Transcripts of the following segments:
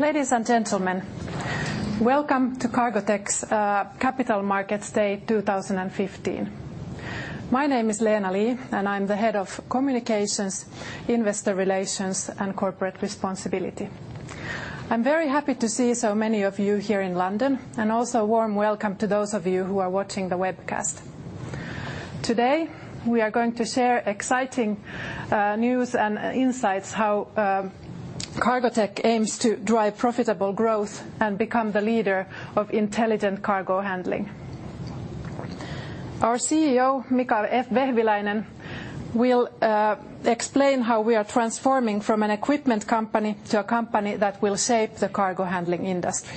Ladies and gentlemen, welcome to Cargotec's Capital Markets Day 2015. My name is Leena Lie, and I'm the Head of Communications, Investor Relations and Corporate Responsibility. I'm very happy to see so many of you here in London, and also warm welcome to those of you who are watching the webcast. Today, we are going to share exciting news and insights how Cargotec aims to drive profitable growth and become the leader of intelligent cargo handling. Our CEO, Mika Vehviläinen, will explain how we are transforming from an equipment company to a company that will shape the cargo handling industry.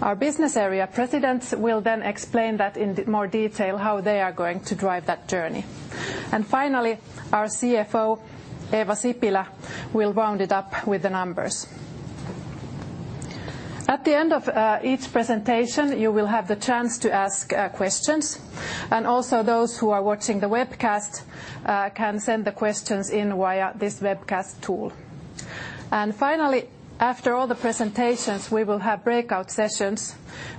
Our business area presidents will then explain that in more detail how they are going to drive that journey. Finally, our CFO, Eeva Sipilä, will round it up with the numbers. At the end of each presentation, you will have the chance to ask questions, and also those who are watching the webcast can send the questions in via this webcast tool. Finally, after all the presentations, we will have breakout sessions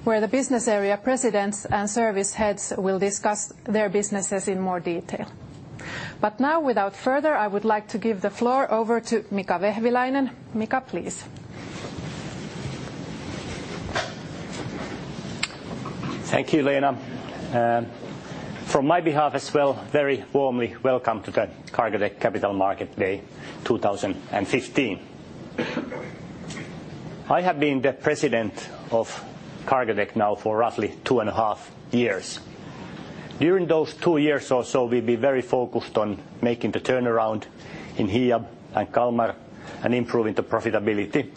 where the business area presidents and service heads will discuss their businesses in more detail. Now without further, I would like to give the floor over to Mika Vehviläinen. Mika, please. Thank you, Leena. From my behalf as well, very warmly welcome to the Cargotec Capital Market Day 2015. I have been the president of Cargotec now for roughly two and a half years. During those two years or so, we've been very focused on making the turnaround in HIAB and KALMAR and improving the profitability,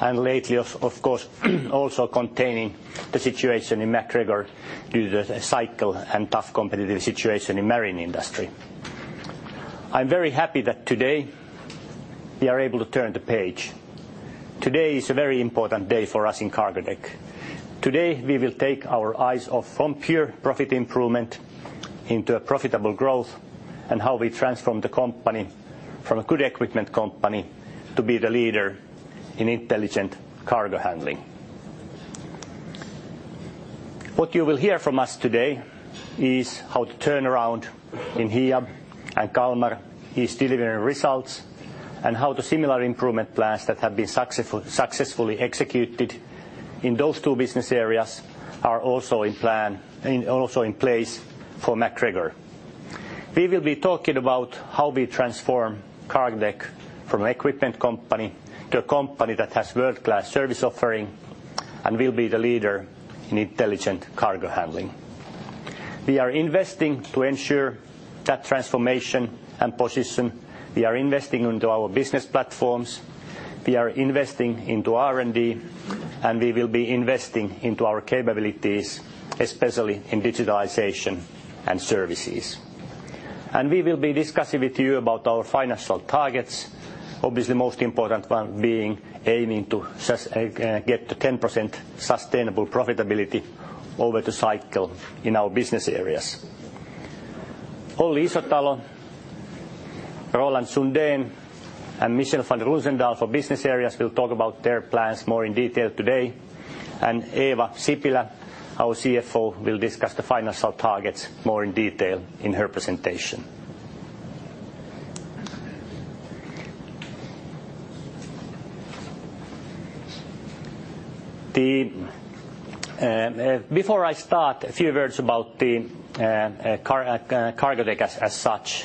lately of course, also containing the situation in MacGregor due to the cycle and tough competitive situation in marine industry. I'm very happy that today we are able to turn the page. Today is a very important day for us in Cargotec. Today, we will take our eyes off from pure profit improvement into a profitable growth and how we transform the company from a good equipment company to be the leader in intelligent cargo handling. What you will hear from us today is how the turnaround in HIAB and KALMAR is delivering results and how the similar improvement plans that have been successfully executed in those two business areas are also in plan and also in place for MacGregor. We will be talking about how we transform Cargotec from an equipment company to a company that has world-class service offering and will be the leader in intelligent cargo handling. We are investing to ensure that transformation and position. We are investing into our business platforms. We are investing into R&D, and we will be investing into our capabilities, especially in digitalization and services. We will be discussing with you about our financial targets. Obviously, most important one being aiming to get to 10% sustainable profitability over the cycle in our business areas. Olli Isotalo, Roland Sundén, and Michaël van der Meijden for business areas will talk about their plans more in detail today. Eeva Sipilä, our CFO, will discuss the financial targets more in detail in her presentation. Before I start, a few words about the Cargotec as such.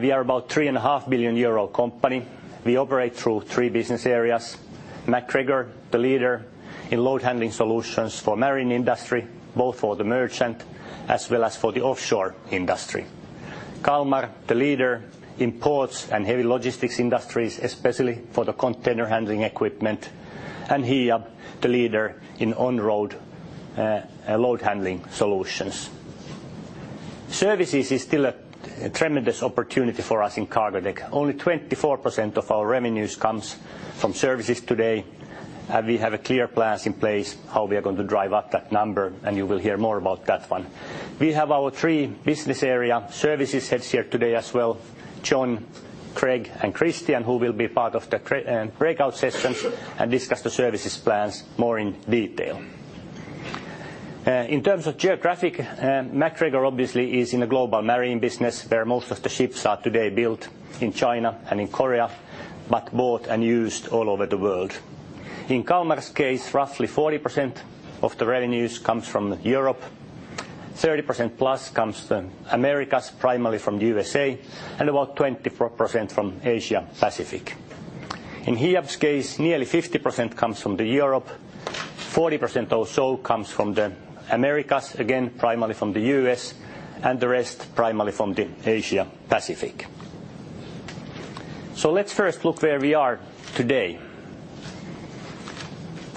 We are about 3.5 billion euro company. We operate through three business areas. MacGregor, the leader in load-handling solutions for marine industry, both for the merchant as well as for the offshore industry. KALMAR, the leader in ports and heavy logistics industries, especially for the container handling equipment. HIAB, the leader in on-road load-handling solutions. Services is still a tremendous opportunity for us in Cargotec. Only 24% of our revenues comes from services today. We have clear plans in place how we are going to drive up that number, and you will hear more about that one. We have our three business area services heads here today as well, John, Craig, and Kristian, who will be part of the breakout sessions and discuss the services plans more in detail. In terms of geographic, MacGregor obviously is in a global marine business where most of the ships are today built in China and in Korea, but bought and used all over the world. In KALMAR's case, roughly 40% of the revenues comes from Europe, 30% plus comes from Americas, primarily from the USA, and about 24% from Asia Pacific. In HIAB's case, nearly 50% comes from the Europe, 40% or so comes from the Americas, again, primarily from the U.S., and the rest primarily from the Asia Pacific. Let's first look where we are today.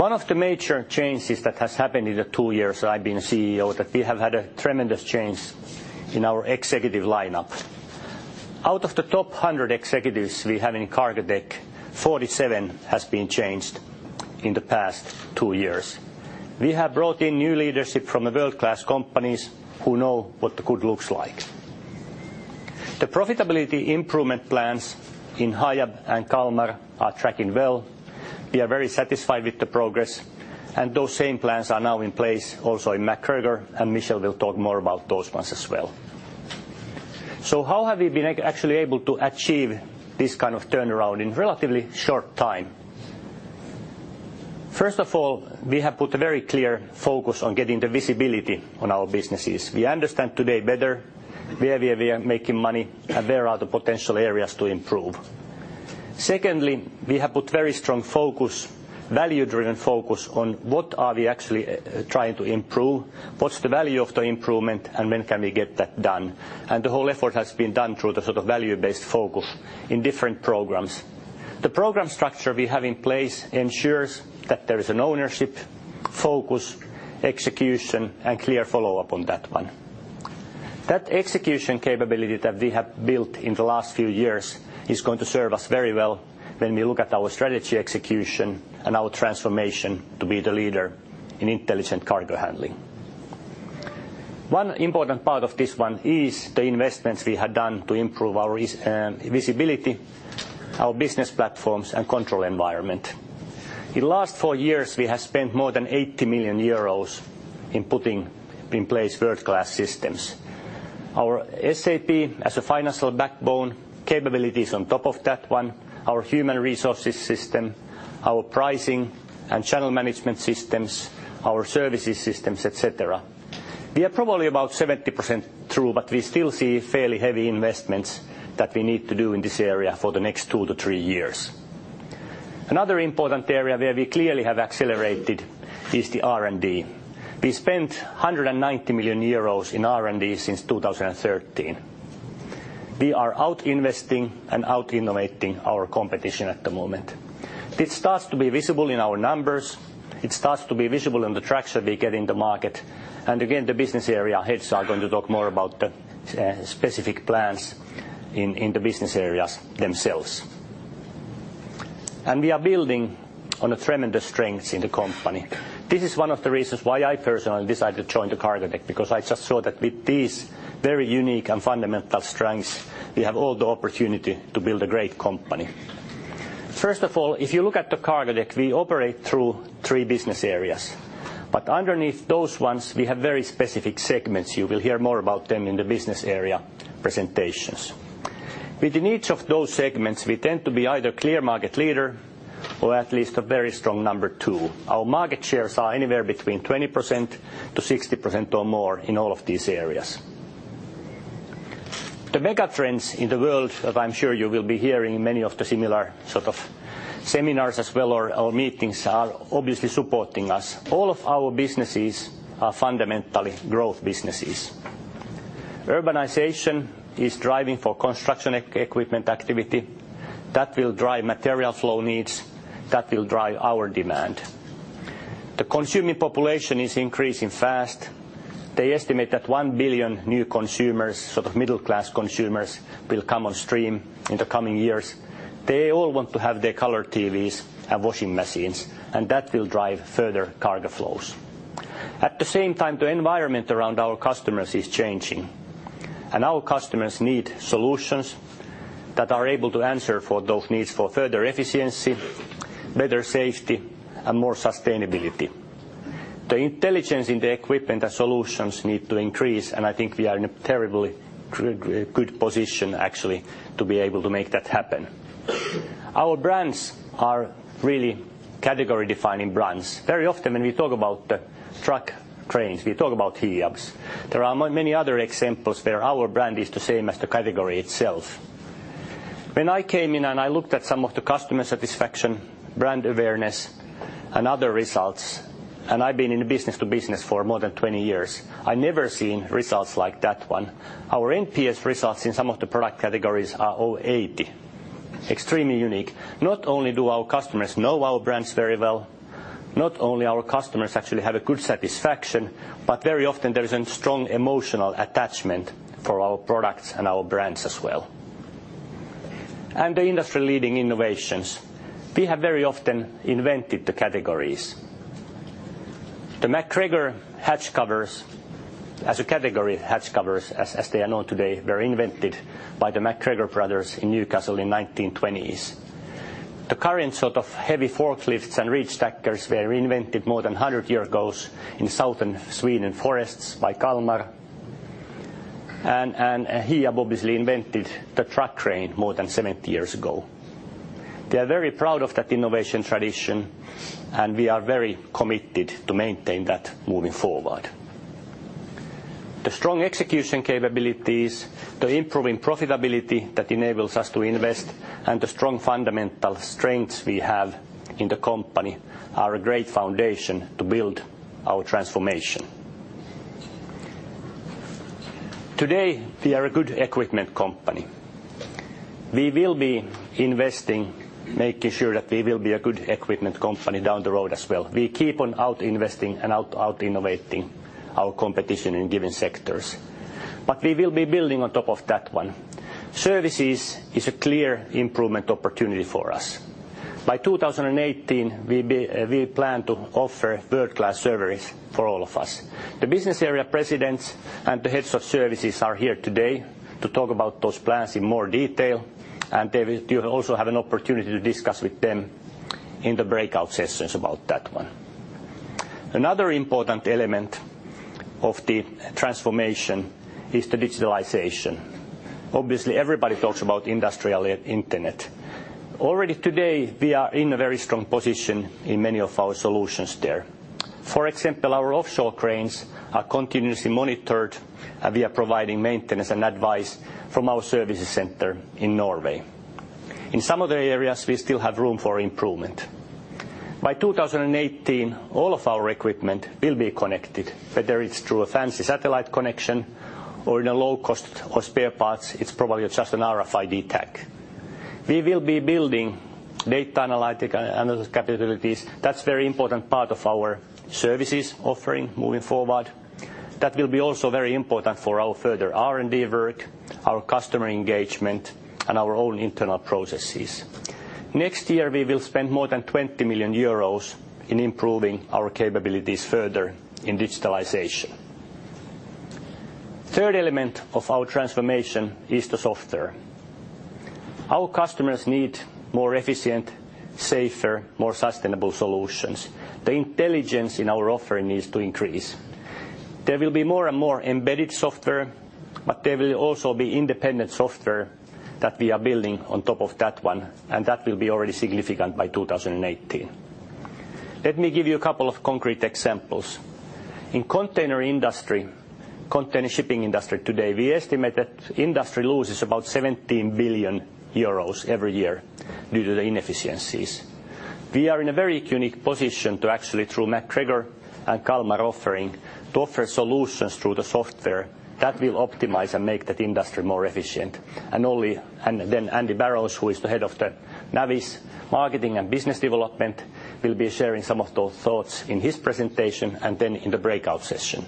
One of the major changes that has happened in the two years that I've been CEO, that we have had a tremendous change in our executive lineup. Out of the top 100 executives we have in Cargotec, 47 has been changed in the past two years. We have brought in new leadership from the world-class companies who know what the good looks like. The profitability improvement plans in HIAB and KALMAR are tracking well. We are very satisfied with the progress, and those same plans are now in place also in MacGregor, and Michel will talk more about those ones as well. How have we been actually able to achieve this kind of turnaround in relatively short time? First of all, we have put a very clear focus on getting the visibility on our businesses. We understand today better where we are making money and where are the potential areas to improve. Secondly, we have put very strong focus, value-driven focus on what are we actually trying to improve, what's the value of the improvement, and when can we get that done. The whole effort has been done through the sort of value-based focus in different programs. The program structure we have in place ensures that there is an ownership focus, execution, and clear follow-up on that one. That execution capability that we have built in the last few years is going to serve us very well when we look at our strategy execution and our transformation to be the leader in intelligent cargo handling. One important part of this one is the investments we have done to improve our visibility, our business platforms, and control environment. In the last four years, we have spent more than 80 million euros in putting in place world-class systems. Our SAP as a financial backbone capabilities on top of that one, our human resources system, our pricing and channel management systems, our services systems, et cetera. We are probably about 70% through, we still see fairly heavy investments that we need to do in this area for the next 2-3 years. Another important area where we clearly have accelerated is the R&D. We spent 190 million euros in R&D since 2013. We are out-investing and out-innovating our competition at the moment. This starts to be visible in our numbers, it starts to be visible in the traction we get in the market. Again, the business area heads are going to talk more about the specific plans in the business areas themselves. We are building on a tremendous strengths in the company. This is one of the reasons why I personally decided to join the Cargotec, because I just saw that with these very unique and fundamental strengths, we have all the opportunity to build a great company. First of all, if you look at the Cargotec, we operate through three business areas. Underneath those ones, we have very specific segments. You will hear more about them in the business area presentations. Within each of those segments, we tend to be either clear market leader or at least a very strong number two. Our market shares are anywhere between 20% to 60% or more in all of these areas. The mega trends in the world, as I'm sure you will be hearing many of the similar sort of seminars as well or meetings are obviously supporting us. All of our businesses are fundamentally growth businesses. Urbanization is driving for construction equipment activity. That will drive material flow needs, that will drive our demand. The consumer population is increasing fast. They estimate that 1 billion new consumers, sort of middle-class consumers, will come on stream in the coming years. They all want to have their color TVs and washing machines, and that will drive further cargo flows. At the same time, the environment around our customers is changing. Our customers need solutions that are able to answer for those needs for further efficiency, better safety, and more sustainability. The intelligence in the equipment and solutions need to increase. I think we are in a terribly good position actually to be able to make that happen. Our brands are really category-defining brands. Very often when we talk about the truck trains, we talk about HIABs. There are many other examples where our brand is the same as the category itself. When I came in and I looked at some of the customer satisfaction, brand awareness, and other results, and I've been in business to business for more than 20 years, I never seen results like that one. Our NPS results in some of the product categories are over 80. Extremely unique. Not only do our customers know our brands very well, not only our customers actually have a good satisfaction, but very often there is a strong emotional attachment for our products and our brands as well. The industry-leading innovations, we have very often invented the categories. The MacGregor hatch covers as a category, hatch covers as they are known today, were invented by the MacGregor brothers in Newcastle in the 1920s. The current sort of heavy forklifts and reach stackers were invented more than 100 years ago in southern Sweden forests by KALMAR. HIAB obviously invented the truck crane more than 70 years ago. We are very proud of that innovation tradition, and we are very committed to maintain that moving forward. The strong execution capabilities, the improving profitability that enables us to invest, and the strong fundamental strengths we have in the company are a great foundation to build our transformation. Today, we are a good equipment company. We will be investing, making sure that we will be a good equipment company down the road as well. We keep on out-investing and out-innovating our competition in given sectors. We will be building on top of that one. Services is a clear improvement opportunity for us. By 2018, we plan to offer world-class service for all of us. The business area presidents and the heads of services are here today to talk about those plans in more detail, you will also have an opportunity to discuss with them in the breakout sessions about that one. Another important element of the transformation is the digitalization. Everybody talks about Industrial Internet. Already today, we are in a very strong position in many of our solutions there. For example, our offshore cranes are continuously monitored and we are providing maintenance and advice from our services center in Norway. In some other areas, we still have room for improvement. By 2018, all of our equipment will be connected, whether it's through a fancy satellite connection or in a low cost or spare parts, it's probably just an RFID tag. We will be building data analytic analysis capabilities. That's very important part of our services offering moving forward. That will be also very important for our further R&D work, our customer engagement, and our own internal processes. Next year we will spend more than 20 million euros in improving our capabilities further in digitalization. Third element of our transformation is the software. Our customers need more efficient, safer, more sustainable solutions. The intelligence in our offering needs to increase. There will be more and more embedded software, but there will also be independent software that we are building on top of that one, and that will be already significant by 2018. Let me give you a couple of concrete examples. In container industry, container shipping industry today, we estimate that industry loses about 17 billion euros every year due to the inefficiencies. We are in a very unique position to actually through MacGregor and KALMAR offering to offer solutions through the software that will optimize and make that industry more efficient. Olli, and then Andy Dvorocsik, who is the head of the Navis marketing and business development, will be sharing some of those thoughts in his presentation and then in the breakout session.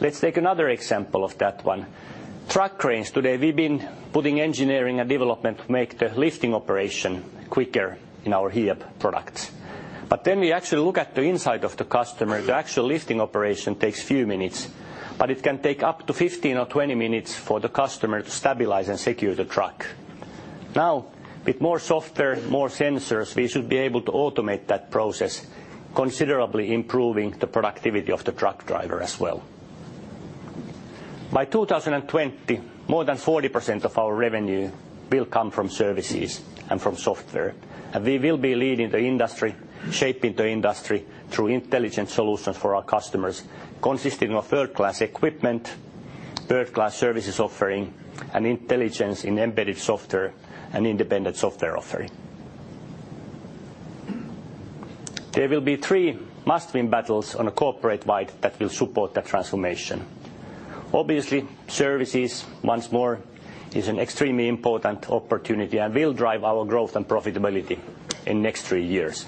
Let's take another example of that one. Truck cranes today, we've been putting engineering and development to make the lifting operation quicker in our HIAB products. We actually look at the inside of the customer, the actual lifting operation takes few minutes, but it can take up to 15 or 20 minutes for the customer to stabilize and secure the truck. With more software, more sensors, we should be able to automate that process, considerably improving the productivity of the truck driver as well. By 2020, more than 40% of our revenue will come from services and from software. We will be leading the industry, shaping the industry through intelligent solutions for our customers, consisting of world-class equipment, world-class services offering, and intelligence in embedded software and independent software offering. There will be three must-win battles on a corporate-wide that will support that transformation. Obviously, services once more is an extremely important opportunity and will drive our growth and profitability in next three years.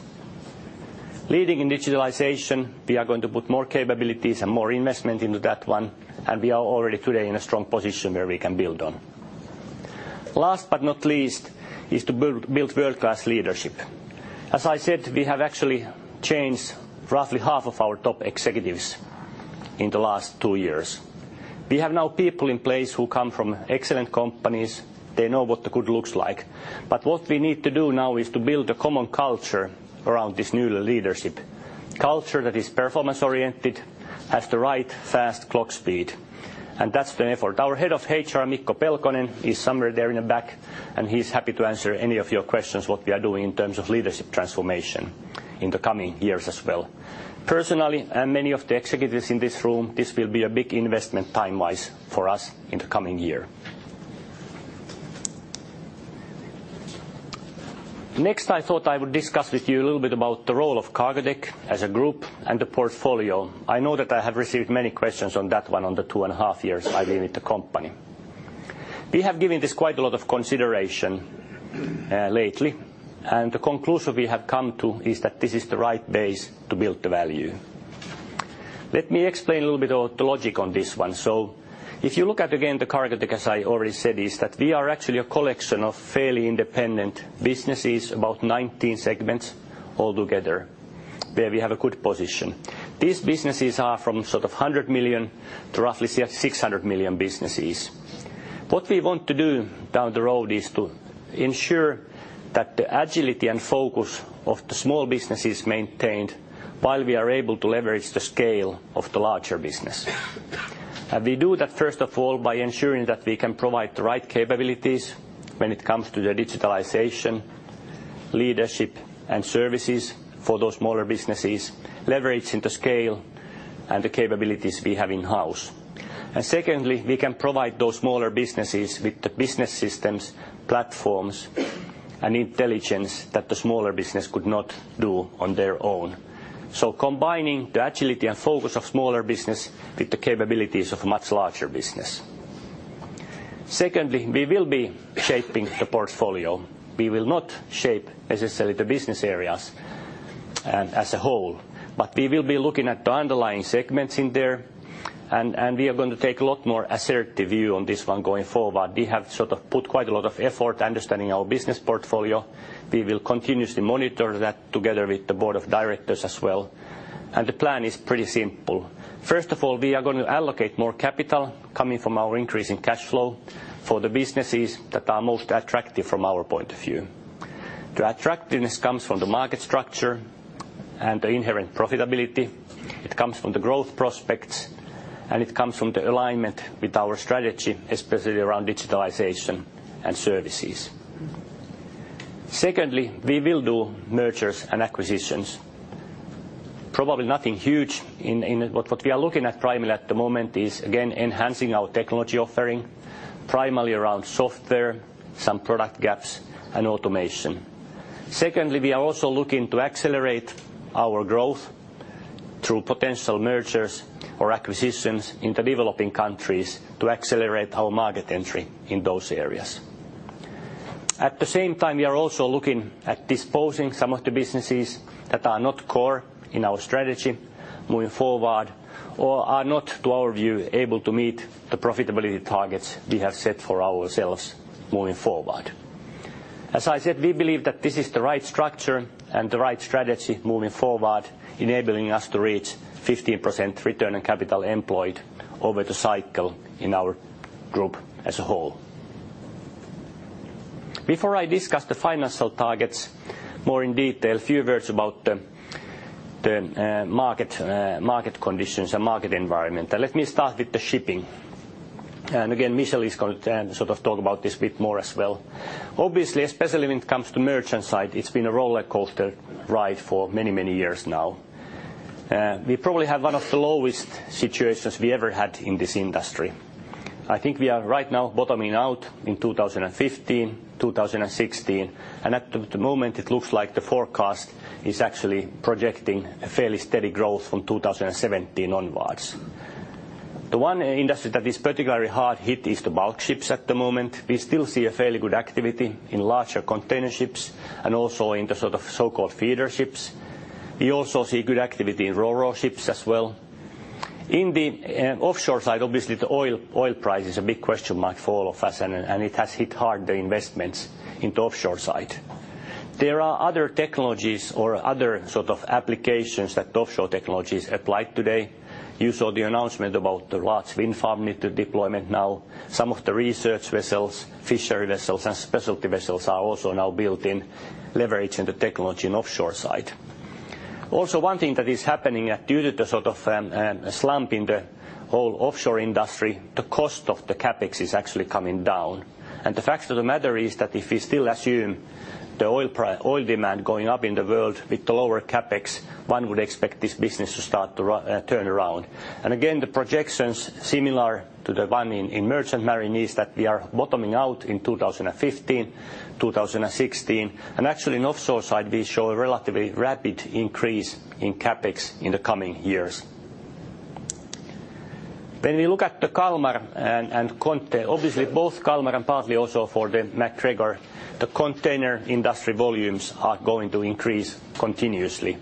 Leading in digitalization, we are going to put more capabilities and more investment into that one. We are already today in a strong position where we can build on. Last but not least, is to build world-class leadership. As I said, we have actually changed roughly half of our top executives in the last two years. We have now people in place who come from excellent companies. They know what the good looks like. What we need to do now is to build a common culture around this new leadership. Culture that is performance-oriented, has the right fast clock speed. That's the effort. Our head of HR, Mikko Pelkonen, is somewhere there in the back, he's happy to answer any of your questions what we are doing in terms of leadership transformation in the coming years as well. Personally, many of the executives in this room, this will be a big investment time-wise for us in the coming year. Next, I thought I would discuss with you a little bit about the role of Cargotec as a group and the portfolio. I know that I have received many questions on that one on the two and a half years I've been with the company. We have given this quite a lot of consideration, lately, the conclusion we have come to is that this is the right base to build the value. Let me explain a little bit of the logic on this one. If you look at again, the Cargotec, as I already said, is that we are actually a collection of fairly independent businesses, about 19 segments altogether, where we have a good position. These businesses are from sort of 100 million to roughly 600 million businesses. What we want to do down the road is to ensure that the agility and focus of the small business is maintained while we are able to leverage the scale of the larger business. We do that first of all by ensuring that we can provide the right capabilities when it comes to the digitalization, leadership, and services for those smaller businesses, leveraging the scale and the capabilities we have in-house. Secondly, we can provide those smaller businesses with the business systems, platforms, and intelligence that the smaller business could not do on their own. Combining the agility and focus of smaller business with the capabilities of much larger business. Secondly, we will be shaping the portfolio. We will not shape necessarily the business areas as a whole. We will be looking at the underlying segments in there, and we are going to take a lot more assertive view on this one going forward. We have sort of put quite a lot of effort to understanding our business portfolio. We will continuously monitor that together with the board of directors as well. The plan is pretty simple. First of all, we are going to allocate more capital coming from our increase in cash flow for the businesses that are most attractive from our point of view. The attractiveness comes from the market structure and the inherent profitability. It comes from the growth prospects, and it comes from the alignment with our strategy, especially around digitalization and services. Secondly, we will do mergers and acquisitions. Probably nothing huge in what we are looking at primarily at the moment is, again, enhancing our technology offering, primarily around software, some product gaps and automation. Secondly, we are also looking to accelerate our growth through potential mergers or acquisitions in the developing countries to accelerate our market entry in those areas. At the same time, we are also looking at disposing some of the businesses that are not core in our strategy moving forward or are not, to our view, able to meet the profitability targets we have set for ourselves moving forward. As I said, we believe that this is the right structure and the right strategy moving forward, enabling us to reach 15% return on capital employed over the cycle in our group as a whole. Before I discuss the financial targets more in detail, a few words about the market conditions and market environment, and let me start with the shipping. Again, Michel is going to sort of talk about this a bit more as well. Obviously, especially when it comes to merchant side, it's been a rollercoaster ride for many years now. We probably have one of the lowest situations we ever had in this industry. I think we are right now bottoming out in 2015, 2016. At the moment it looks like the forecast is actually projecting a fairly steady growth from 2017 onwards. The one industry that is particularly hard hit is the bulk ships at the moment. We still see a fairly good activity in larger container ships and also in the sort of so-called feeder ships. We also see good activity in ro-ro ships as well. In the offshore side, obviously the oil price is a big question mark for all of us and it has hit hard the investments in the offshore side. There are other technologies or other sort of applications that the offshore technologies apply today. You saw the announcement about the large wind farm need to deployment now. Some of the research vessels, fishery vessels and specialty vessels are also now built in leveraging the technology in offshore side. Also, one thing that is happening, due to the sort of, slump in the whole offshore industry, the cost of the CapEx is actually coming down. The fact of the matter is that if we still assume the oil demand going up in the world with the lower CapEx, one would expect this business to start to turn around. Again, the projections similar to the one in merchant marine is that we are bottoming out in 2015, 2016. Actually in offshore side we show a relatively rapid increase in CapEx in the coming years. We look at the KALMAR and Konti, obviously both KALMAR and partly also for the MacGregor, the container industry volumes are going to increase continuously.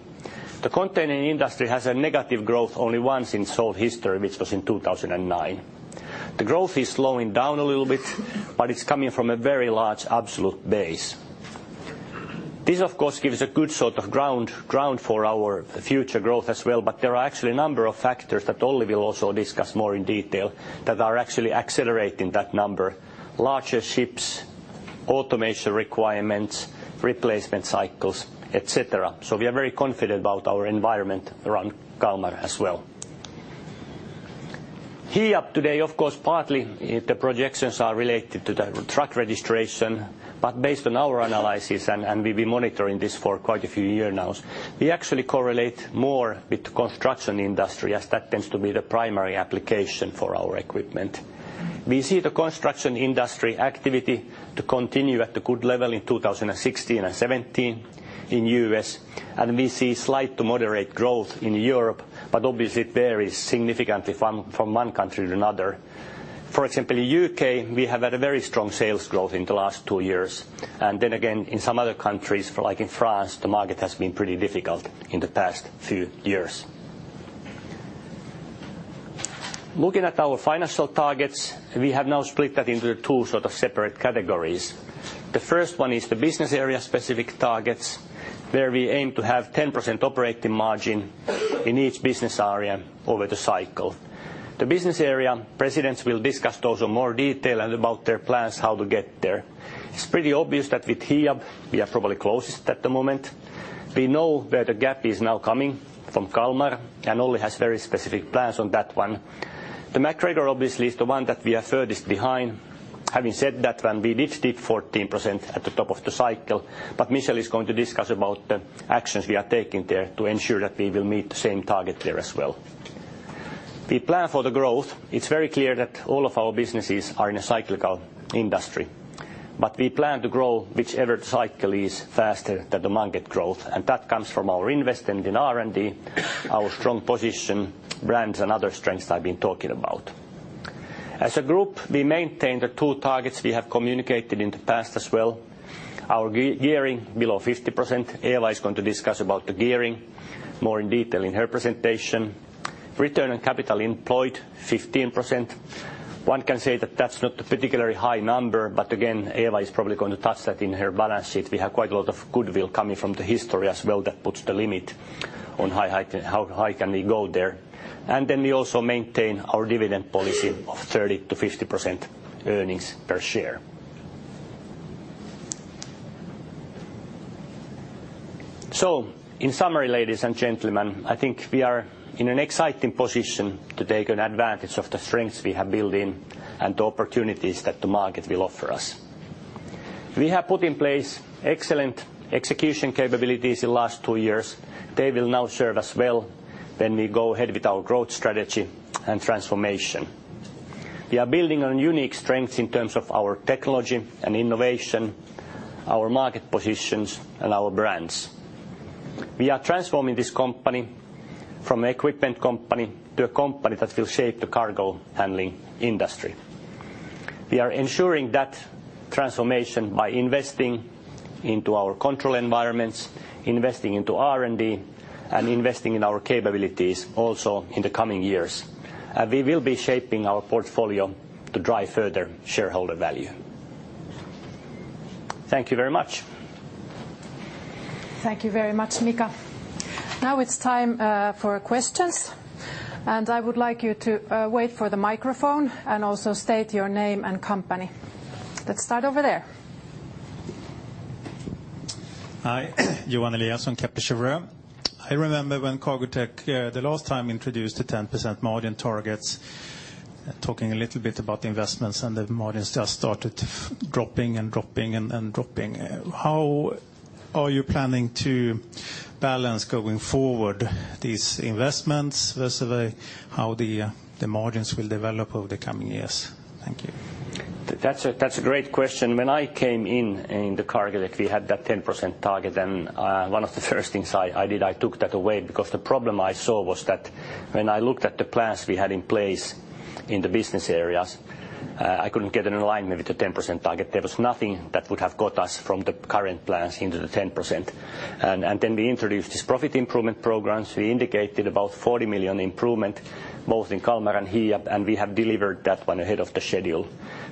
The container industry has a negative growth only once in its whole history, which was in 2009. The growth is slowing down a little bit, it's coming from a very large absolute base. This of course gives a good sort of ground for our future growth as well, there are actually a number of factors that Olli will also discuss more in detail that are actually accelerating that number. Larger ships, automation requirements, replacement cycles, et cetera. We are very confident about our environment around KALMAR as well. HIAB today of course partly, the projections are related to the truck registration. Based on our analysis, and we've been monitoring this for quite a few year now, we actually correlate more with the construction industry as that tends to be the primary application for our equipment. We see the construction industry activity to continue at a good level in 2016 and 2017 in U.S., obviously it varies significantly from one country to another. For example, in U.K., we have had a very strong sales growth in the last two years. In some other countries, for like in France, the market has been pretty difficult in the past few years. Looking at our financial targets, we have now split that into two sort of separate categories. The first one is the business area-specific targets, where we aim to have 10% operating margin in each business area over the cycle. The business area presidents will discuss those in more detail and about their plans how to get there. It's pretty obvious that with HIAB we are probably closest at the moment. We know where the gap is now coming from KALMAR, and Olli has very specific plans on that one. The MacGregor obviously is the one that we are furthest behind. Having said that one, we did hit 14% at the top of the cycle, but Michel is going to discuss about the actions we are taking there to ensure that we will meet the same target there as well. We plan for the growth. It's very clear that all of our businesses are in a cyclical industry. We plan to grow whichever cycle is faster than the market growth, and that comes from our investment in R&D, our strong position, brands and other strengths I've been talking about. As a group, we maintain the two targets we have communicated in the past as well. Our gearing below 50%, Eva is going to discuss about the gearing more in detail in her presentation. Return on capital employed 15%. One can say that that's not a particularly high number, but again, Eva is probably going to touch that in her balance sheet. We have quite a lot of goodwill coming from the history as well that puts the limit on how high, how high can we go there. Then we also maintain our dividend policy of 30%-50% earnings per share. In summary, ladies and gentlemen, I think we are in an exciting position to take an advantage of the strengths we have built in and the opportunities that the market will offer us. We have put in place excellent execution capabilities in last two years. They will now serve us well when we go ahead with our growth strategy and transformation. We are building on unique strengths in terms of our technology and innovation, our market positions and our brands. We are transforming this company from equipment company to a company that will shape the cargo handling industry. We are ensuring that transformation by investing into our control environments, investing into R&D, and investing in our capabilities also in the coming years. We will be shaping our portfolio to drive further shareholder value. Thank you very much. Thank you very much, Mika. Now it's time for questions. I would like you to wait for the microphone and also state your name and company. Let's start over there. Hi. Johan Eliasson from Kepler Cheuvreux. I remember when Cargotec, the last time introduced the 10% margin targets, talking a little bit about the investments and the margins just started dropping and dropping and dropping. How are you planning to balance going forward these investments versus how the margins will develop over the coming years? Thank you. That's a great question. When I came in the Cargotec, we had that 10% target and one of the first things I did, I took that away because the problem I saw was that when I looked at the plans we had in place in the business areas, I couldn't get an alignment with the 10% target. There was nothing that would have got us from the current plans into the 10%. Then we introduced these profit improvement programs. We indicated about 40 million improvement both in KALMAR and HIAB, and we have delivered that one ahead of the schedule.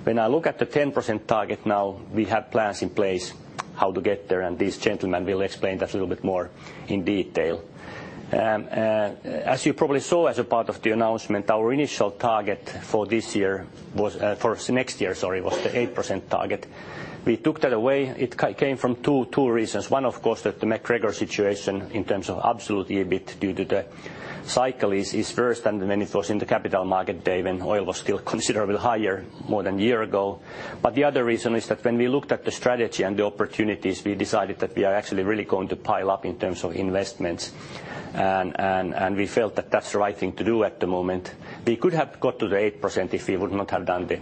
When I look at the 10% target now, we have plans in place how to get there, and these gentlemen will explain that a little bit more in detail. As you probably saw as a part of the announcement, our initial target for this year was for next year, sorry, the 8% target. We took that away. It came from two reasons. One, of course, that the MacGregor situation in terms of absolute EBIT due to the cycle is first, and then it was in the capital market day when oil was still considerably higher more than a year ago. The other reason is that when we looked at the strategy and the opportunities, we decided that we are actually really going to pile up in terms of investments. We felt that that's the right thing to do at the moment. We could have got to the 8% if we would not have done the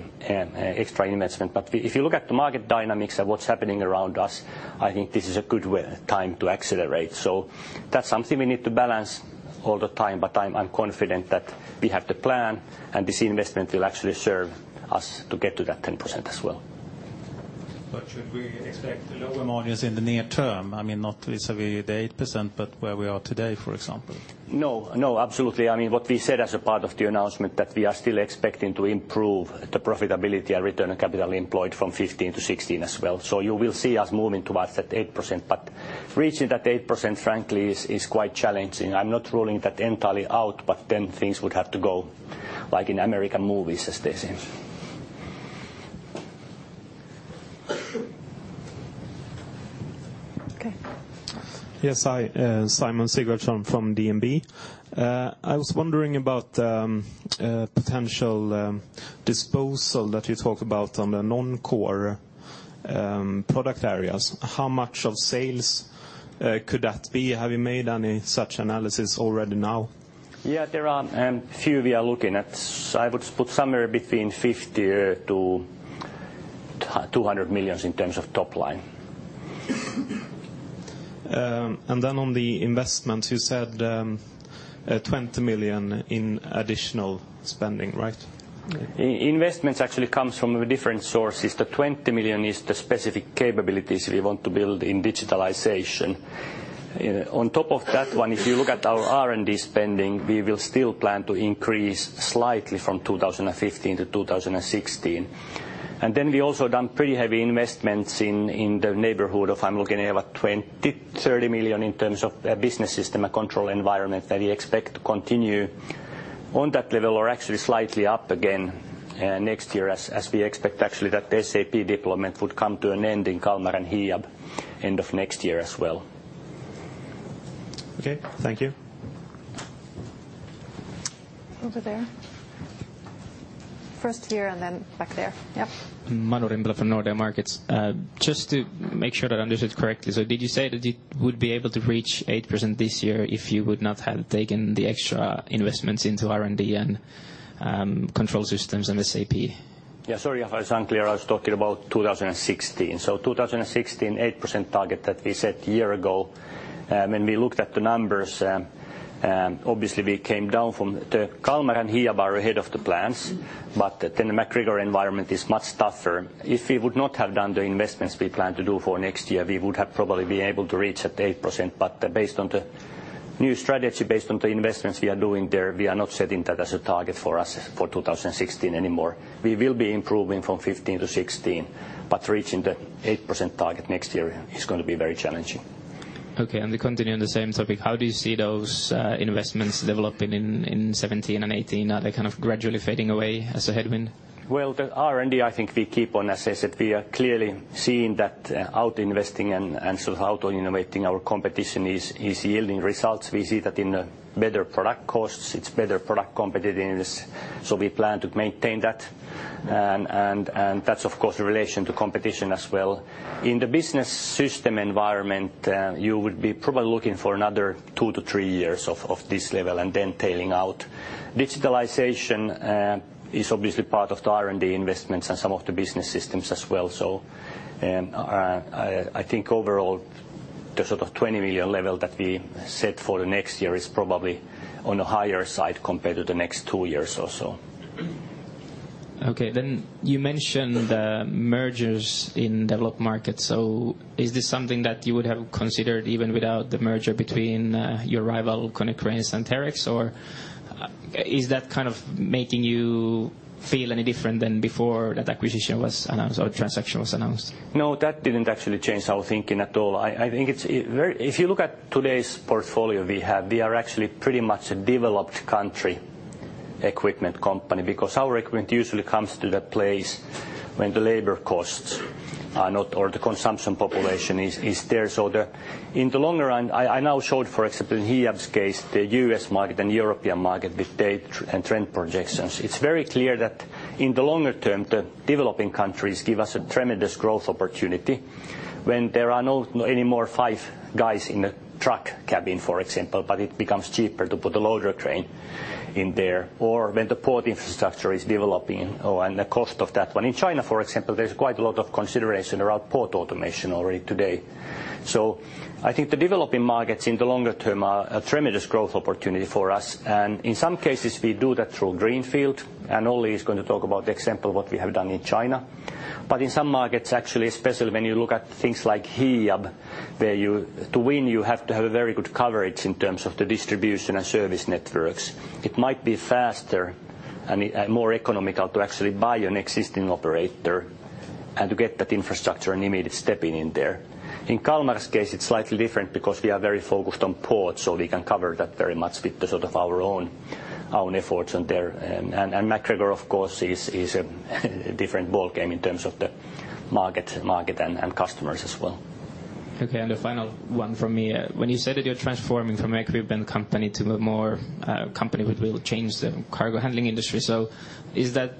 extra investment. If you look at the market dynamics and what's happening around us, I think this is a good time to accelerate. That's something we need to balance all the time. I'm confident that we have the plan and this investment will actually serve us to get to that 10% as well. Should we expect lower margins in the near term? I mean, not vis-a-vis the 8%, but where we are today, for example? No, no, absolutely. I mean, what we said as a part of the announcement that we are still expecting to improve the profitability and return on capital employed from 15 to 16 as well. You will see us moving towards that 8%, but reaching that 8% frankly is quite challenging. I'm not ruling that entirely out, but then things would have to go like in American movies as they say. Okay. Hi, Simon Sigvardsson from DNB. I was wondering about potential disposal that you talked about on the non-core product areas. How much of sales could that be? Have you made any such analysis already now? Yeah, there are few we are looking at. I would put somewhere between 50 million-200 million in terms of top line. On the investments, you said, 20 million in additional spending, right? Investments actually comes from different sources. The 20 million is the specific capabilities we want to build in digitalization. On top of that one, if you look at our R&D spending, we will still plan to increase slightly from 2015 to 2016. Then we also done pretty heavy investments in the neighborhood of, I'm looking here, about 20 million-30 million in terms of business system and control environment that we expect to continue on that level or actually slightly up again next year as we expect actually that SAP deployment would come to an end in KALMAR and HIAB end of next year as well. Okay. Thank you. Over there. First here and then back there. Yep. Manu Rimpelä from Nordea Markets. just to make sure that I understood correctly. Did you say that it would be able to reach 8% this year if you would not have taken the extra investments into R&D and control systems and SAP? Yeah, sorry if I was unclear. I was talking about 2016. 2016, 8% target that we set a year ago, when we looked at the numbers, obviously we came down from the KALMAR and HIAB are ahead of the plans, but then the MacGregor environment is much tougher. If we would not have done the investments we plan to do for next year, we would have probably been able to reach that 8%. Based on the new strategy, based on the investments we are doing there, we are not setting that as a target for us for 2016 anymore. We will be improving from 15 to 16, but reaching the 8% target next year is going to be very challenging. Okay. To continue on the same topic, how do you see those investments developing in 17 and 18? Are they kind of gradually fading away as a headwind? The R&D, I think we keep on as is. We are clearly seeing that outinvesting and so out-innovating our competition is yielding results. We see that in the better product costs. It's better product competitiveness, we plan to maintain that. And that's of course in relation to competition as well. In the business system environment, you would be probably looking for another two to three years of this level and then tailing out. Digitalization is obviously part of the R&D investments and some of the business systems as well. I think overall the sort of 20 million level that we set for the next year is probably on the higher side compared to the next two years or so. You mentioned the mergers in developed markets. Is this something that you would have considered even without the merger between your rival Konecranes and Terex? Is that kind of making you feel any different than before that acquisition was announced or transaction was announced? That didn't actually change our thinking at all. I think it's if you look at today's portfolio we have, we are actually pretty much a developed country equipment company because our equipment usually comes to that place when the labor costs are or the consumption population is there. In the longer run, I now showed, for example, in HIAB's case, the U.S. market and European market with date and trend projections. It's very clear that in the longer term, the developing countries give us a tremendous growth opportunity when there are any more five guys in the truck cabin, for example, but it becomes cheaper to put a loader crane in there or when the port infrastructure is developing and the cost of that one. In China, for example, there's quite a lot of consideration around port automation already today. I think the developing markets in the longer term are a tremendous growth opportunity for us. In some cases, we do that through greenfield, and Olli is going to talk about the example what we have done in China. In some markets, actually, especially when you look at things like HIAB, where you to win, you have to have a very good coverage in terms of the distribution and service networks. It might be faster and more economical to actually buy an existing operator and to get that infrastructure and immediate stepping in there. In KALMAR's case, it's slightly different because we are very focused on ports, so we can cover that very much with the sort of our own efforts on there. MacGregor of course is a different ballgame in terms of the market and customers as well. Okay. The final one from me. When you said that you're transforming from an equipment company to a more company which will change the cargo handling industry, is that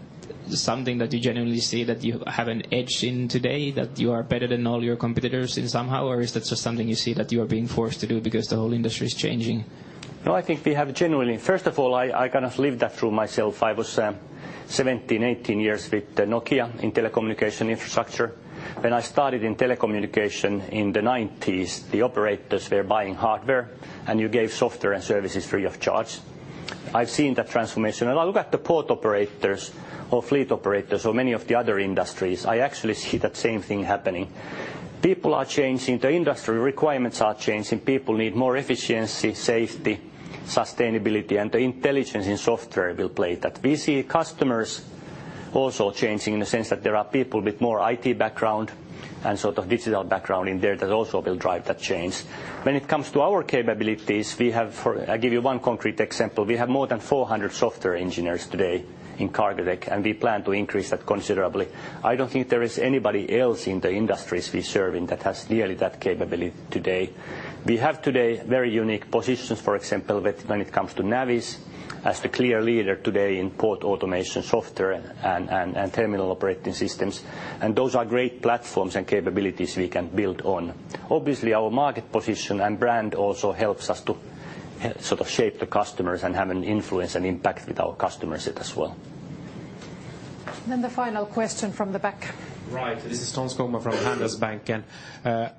something that you genuinely see that you have an edge in today, that you are better than all your competitors in somehow? Is that just something you see that you are being forced to do because the whole industry is changing? No, I think we have genuinely. First of all, I kind of lived that through myself. I was 17, 18 years with Nokia in telecommunication infrastructure. When I started in telecommunication in the 90s, the operators were buying hardware, and you gave software and services free of charge. I've seen that transformation. I look at the port operators or fleet operators or many of the other industries. I actually see that same thing happening. People are changing. The industry requirements are changing. People need more efficiency, safety, sustainability, the intelligence in software will play that. We see customers also changing in the sense that there are people with more IT background and sort of digital background in there that also will drive that change. When it comes to our capabilities, we have. I'll give you one concrete example. We have more than 400 software engineers today in Cargotec, and we plan to increase that considerably. I don't think there is anybody else in the industries we serve in that has nearly that capability today. We have today very unique positions, for example, with when it comes to Navis, as the clear leader today in port automation software and terminal operating systems. Those are great platforms and capabilities we can build on. Obviously, our market position and brand also helps us to sort of shape the customers and have an influence and impact with our customers as well. The final question from the back. Right. This is Tom Stønvold from Handelsbanken.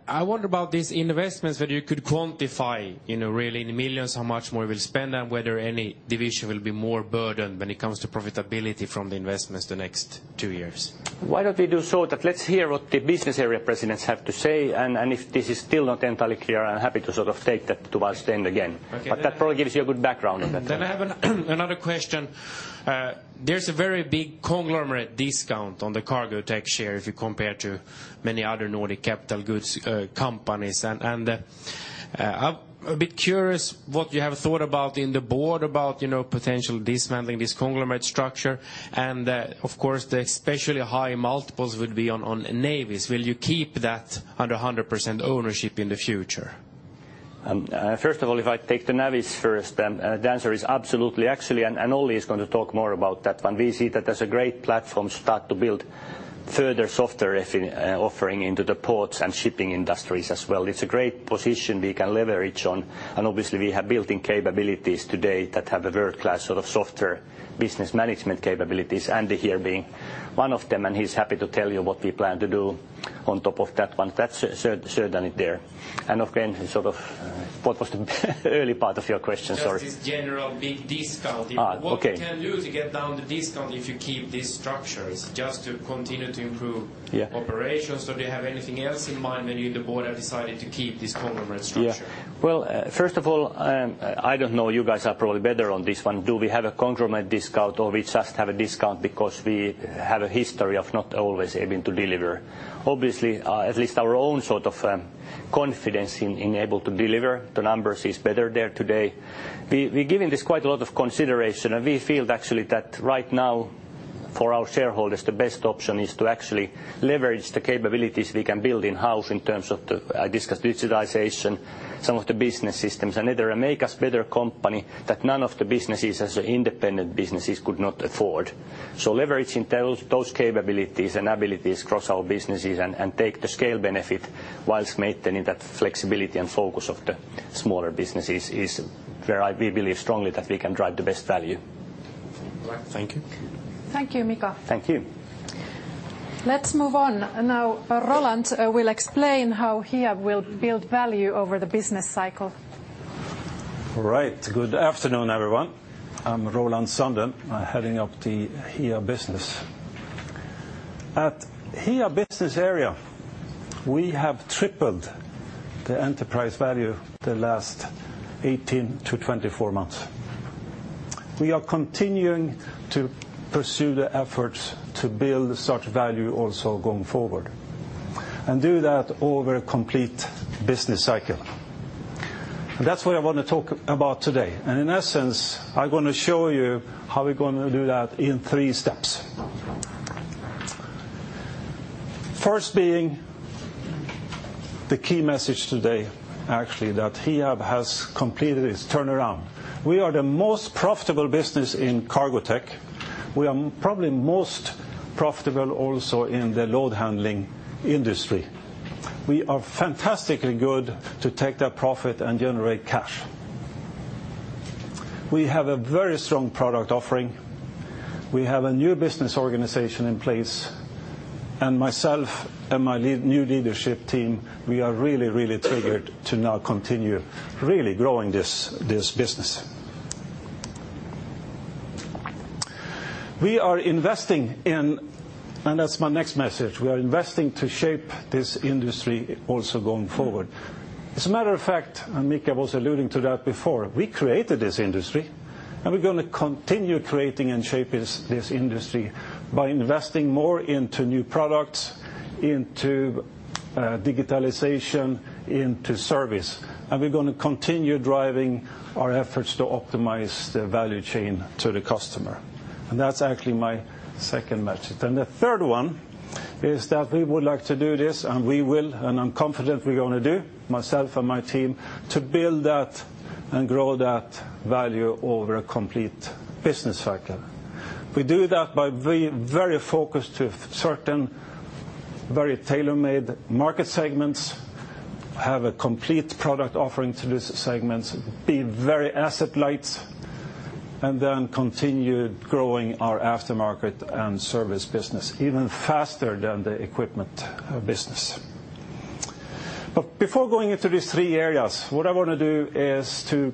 I wonder about these investments, whether you could quantify, you know, really in millions how much more we'll spend and whether any division will be more burdened when it comes to profitability from the investments the next two years? Why don't we do so that let's hear what the business area presidents have to say, and if this is still not entirely clear, I'm happy to sort of take that towards the end again. Okay. That probably gives you a good background on that. I have another question. There's a very big conglomerate discount on the Cargotec share if you compare to many other Nordic capital goods companies. I'm a bit curious what you have thought about in the board about, you know, potential dismantling this conglomerate structure. Of course, the especially high multiples would be on Navis. Will you keep that under 100% ownership in the future? First of all, if I take the Navis first, then the answer is absolutely. Actually, Olli is going to talk more about that. We see that as a great platform start to build further software offering into the ports and shipping industries as well. It's a great position we can leverage on, obviously we have built-in capabilities today that have a world-class sort of software business management capabilities, Andy here being one of them, and he's happy to tell you what we plan to do on top of that one. That's sure done it there. Again, what was the early part of your question? Sorry. Just this general big discount. Okay. What can you do to get down the discount if you keep these structures, just to continue to improve? Yeah. operations or do you have anything else in mind when you, the board, have decided to keep this conglomerate structure? First of all, I don't know, you guys are probably better on this one. Do we have a conglomerate discount or we just have a discount because we have a history of not always being able to deliver? Obviously, at least our own sort of confidence in able to deliver the numbers is better there today. We've given this quite a lot of consideration and we feel actually that right now for our shareholders the best option is to actually leverage the capabilities we can build in-house in terms of the, I discussed digitization, some of the business systems and it'll make us better company that none of the businesses as independent businesses could not afford. Leveraging those capabilities and abilities across our businesses and take the scale benefit while maintaining that flexibility and focus of the smaller businesses is where we believe strongly that we can drive the best value. All right. Thank you. Thank you, Mika. Thank you. Let's move on. Roland will explain how HIAB will build value over the business cycle. All right. Good afternoon, everyone. I'm Roland Sundén. I'm heading up the HIAB business. At HIAB business area, we have tripled the enterprise value the last 18-24 months. We are continuing to pursue the efforts to build such value also going forward, and do that over a complete business cycle. That's what I want to talk about today. In essence, I'm going to show you how we're going to do that in three steps. First being the key message today actually that HIAB has completed its turnaround. We are the most profitable business in Cargotec. We are probably most profitable also in the load handling industry. We are fantastically good to take that profit and generate cash. We have a very strong product offering. We have a new business organization in place. Myself and my new leadership team, we are really triggered to now continue growing this business. That's my next message. We are investing to shape this industry also going forward. As a matter of fact, and Mika was alluding to that before, we created this industry and we're gonna continue creating and shaping this industry by investing more into new products, into digitalization, into service. We're gonna continue driving our efforts to optimize the value chain to the customer. That's actually my second message. The third one is that we would like to do this, and we will, and I'm confident we're gonna do, myself and my team, to build that and grow that value over a complete business cycle. We do that by being very focused to certain very tailor-made market segments, have a complete product offering to these segments, be very asset-light, and then continue growing our aftermarket and service business even faster than the equipment business. Before going into these three areas, what I want to do is to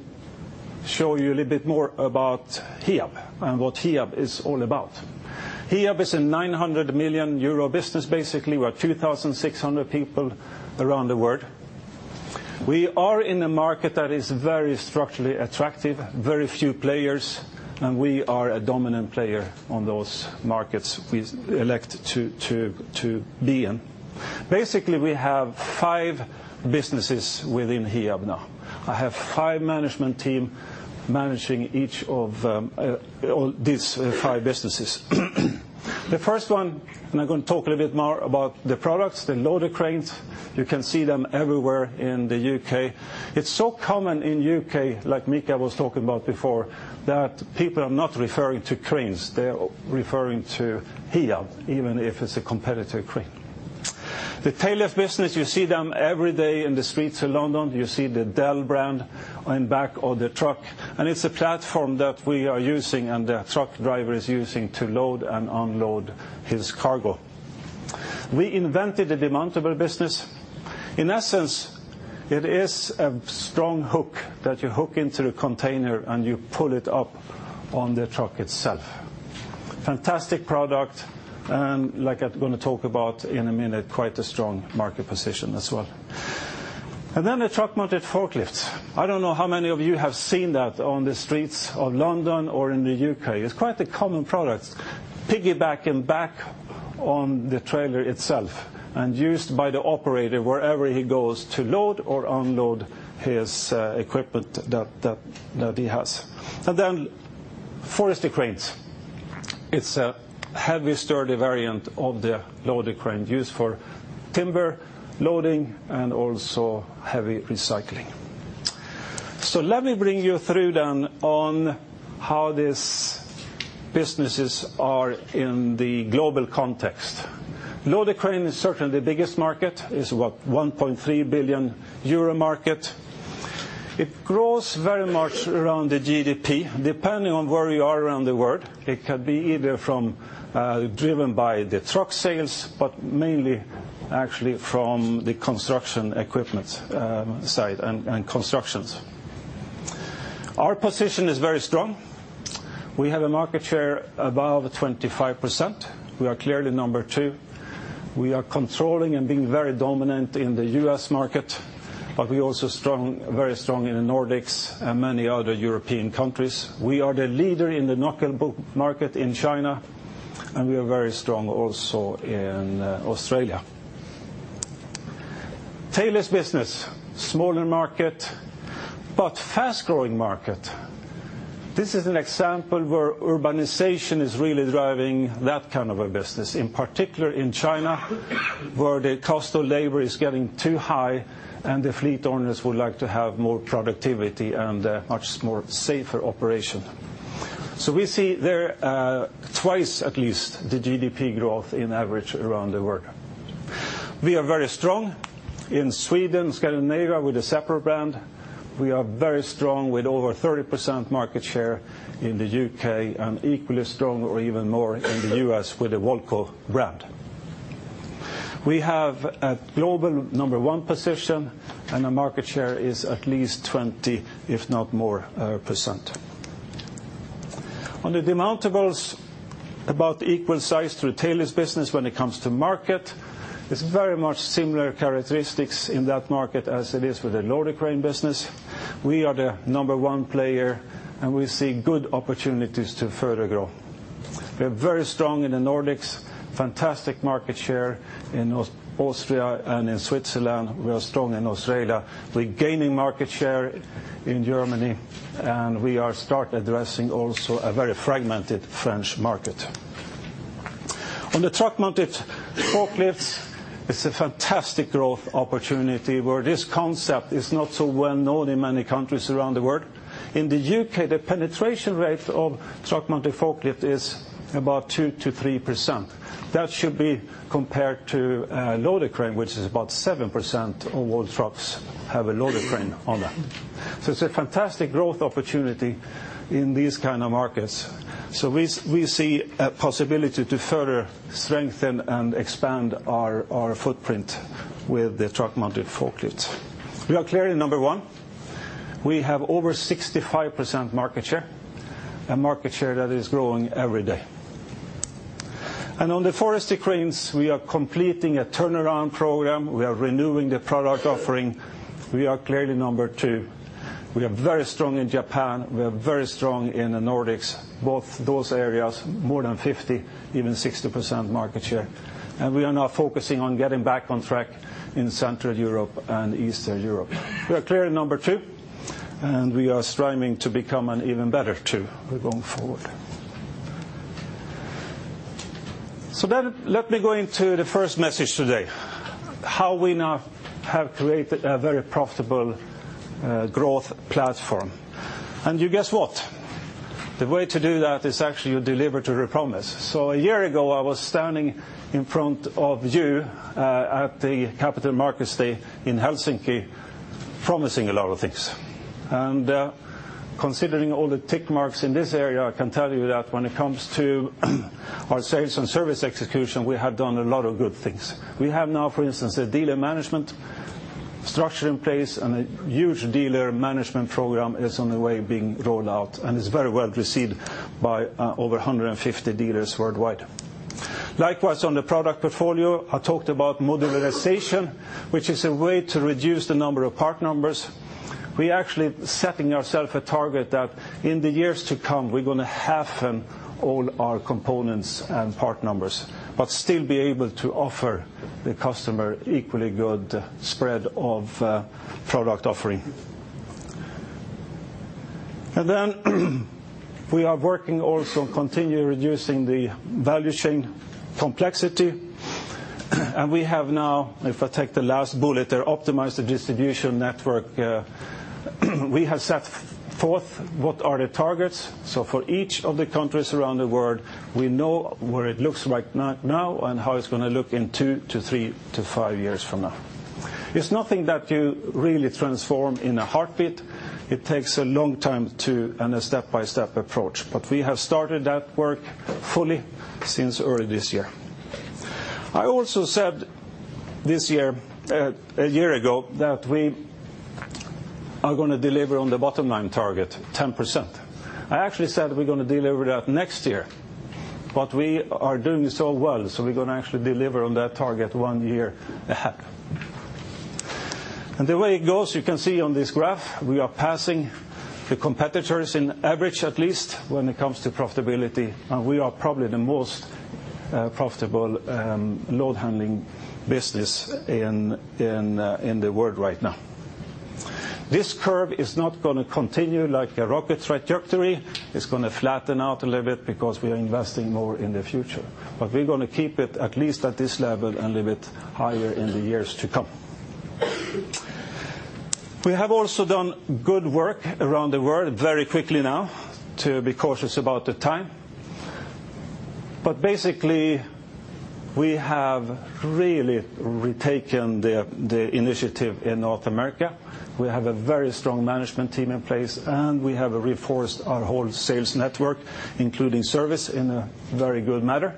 show you a little bit more about HIAB and what HIAB is all about. HIAB is a 900 million euro business. Basically, we're 2,600 people around the world. We are in a market that is very structurally attractive, very few players, and we are a dominant player on those markets we elect to be in. Basically, we have five businesses within HIAB now. I have five management team managing each of all these five businesses. The first one, and I'm gonna talk a little bit more about the products, the loader cranes. You can see them everywhere in the U.K. It's so common in U.K., like Mika was talking about before, that people are not referring to cranes. They're referring to HIAB, even if it's a competitor crane. The tail lift business, you see them every day in the streets of London. You see the DEL brand in back of the truck, and it's a platform that we are using and the truck driver is using to load and unload his cargo. We invented the demountable business. In essence, it is a strong hook that you hook into the container and you pull it up on the truck itself. Fantastic product, and like I'm gonna talk about in a minute, quite a strong market position as well. The truck-mounted forklifts. I don't know how many of you have seen that on the streets of London or in the UK. It's quite a common product, piggybacking back on the trailer itself and used by the operator wherever he goes to load or unload his equipment that he has. Forestry cranes. It's a heavy, sturdy variant of the loader crane used for timber loading and also heavy recycling. Let me bring you through on how these businesses are in the global context. Load crane is certainly the biggest market. It's 1.3 billion euro market. It grows very much around the GDP. Depending on where you are around the world, it could be either from driven by the truck sales, but mainly actually from the construction equipment side, and constructions. Our position is very strong. We have a market share above 25%. We are clearly number 2. We are controlling and being very dominant in the US market, but we're also strong, very strong in the Nordics and many other European countries. We are the leader in the knuckle boom market in China, and we are very strong also in Australia. DEL's business, smaller market, but fast-growing market. This is an example where urbanization is really driving that kind of a business, in particular in China, where the cost of labor is getting too high and the fleet owners would like to have more productivity and a much more safer operation. We see there, two times at least the GDP growth in average around the world. We are very strong in Sweden, Scandinavia, with a separate brand. We are very strong with over 30% market share in the U.K. and equally as strong or even more in the U.S. with the Volvo brand. We have a global number one position, and the market share is at least 20, if not more, %. On the demountables, about equal size to the tail-lifts business when it comes to market. It's very much similar characteristics in that market as it is with the load crane business. We are the number one player, and we see good opportunities to further grow. We are very strong in the Nordics, fantastic market share in Austria and in Switzerland. We are strong in Australia. We're gaining market share in Germany, and we are start addressing also a very fragmented French market. On the truck-mounted forklifts, it's a fantastic growth opportunity where this concept is not so well known in many countries around the world. In the UK, the penetration rate of truck-mounted forklift is about 2%-3%. That should be compared to a loader crane, which is about 7% of all trucks have a loader crane on them. It's a fantastic growth opportunity in these kind of markets. We see a possibility to further strengthen and expand our footprint with the truck-mounted forklifts. We are clearly number one. We have over 65% market share, a market share that is growing every day. On the forestry cranes, we are completing a turnaround program. We are renewing the product offering. We are clearly number two. We are very strong in Japan. We are very strong in the Nordics, both those areas, more than 50, even 60% market share. We are now focusing on getting back on track in Central Europe and Eastern Europe. We are clearly number two, and we are striving to become an even better two going forward. Let me go into the first message today, how we now have created a very profitable growth platform. You guess what? The way to do that is actually you deliver to the promise. A year ago, I was standing in front of you at the Capital Markets Day in Helsinki, promising a lot of things. Considering all the tick marks in this area, I can tell you that when it comes to our sales and service execution, we have done a lot of good things. We have now, for instance, a dealer management structure in place. A huge dealer management program is on the way being rolled out, and it's very well received by over 150 dealers worldwide. Likewise, on the product portfolio, I talked about modularization, which is a way to reduce the number of part numbers. We actually setting ourself a target that in the years to come, we're gonna half all our components and part numbers, but still be able to offer the customer equally good spread of product offering. Then we are working also on continually reducing the value chain complexity. We have now, if I take the last bullet there, optimize the distribution network, we have set forth what are the targets. For each of the countries around the world, we know what it looks like now and how it's gonna look in two to three to five years from now. It's nothing that you really transform in a heartbeat. It takes a long time to, and a step-by-step approach, but we have started that work fully since early this year. I also said this year, a year ago, that we are gonna deliver on the bottom line target, 10%. I actually said we're gonna deliver that next year, but we are doing so well, so we're gonna actually deliver on that target one year ahead. The way it goes, you can see on this graph, we are passing the competitors in average at least when it comes to profitability, and we are probably the most profitable load handling business in the world right now. This curve is not gonna continue like a rocket trajectory. It's gonna flatten out a little bit because we are investing more in the future. We're gonna keep it at least at this level and a little bit higher in the years to come. We have also done good work around the world, very quickly now to be cautious about the time. Basically, we have really retaken the initiative in North America. We have a very strong management team in place, and we have reinforced our whole sales network, including service in a very good manner.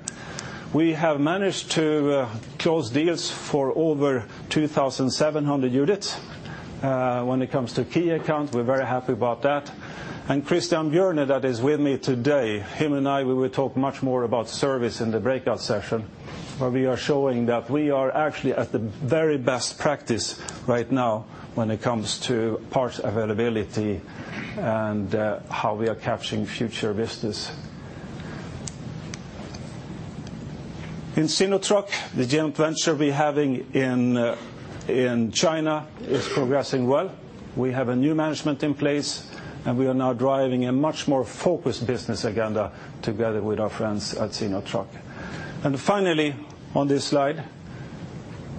We have managed to close deals for over 2,700 units. When it comes to key accounts, we're very happy about that. Christian Björk that is with me today, him and I, we will talk much more about service in the breakout session, where we are showing that we are actually at the very best practice right now when it comes to parts availability and how we are capturing future business. In Sinotruk, the joint venture we're having in China is progressing well. We have a new management in place, and we are now driving a much more focused business agenda together with our friends at Sinotruk. Finally, on this slide,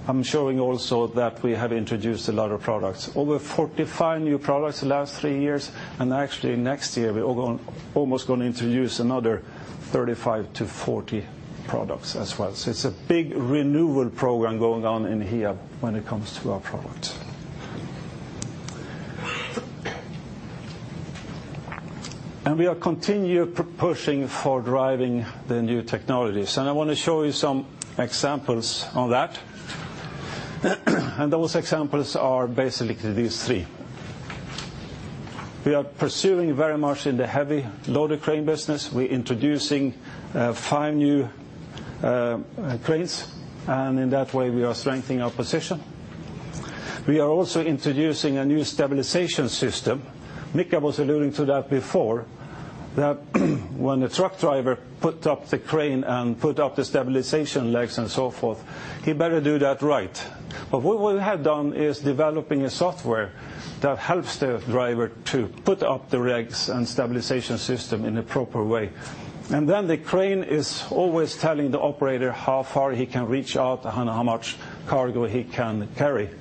I'm showing also that we have introduced a lot of products. Over 45 new products in the last three years, actually next year we're almost going to introduce another 35-40 products as well. It's a big renewal program going on in here when it comes to our products. We are continue pushing for driving the new technologies. I want to show you some examples on that. Those examples are basically these three. We are pursuing very much in the heavy loader crane business. We're introducing five new cranes, and in that way we are strengthening our position. We are also introducing a new stabilization system. Mika was alluding to that before, that when the truck driver put up the crane and put up the stabilization legs and so forth, he better do that right. What we have done is developing a software that helps the driver to put up the legs and stabilization system in a proper way. The crane is always telling the operator how far he can reach out and how much cargo he can carry.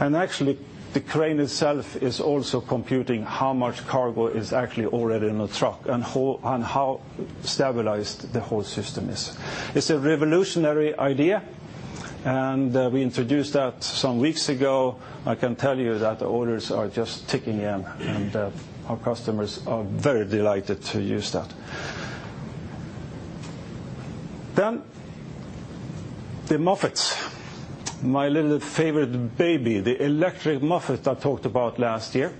Actually, the crane itself is also computing how much cargo is actually already in the truck and how stabilized the whole system is. It's a revolutionary idea, and we introduced that some weeks ago. I can tell you that the orders are just ticking in, and our customers are very delighted to use that. The MOFFETT, my little favorite baby, the electric MOFFETT I talked about last year.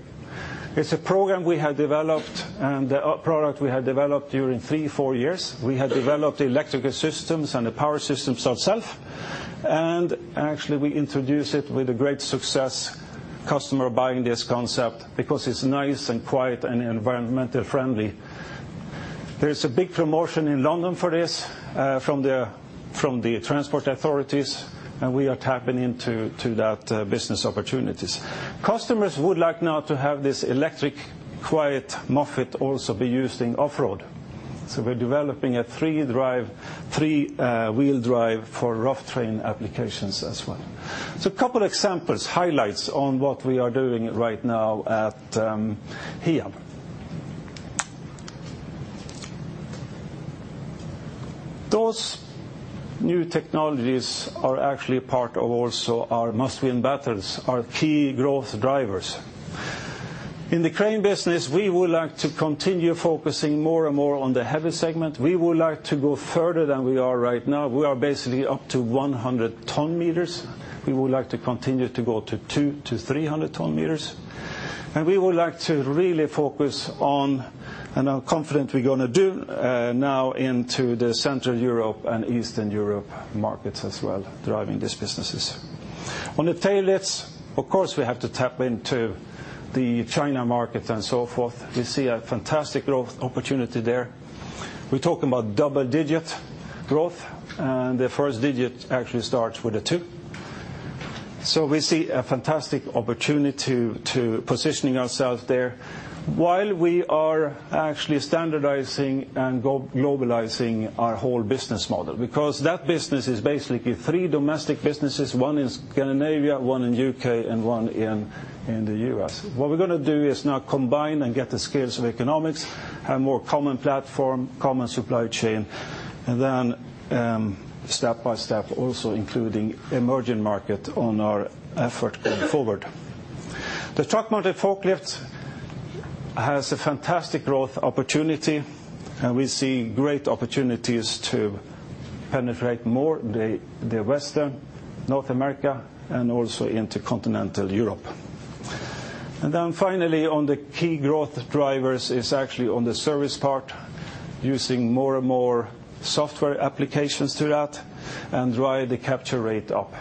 It's a program we have developed and a product we have developed during three, four years. We have developed the electrical systems and the power systems ourself. Actually, we introduced it with a great success, customer buying this concept because it's nice and quiet and environmental friendly. There's a big promotion in London for this from the transport authorities, we are tapping into that business opportunities. Customers would like now to have this electric, quiet MOFFETT also be used in off-road. We're developing a three wheel drive for rough terrain applications as well. A couple examples, highlights on what we are doing right now at here. Those new technologies are actually part of also our must-win battles, our key growth drivers. In the crane business, we would like to continue focusing more and more on the heavy segment. We would like to go further than we are right now. We are basically up to 100 ton meters. We would like to continue to go to 200-300 ton meters. We would like to really focus on, and I'm confident we're gonna do, now into the Central Europe and Eastern Europe markets as well, driving these businesses. On the tail lifts, of course, we have to tap into the China market and so forth. We see a fantastic growth opportunity there. We're talking about double-digit growth, the first digit actually starts with a 2. We see a fantastic opportunity to positioning ourselves there while we are actually standardizing and globalizing our whole business model because that business is basically three domestic businesses, one in Scandinavia, one in UK, and one in the US. What we're going to do is now combine and get the scales of economics and more common platform, common supply chain, and then step-by-step also including emerging market on our effort going forward. The truck-mounted forklifts has a fantastic growth opportunity, and we see great opportunities to penetrate more the Western North America and also into Continental Europe. Finally on the key growth drivers is actually on the service part, using more and more software applications to that and drive the capture rate up.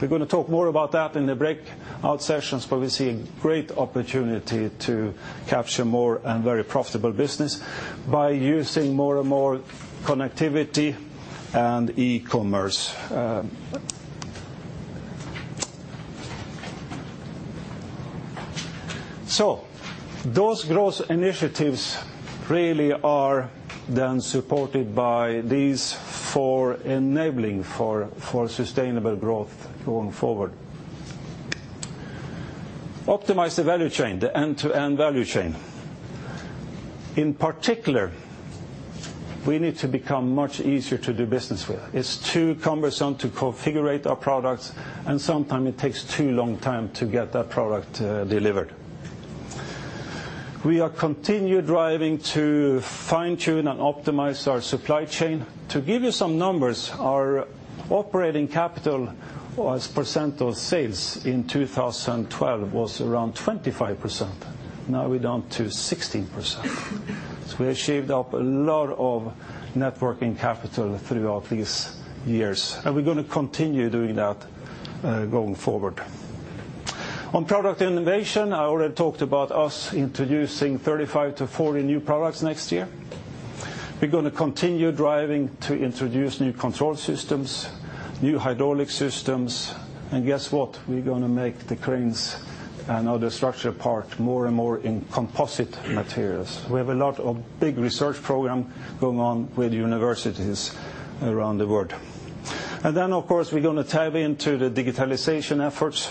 We're going to talk more about that in the breakout sessions, but we see a great opportunity to capture more and very profitable business by using more and more connectivity and e-commerce. Those growth initiatives really are then supported by these four enabling for sustainable growth going forward. Optimize the value chain, the end-to-end value chain. In particular, we need to become much easier to do business with. It's too cumbersome to configure our products. Sometimes it takes too long time to get that product delivered. We are continued driving to fine-tune and optimize our supply chain. To give you some numbers, our operating capital was % of sales in 2012 was around 25%. Now we're down to 16%. We have shaved off a lot of networking capital throughout these years. We're going to continue doing that going forward. On product innovation, I already talked about us introducing 35-40 new products next year. We're going to continue driving to introduce new control systems, new hydraulic systems. Guess what? We're going to make the cranes and other structure part more and more in composite materials. We have a lot of big research program going on with universities around the world. Of course, we're going to tap into the digitalization efforts,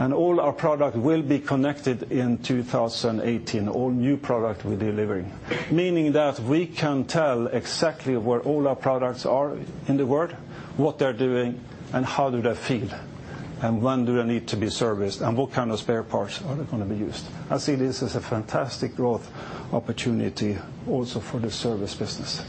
and all our product will be connected in 2018, all new product we're delivering, meaning that we can tell exactly where all our products are in the world, what they're doing, and how do they feel, and when do they need to be serviced, and what kind of spare parts are going to be used. I see this as a fantastic growth opportunity also for the service business.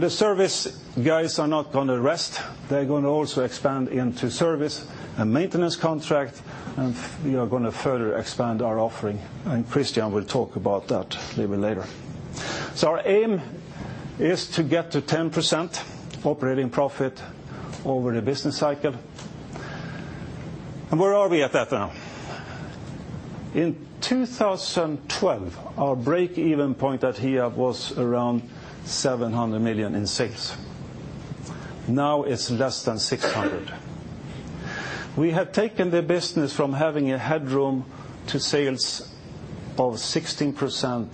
The service guys are not going to rest. They're going to also expand into service and maintenance contract, and we are going to further expand our offering, and Christian will talk about that a little later. Our aim is to get to 10% operating profit over the business cycle. Where are we at that now? In 2012, our break-even point here was around 700 million in sales. Now it's less than 600 million. We have taken the business from having a headroom to sales of 16%,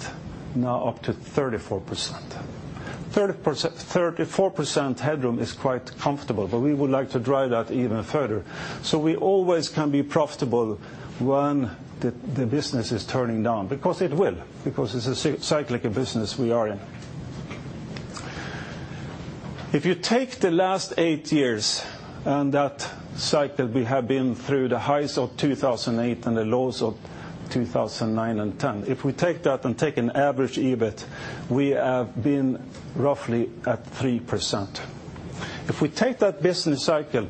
now up to 34%. 34% headroom is quite comfortable, but we would like to drive that even further. We always can be profitable when the business is turning down, because it will, because it's a cyclic business we are in. If you take the last eigheight years and that cycle we have been through, the highs of 2008 and the lows of 2009 and 2010, if we take that and take an average EBIT, we have been roughly at 3%. We take that business cycle,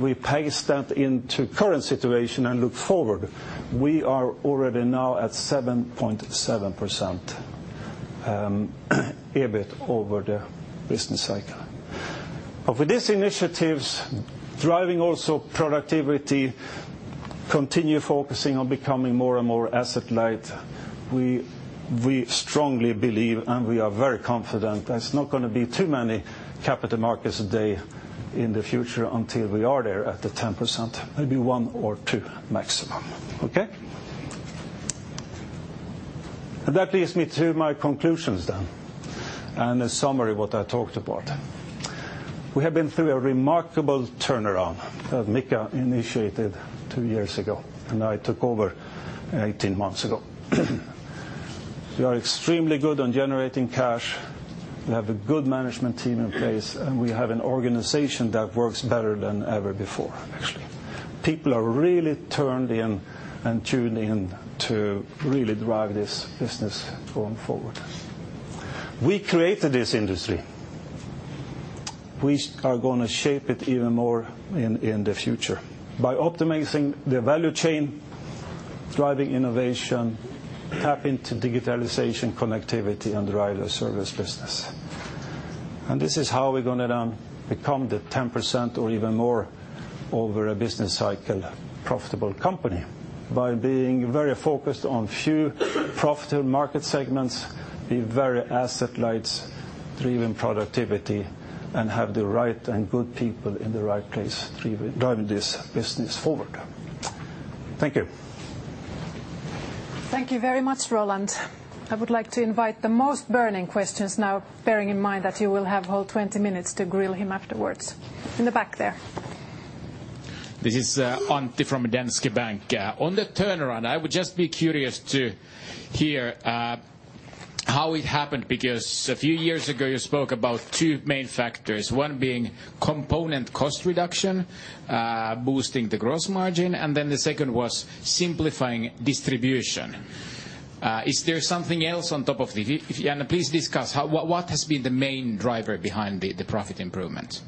we paste that into current situation and look forward, we are already now at 7.7% EBIT over the business cycle. With these initiatives, driving also productivity, continue focusing on becoming more and more asset-light, we strongly believe and we are very confident there's not going to be too many Capital Markets Day in the future until we are there at the 10%, maybe one or two maximum. Okay? That leads me to my conclusions and a summary of what I talked about. We have been through a remarkable turnaround that Mika initiated two years ago, and I took over 18 months ago. We are extremely good on generating cash. We have a good management team in place, and we have an organization that works better than ever before, actually. People are really turned in and tuned in to really drive this business going forward. We created this industry. We are going to shape it even more in the future by optimizing the value chain, driving innovation, tap into digitalization, connectivity, and drive the service business. This is how we're going to become the 10% or even more over a business cycle profitable company, by being very focused on few profitable market segments, be very asset-light, driven productivity, and have the right and good people in the right place driving this business forward. Thank you. Thank you very much, Roland. I would like to invite the most burning questions now, bearing in mind that you will have whole 20 minutes to grill him afterwards. In the back there. This is Antti from Danske Bank. On the turnaround, I would just be curious to hear how it happened because a few years ago you spoke about two main factors, one being component cost reduction, boosting the gross margin, and then the second was simplifying distribution. Is there something else on top of the... If you can please discuss how, what has been the main driver behind the profit improvement?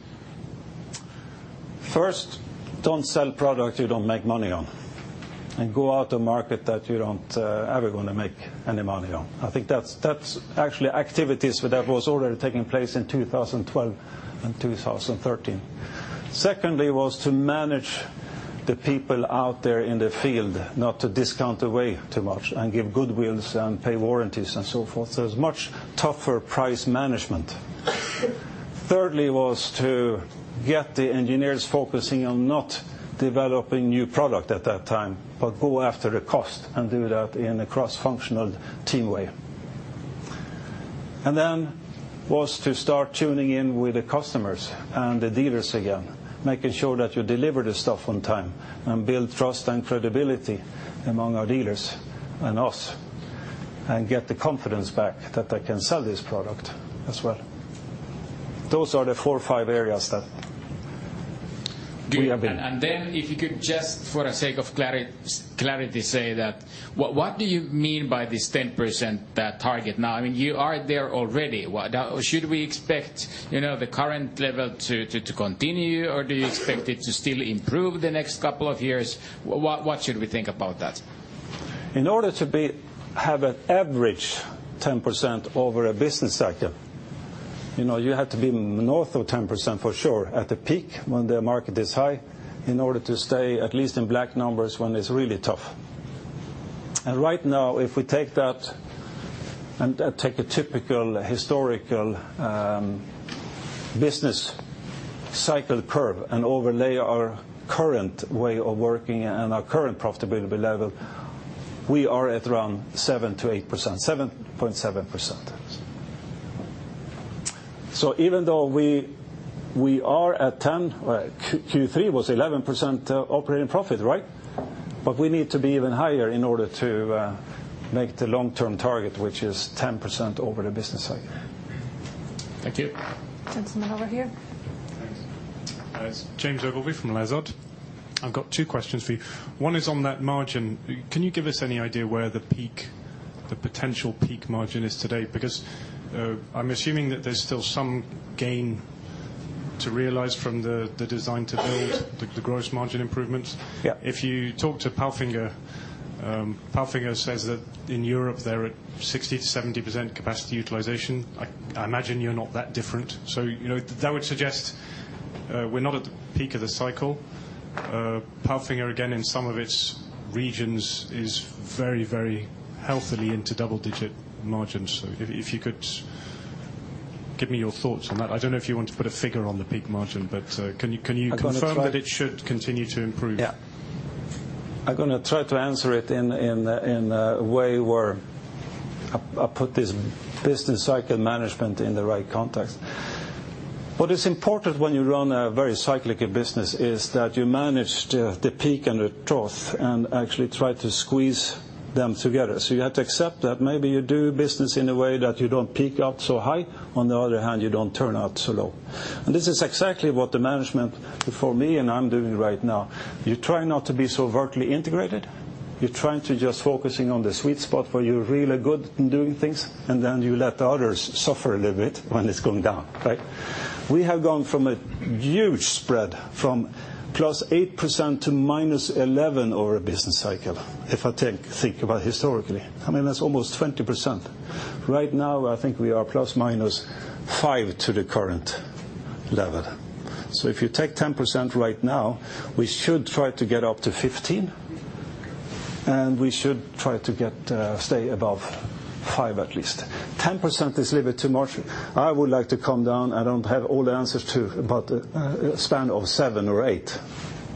First, don't sell product you don't make money on, and go out to market that you don't ever gonna make any money on. I think that's actually activities that was already taking place in 2012 and 2013. Secondly was to manage the people out there in the field, not to discount away too much and give goodwills and pay warranties and so forth. There's much tougher price management. Thirdly was to get the engineers focusing on not developing new product at that time, but go after the cost and do that in a cross-functional team way. Then was to start tuning in with the customers and the dealers again, making sure that you deliver the stuff on time and build trust and credibility among our dealers and us, and get the confidence back that they can sell this product as well. Those are the four or five areas that we have. Good. Then if you could just for the sake of clarity say that what do you mean by this 10%, that target now? I mean, you are there already. Now should we expect, you know, the current level to continue or do you expect it to still improve the next couple of years? What should we think about that? In order to have an average 10% over a business cycle, you know, you have to be north of 10% for sure at the peak when the market is high in order to stay at least in black numbers when it's really tough. Right now, if we take that, and take a typical historical business cycle curve and overlay our current way of working and our current profitability level, we are at around 7%-8%. 7.7%. Even though we are at 10%, Q3 was 11% operating profit, right. We need to be even higher in order to make the long-term target, which is 10% over the business cycle. Thank you. Gentleman over here. Thanks. It's James Oldroyd from Lazard. I've got two questions for you. One is on that margin. Can you give us any idea where the peak, the potential peak margin is today? Because, I'm assuming that there's still some gain to realize from the design to build the gross margin improvements. Yeah. If you talk to Palfinger says that in Europe they're at 60%-70% capacity utilization. I imagine you're not that different. You know, that would suggest we're not at the peak of the cycle. Palfinger again, in some of its regions is very, very healthily into double-digit margins. If you could give me your thoughts on that. I don't know if you want to put a figure on the peak margin, but, can you confirm that it should continue to improve? Yeah. I'm gonna try to answer it in, in a way where I put this business cycle management in the right context. What is important when you run a very cyclical business is that you manage the peak and the trough and actually try to squeeze them together. You have to accept that maybe you do business in a way that you don't peak up so high. On the other hand, you don't turn out so low. This is exactly what the management before me and I'm doing right now. You try not to be so vertically integrated. You're trying to just focusing on the sweet spot where you're really good in doing things, and then you let the others suffer a little bit when it's going down, right? We have gone from a huge spread from +8% to -11% over a business cycle. If I think about historically, I mean that's almost 20%. Right now, I think we are ±5% to the current level. If you take 10% right now, we should try to get up to 15%, and we should try to stay above 5% at least. 10% is a little bit too much. I would like to come down. I don't have all the answers to, a span of 7% or 8%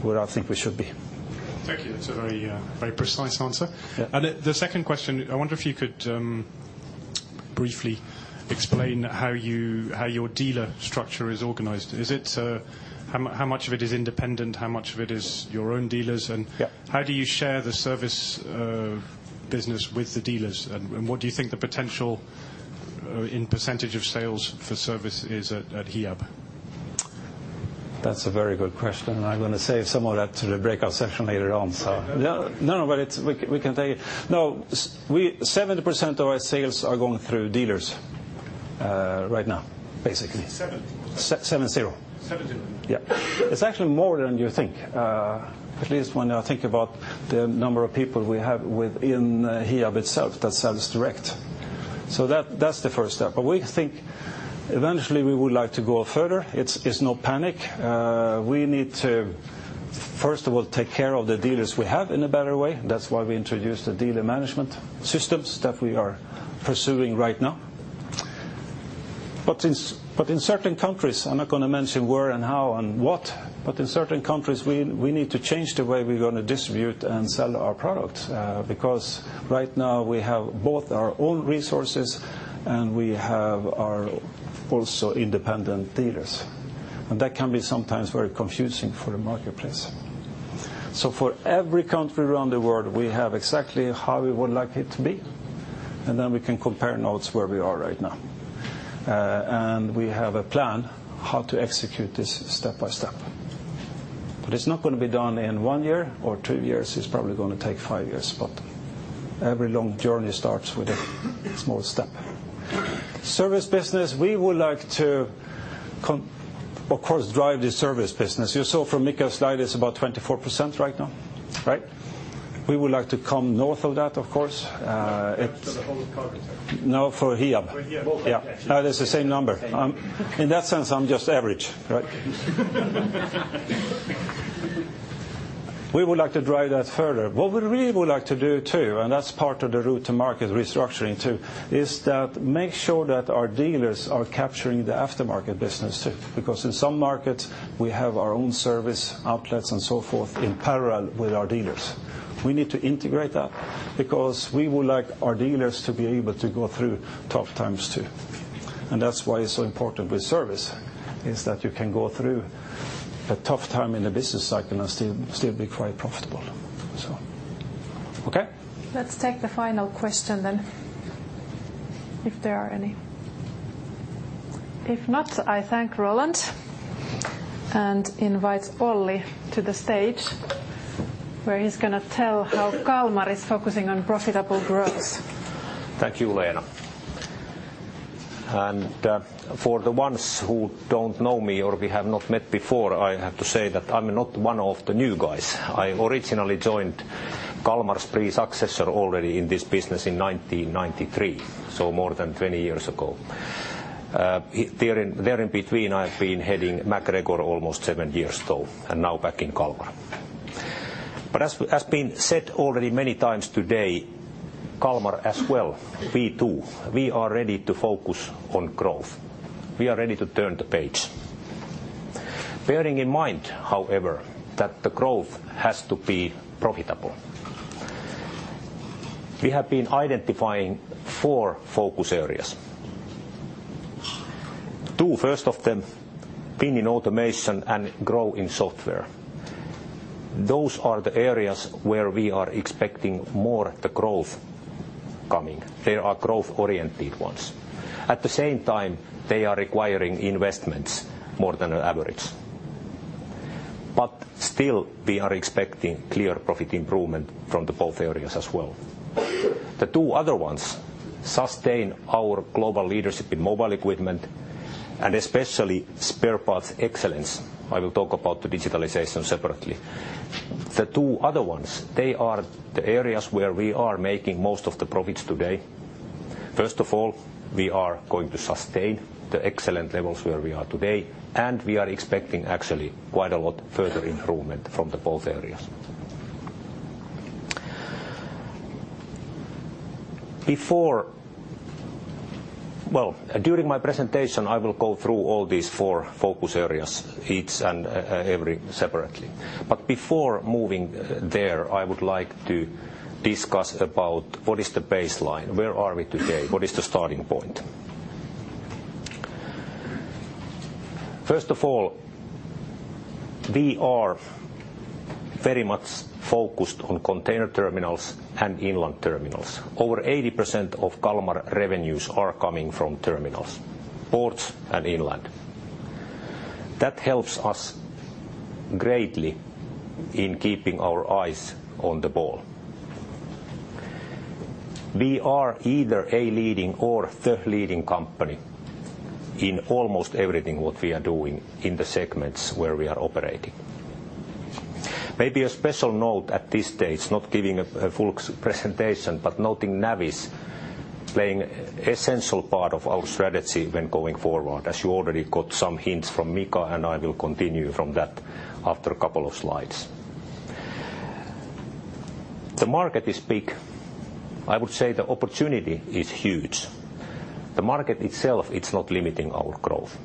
where I think we should be. Thank you. That's a very, very precise answer. Yeah. The second question, I wonder if you could briefly explain how your dealer structure is organized. Is it how much of it is independent? How much of it is your own dealers? Yeah. How do you share the service business with the dealers? What do you think the potential in percentage of sales for service is at HIAB? That's a very good question, I'm gonna save some of that to the breakout session later on. Sorry. No, no. We can take it. No. 70% of our sales are going through dealers right now, basically. Seven? Seven-zero. Seven-zero. Yeah. It's actually more than you think. At least when I think about the number of people we have within HIAB itself that sells direct. That's the first step. We think eventually we would like to go further. It's no panic. We need to first of all, take care of the dealers we have in a better way. That's why we introduced the dealer management systems that we are pursuing right now. In certain countries, I'm not gonna mention where and how and what, but in certain countries we need to change the way we're gonna distribute and sell our products because right now we have both our own resources, and we have our also independent dealers, and that can be sometimes very confusing for the marketplace. For every country around the world, we have exactly how we would like it to be, and then we can compare notes where we are right now. We have a plan how to execute this step by step. It's not gonna be done in one year or two years. It's probably gonna take five years. Every long journey starts with a small step. Service business, we would like to, of course, drive the service business. You saw from Mika's slide, it's about 24% right now, right? We would like to come north of that, of course. It's. For the whole of Cargotec? No, for HIAB. For HIAB. Both actually. Yeah. No, that's the same number. In that sense, I'm just average, right? We would like to drive that further. What we really would like to do too, and that's part of the route to market restructuring too, is that make sure that our dealers are capturing the aftermarket business too, because in some markets we have our own service outlets and so forth in parallel with our dealers. We need to integrate that because we would like our dealers to be able to go through tough times too. That's why it's so important with service, is that you can go through a tough time in the business cycle and still be quite profitable. Okay? Let's take the final question, if there are any. If not, I thank Roland, and invite Olli to the stage, where he's gonna tell how KALMAR is focusing on profitable growth. Thank you, Leena. For the ones who don't know me or we have not met before, I have to say that I'm not one of the new guys. I originally joined KALMAR's pre-successor already in this business in 1993, so more than 20 years ago. There in between, I've been heading MacGregor almost seven years though, and now back in KALMAR. As been said already many times today, KALMAR as well, we too, we are ready to focus on growth. We are ready to turn the page. Bearing in mind, however, that the growth has to be profitable. We have been identifying four focus areas. Two first of them, win in automation and grow in software. Those are the areas where we are expecting more the growth coming. They are growth-oriented ones. At the same time, they are requiring investments more than an average. Still, we are expecting clear profit improvement from the both areas as well. The two other ones sustain our global leadership in mobile equipment and especially spare parts excellence. I will talk about the digitalization separately. The two other ones, they are the areas where we are making most of the profits today. First of all, we are going to sustain the excellent levels where we are today, and we are expecting actually quite a lot further improvement from the both areas. Well, during my presentation, I will go through all these four focus areas, each and every separately. Before moving there, I would like to discuss about what is the baseline? Where are we today? What is the starting point? First of all, we are very much focused on container terminals and inland terminals. Over 80% of KALMAR revenues are coming from terminals, ports and inland. That helps us greatly in keeping our eyes on the ball. We are either a leading or the leading company in almost everything what we are doing in the segments where we are operating. Maybe a special note at this stage, not giving a full presentation, but noting Navis playing essential part of our strategy when going forward, as you already got some hints from Mika, I will continue from that after a couple of slides. The market is big. I would say the opportunity is huge. The market itself, it's not limiting our growth.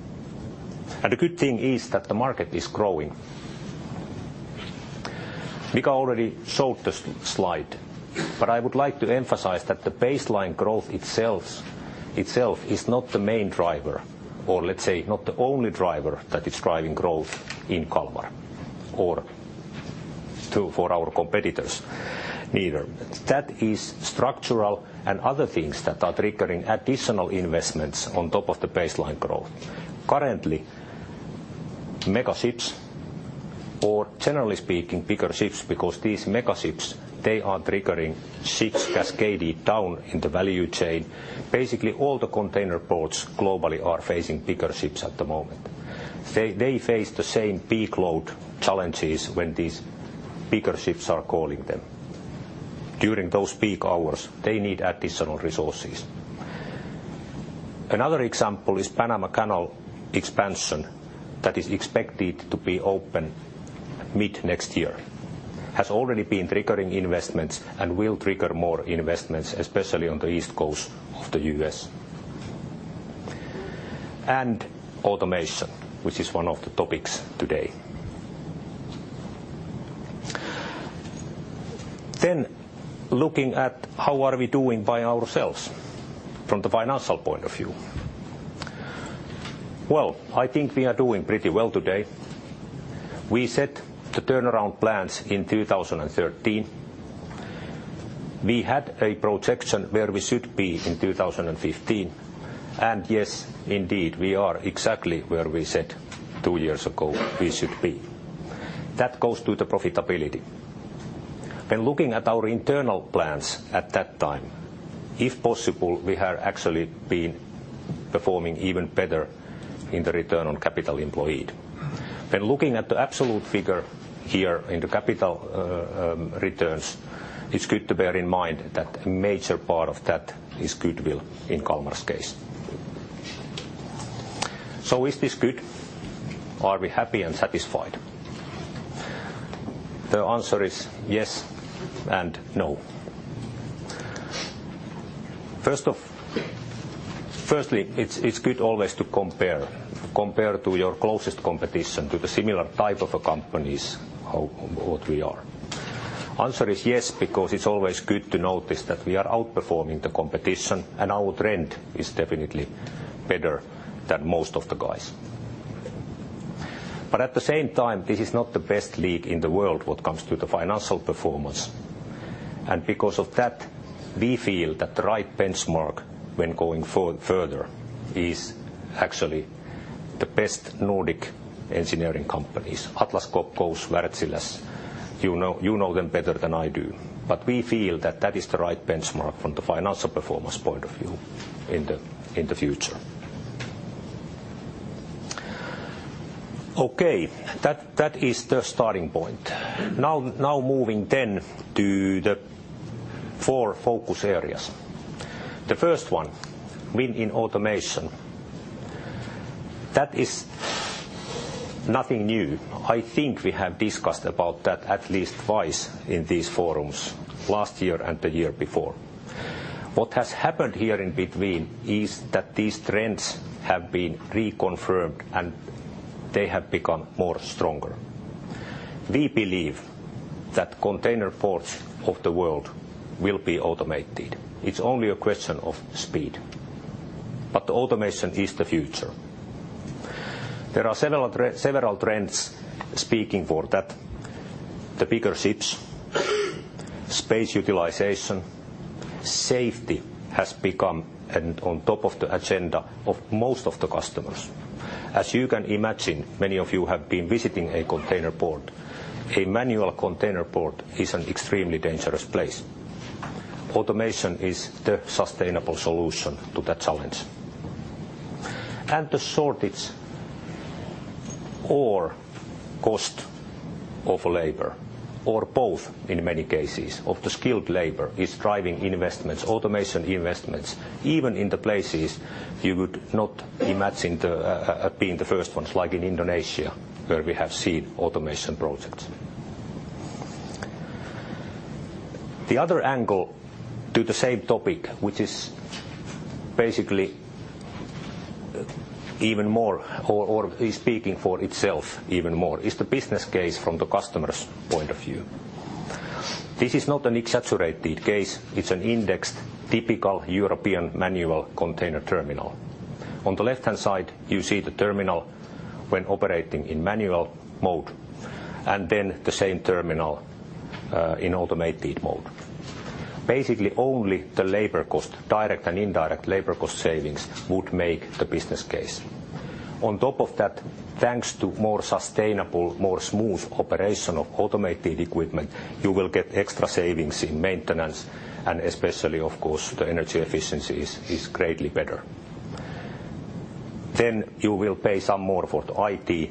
The good thing is that the market is growing. Mika already showed this slide. I would like to emphasize that the baseline growth itself is not the main driver, or let's say not the only driver that is driving growth in KALMAR or too for our competitors neither. That is structural and other things that are triggering additional investments on top of the baseline growth. Currently, mega ships, or generally speaking, bigger ships, because these mega ships, they are triggering ships cascaded down in the value chain. Basically, all the container ports globally are facing bigger ships at the moment. They face the same peak load challenges when these bigger ships are calling them. During those peak hours, they need additional resources. Another example is Panama Canal expansion that is expected to be open mid-next year. Has already been triggering investments and will trigger more investments, especially on the East Coast of the U.S. Automation, which is one of the topics today. Looking at how are we doing by ourselves from the financial point of view. I think we are doing pretty well today. We set the turnaround plans in 2013. We had a projection where we should be in 2015. Yes, indeed, we are exactly where we said two years ago we should be. That goes to the profitability. Looking at our internal plans at that time, if possible, we have actually been performing even better in the return on capital employed. Looking at the absolute figure here in the capital returns, it's good to bear in mind that a major part of that is goodwill in KALMAR's case. Is this good? Are we happy and satisfied? The answer is yes and no. Firstly, it's good always to compare to your closest competition, to the similar type of companies, how, what we are. Answer is yes, because it's always good to notice that we are outperforming the competition and our trend is definitely better than most of the guys. At the same time, this is not the best league in the world when it comes to the financial performance. Because of that, we feel that the right benchmark when going further is actually the best Nordic engineering companies. Atlas Copcos, Wärtsiläs, you know, you know them better than I do. We feel that that is the right benchmark from the financial performance point of view in the future. Okay. That is the starting point. Now moving then to the four focus areas. The first one, win in automation. That is nothing new. I think we have discussed about that at least twice in these forums, last year and the year before. These trends have been reconfirmed, and they have become more stronger. We believe that container ports of the world will be automated. It's only a question of speed. Automation is the future. There are several trends speaking for that. The bigger ships, space utilization, safety has become on top of the agenda of most of the customers. As you can imagine, many of you have been visiting a container port. A manual container port is an extremely dangerous place. Automation is the sustainable solution to that challenge. The shortage or cost of labor, or both in many cases, of the skilled labor is driving investments, automation investments, even in the places you would not imagine being the first ones, like in Indonesia, where we have seen automation projects. The other angle to the same topic, which is basically even more or is speaking for itself even more, is the business case from the customer's point of view. This is not an exaggerated case. It's an indexed typical European manual container terminal. On the left-hand side, you see the terminal when operating in manual mode, and then the same terminal in automated mode. Basically, only the labor cost, direct and indirect labor cost savings, would make the business case. On top of that, thanks to more sustainable, more smooth operation of automated equipment, you will get extra savings in maintenance, and especially, of course, the energy efficiency is greatly better. You will pay some more for the IT,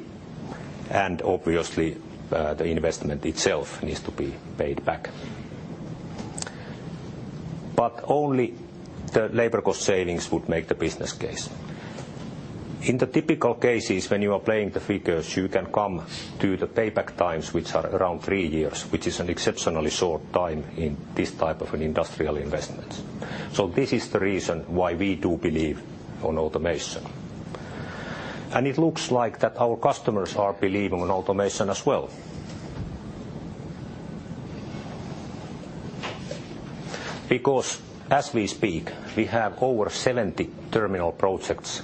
and obviously, the investment itself needs to be paid back. Only the labor cost savings would make the business case. In the typical cases, when you are playing the figures, you can come to the payback times which are around three years, which is an exceptionally short time in this type of an industrial investment. This is the reason why we do believe on automation. It looks like that our customers are believing on automation as well. Because as we speak, we have over 70 terminal projects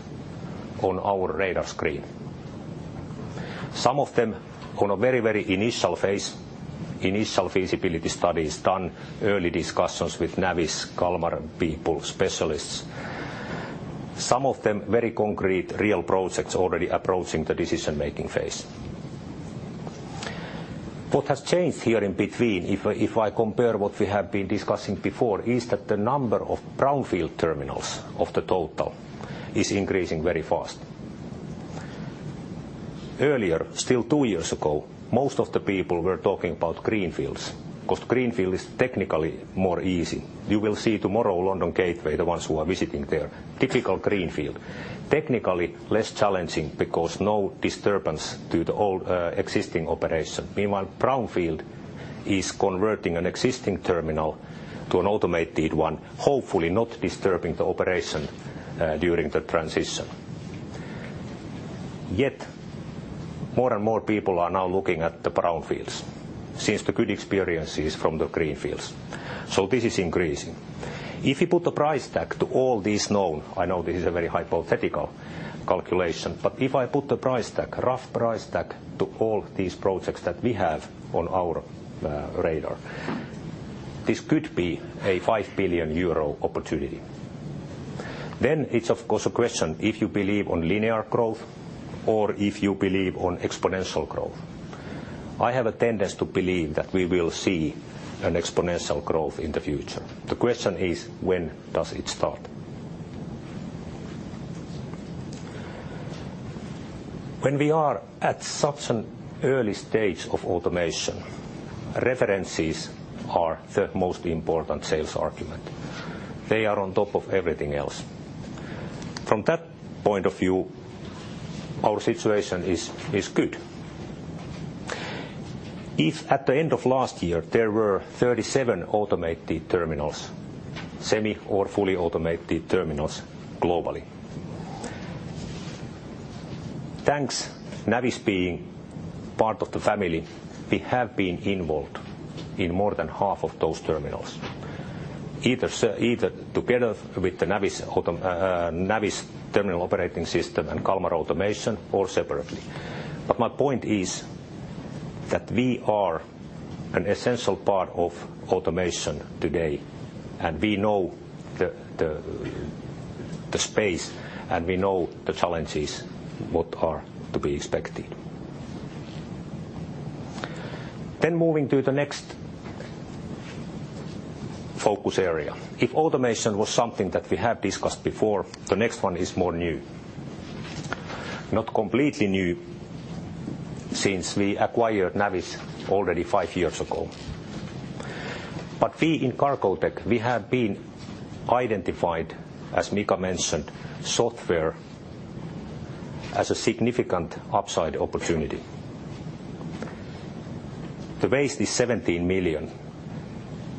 on our radar screen. Some of them on a very, very initial phase, initial feasibility studies done, early discussions with Navis, KALMAR people, specialists. Some of them very concrete real projects already approaching the decision-making phase. What has changed here in between, if I compare what we have been discussing before, is that the number of brownfield terminals of the total is increasing very fast. Earlier, still two years ago, most of the people were talking about greenfields, because greenfield is technically more easy. You will see tomorrow, London Gateway, the ones who are visiting there, typical greenfield. Technically less challenging because no disturbance to the old existing operation. Meanwhile, brownfield is converting an existing terminal to an automated one, hopefully not disturbing the operation during the transition. More and more people are now looking at the brownfields since the good experiences from the greenfields. This is increasing. If you put a price tag to all these known, I know this is a very hypothetical calculation, but if I put a price tag, a rough price tag, to all these projects that we have on our radar, this could be a 5 billion euro opportunity. It's of course a question if you believe on linear growth or if you believe on exponential growth. I have a tendency to believe that we will see an exponential growth in the future. The question is, when does it start? When we are at such an early stage of automation, references are the most important sales argument. They are on top of everything else. From that point of view, our situation is good. If at the end of last year, there were 37 automated terminals, semi or fully automated terminals globally. Thanks, Navis being part of the family, we have been involved in more than half of those terminals, either together with the Navis terminal operating system and KALMAR automation or separately. My point is that we are an essential part of automation today, and we know the space and we know the challenges, what are to be expected. Moving to the next focus area. If automation was something that we have discussed before, the next one is more new. Not completely new since we acquired Navis already five years ago. We in Cargotec, we have been identified, as Mika mentioned, software as a significant upside opportunity. The waste is 17 million.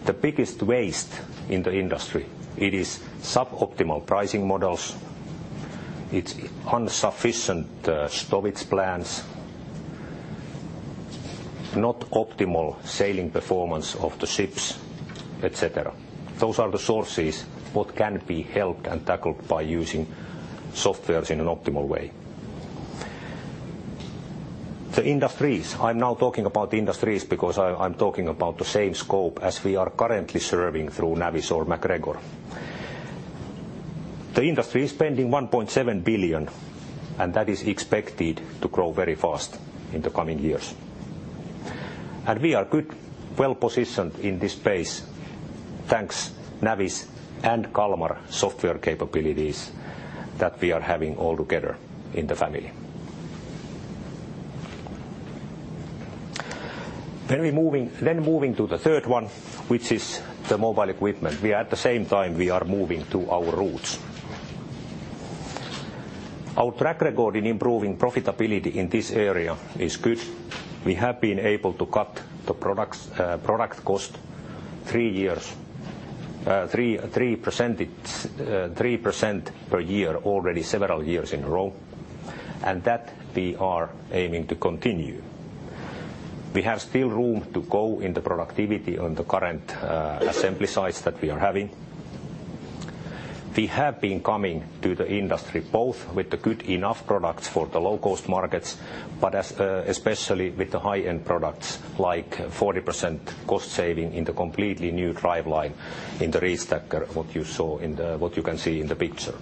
The biggest waste in the industry, it is suboptimal pricing models, it's insufficient storage plans, not optimal sailing performance of the ships, et cetera. Those are the sources what can be helped and tackled by using software in an optimal way. The industries, I'm now talking about industries because I'm talking about the same scope as we are currently serving through Navis or MacGregor. The industry is spending 1.7 billion, and that is expected to grow very fast in the coming years. We are good, well-positioned in this space, thanks Navis and KALMAR software capabilities that we are having all together in the family. Moving to the third one, which is the mobile equipment. We are at the same time we are moving to our roots. Our track record in improving profitability in this area is good. We have been able to cut the product cost 3% per year already several years in a row, and that we are aiming to continue. We have still room to go in the productivity on the current assembly sites that we are having. We have been coming to the industry both with the good enough products for the low-cost markets, but as especially with the high-end products, like 40% cost saving in the completely new driveline in the reach stacker, what you can see in the picture,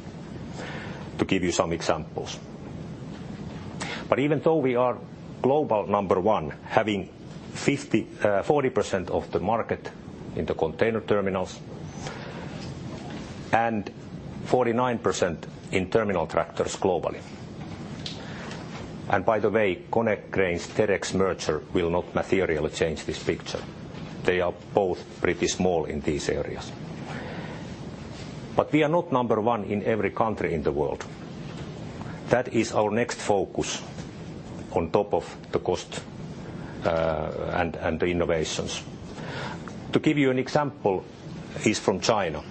to give you some examples. Even though we are global number one, having 40% of the market in the container terminals and 49% in terminal tractors globally. By the way, Konecranes' Terex merger will not materially change this picture. They are both pretty small in these areas. We are not number one in every country in the world. That is our next focus on top of the cost and the innovations. To give you an example is from China.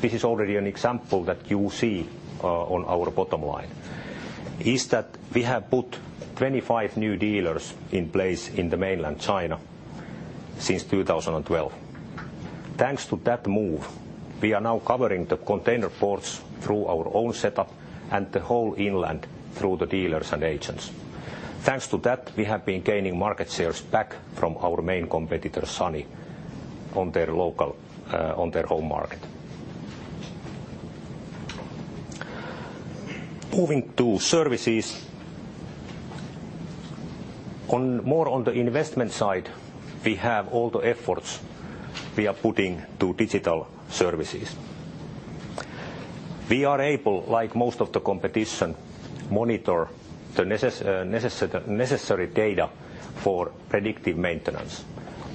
This is already an example that you see on our bottom line, is that we have put 25 new dealers in place in the mainland China since 2012. Thanks to that move, we are now covering the container ports through our own setup and the whole inland through the dealers and agents. Thanks to that, we have been gaining market shares back from our main competitor, SANY, on their local on their home market. Moving to services. More on the investment side, we have all the efforts we are putting to digital services. We are able, like most of the competition, monitor the necessary data for predictive maintenance.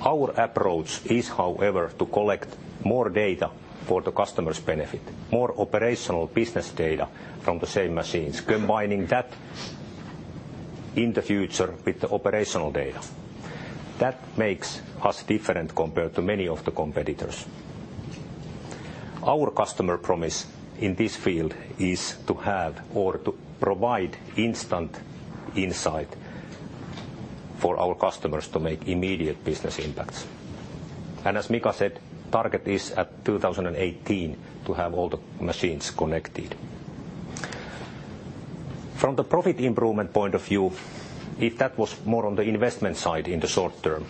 Our approach is, however, to collect more data for the customer's benefit, more operational business data from the same machines, combining that in the future with the operational data. Makes us different compared to many of the competitors. Our customer promise in this field is to have or to provide instant insight for our customers to make immediate business impacts. As Mika said, target is at 2018 to have all the machines connected. From the profit improvement point of view, if that was more on the investment side in the short term,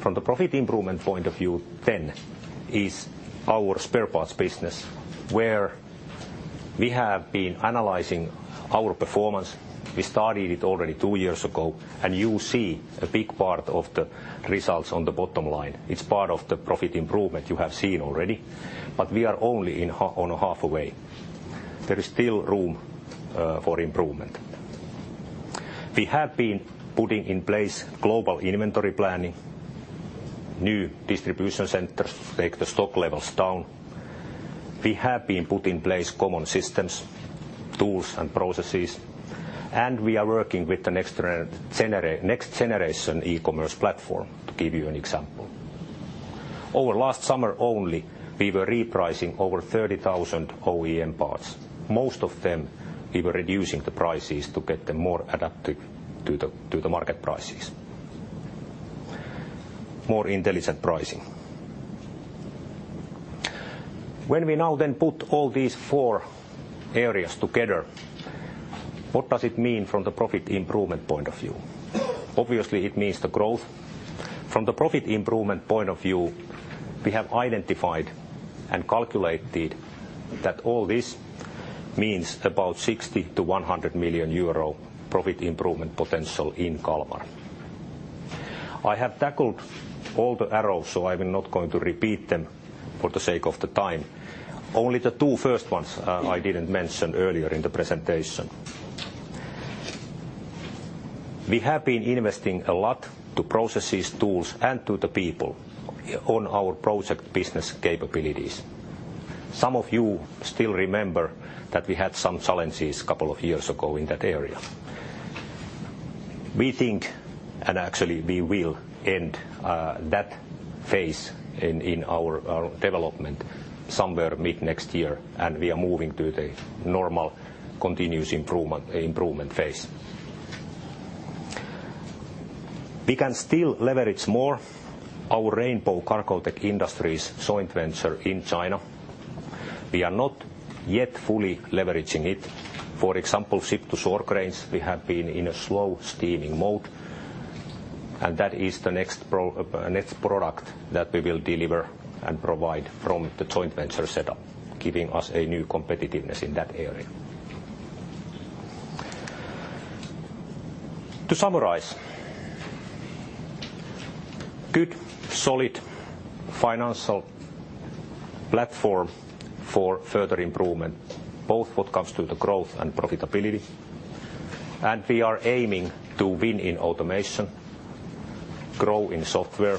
from the profit improvement point of view is our spare parts business, where we have been analyzing our performance. We started it already two years ago, you see a big part of the results on the bottom line. It's part of the profit improvement you have seen already. We are only on half way. There is still room for improvement. We have been putting in place global inventory planning. New distribution centers take the stock levels down. We have been put in place common systems, tools and processes, we are working with the next generation e-commerce platform, to give you an example. Over last summer only, we were repricing over 30,000 OEM parts. Most of them we were reducing the prices to get them more adapted to the market prices. More intelligent pricing. We now then put all these four areas together, what does it mean from the profit improvement point of view? Obviously, it means the growth. From the profit improvement point of view, we have identified and calculated that all this means about 60 million-100 million euro profit improvement potential in KALMAR. I have tackled all the arrows, I will not going to repeat them for the sake of the time. Only the two first ones, I didn't mention earlier in the presentation. We have been investing a lot to processes, tools, and to the people on our project business capabilities. Some of you still remember that we had some challenges couple of years ago in that area. We think, actually we will end that phase in our development somewhere mid-next year, and we are moving to the normal continuous improvement phase. We can still leverage more our Rainbow-Cargotec Industries joint venture in China. We are not yet fully leveraging it. For example, ship-to-shore cranes, we have been in a slow, steaming mode. That is the next product that we will deliver and provide from the joint venture setup, giving us a new competitiveness in that area. To summarize. Good, solid financial platform for further improvement, both what comes to the growth and profitability. We are aiming to win in automation, grow in software,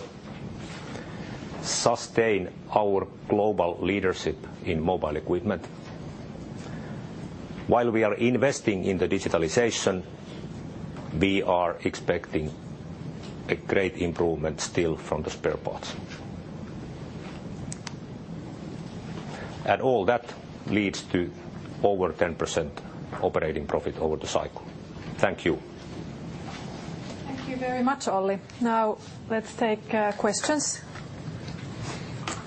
sustain our global leadership in mobile equipment. While we are investing in the digitalization, we are expecting a great improvement still from the spare parts. All that leads to over 10% operating profit over the cycle. Thank you. Thank you very much, Olli. Let's take questions.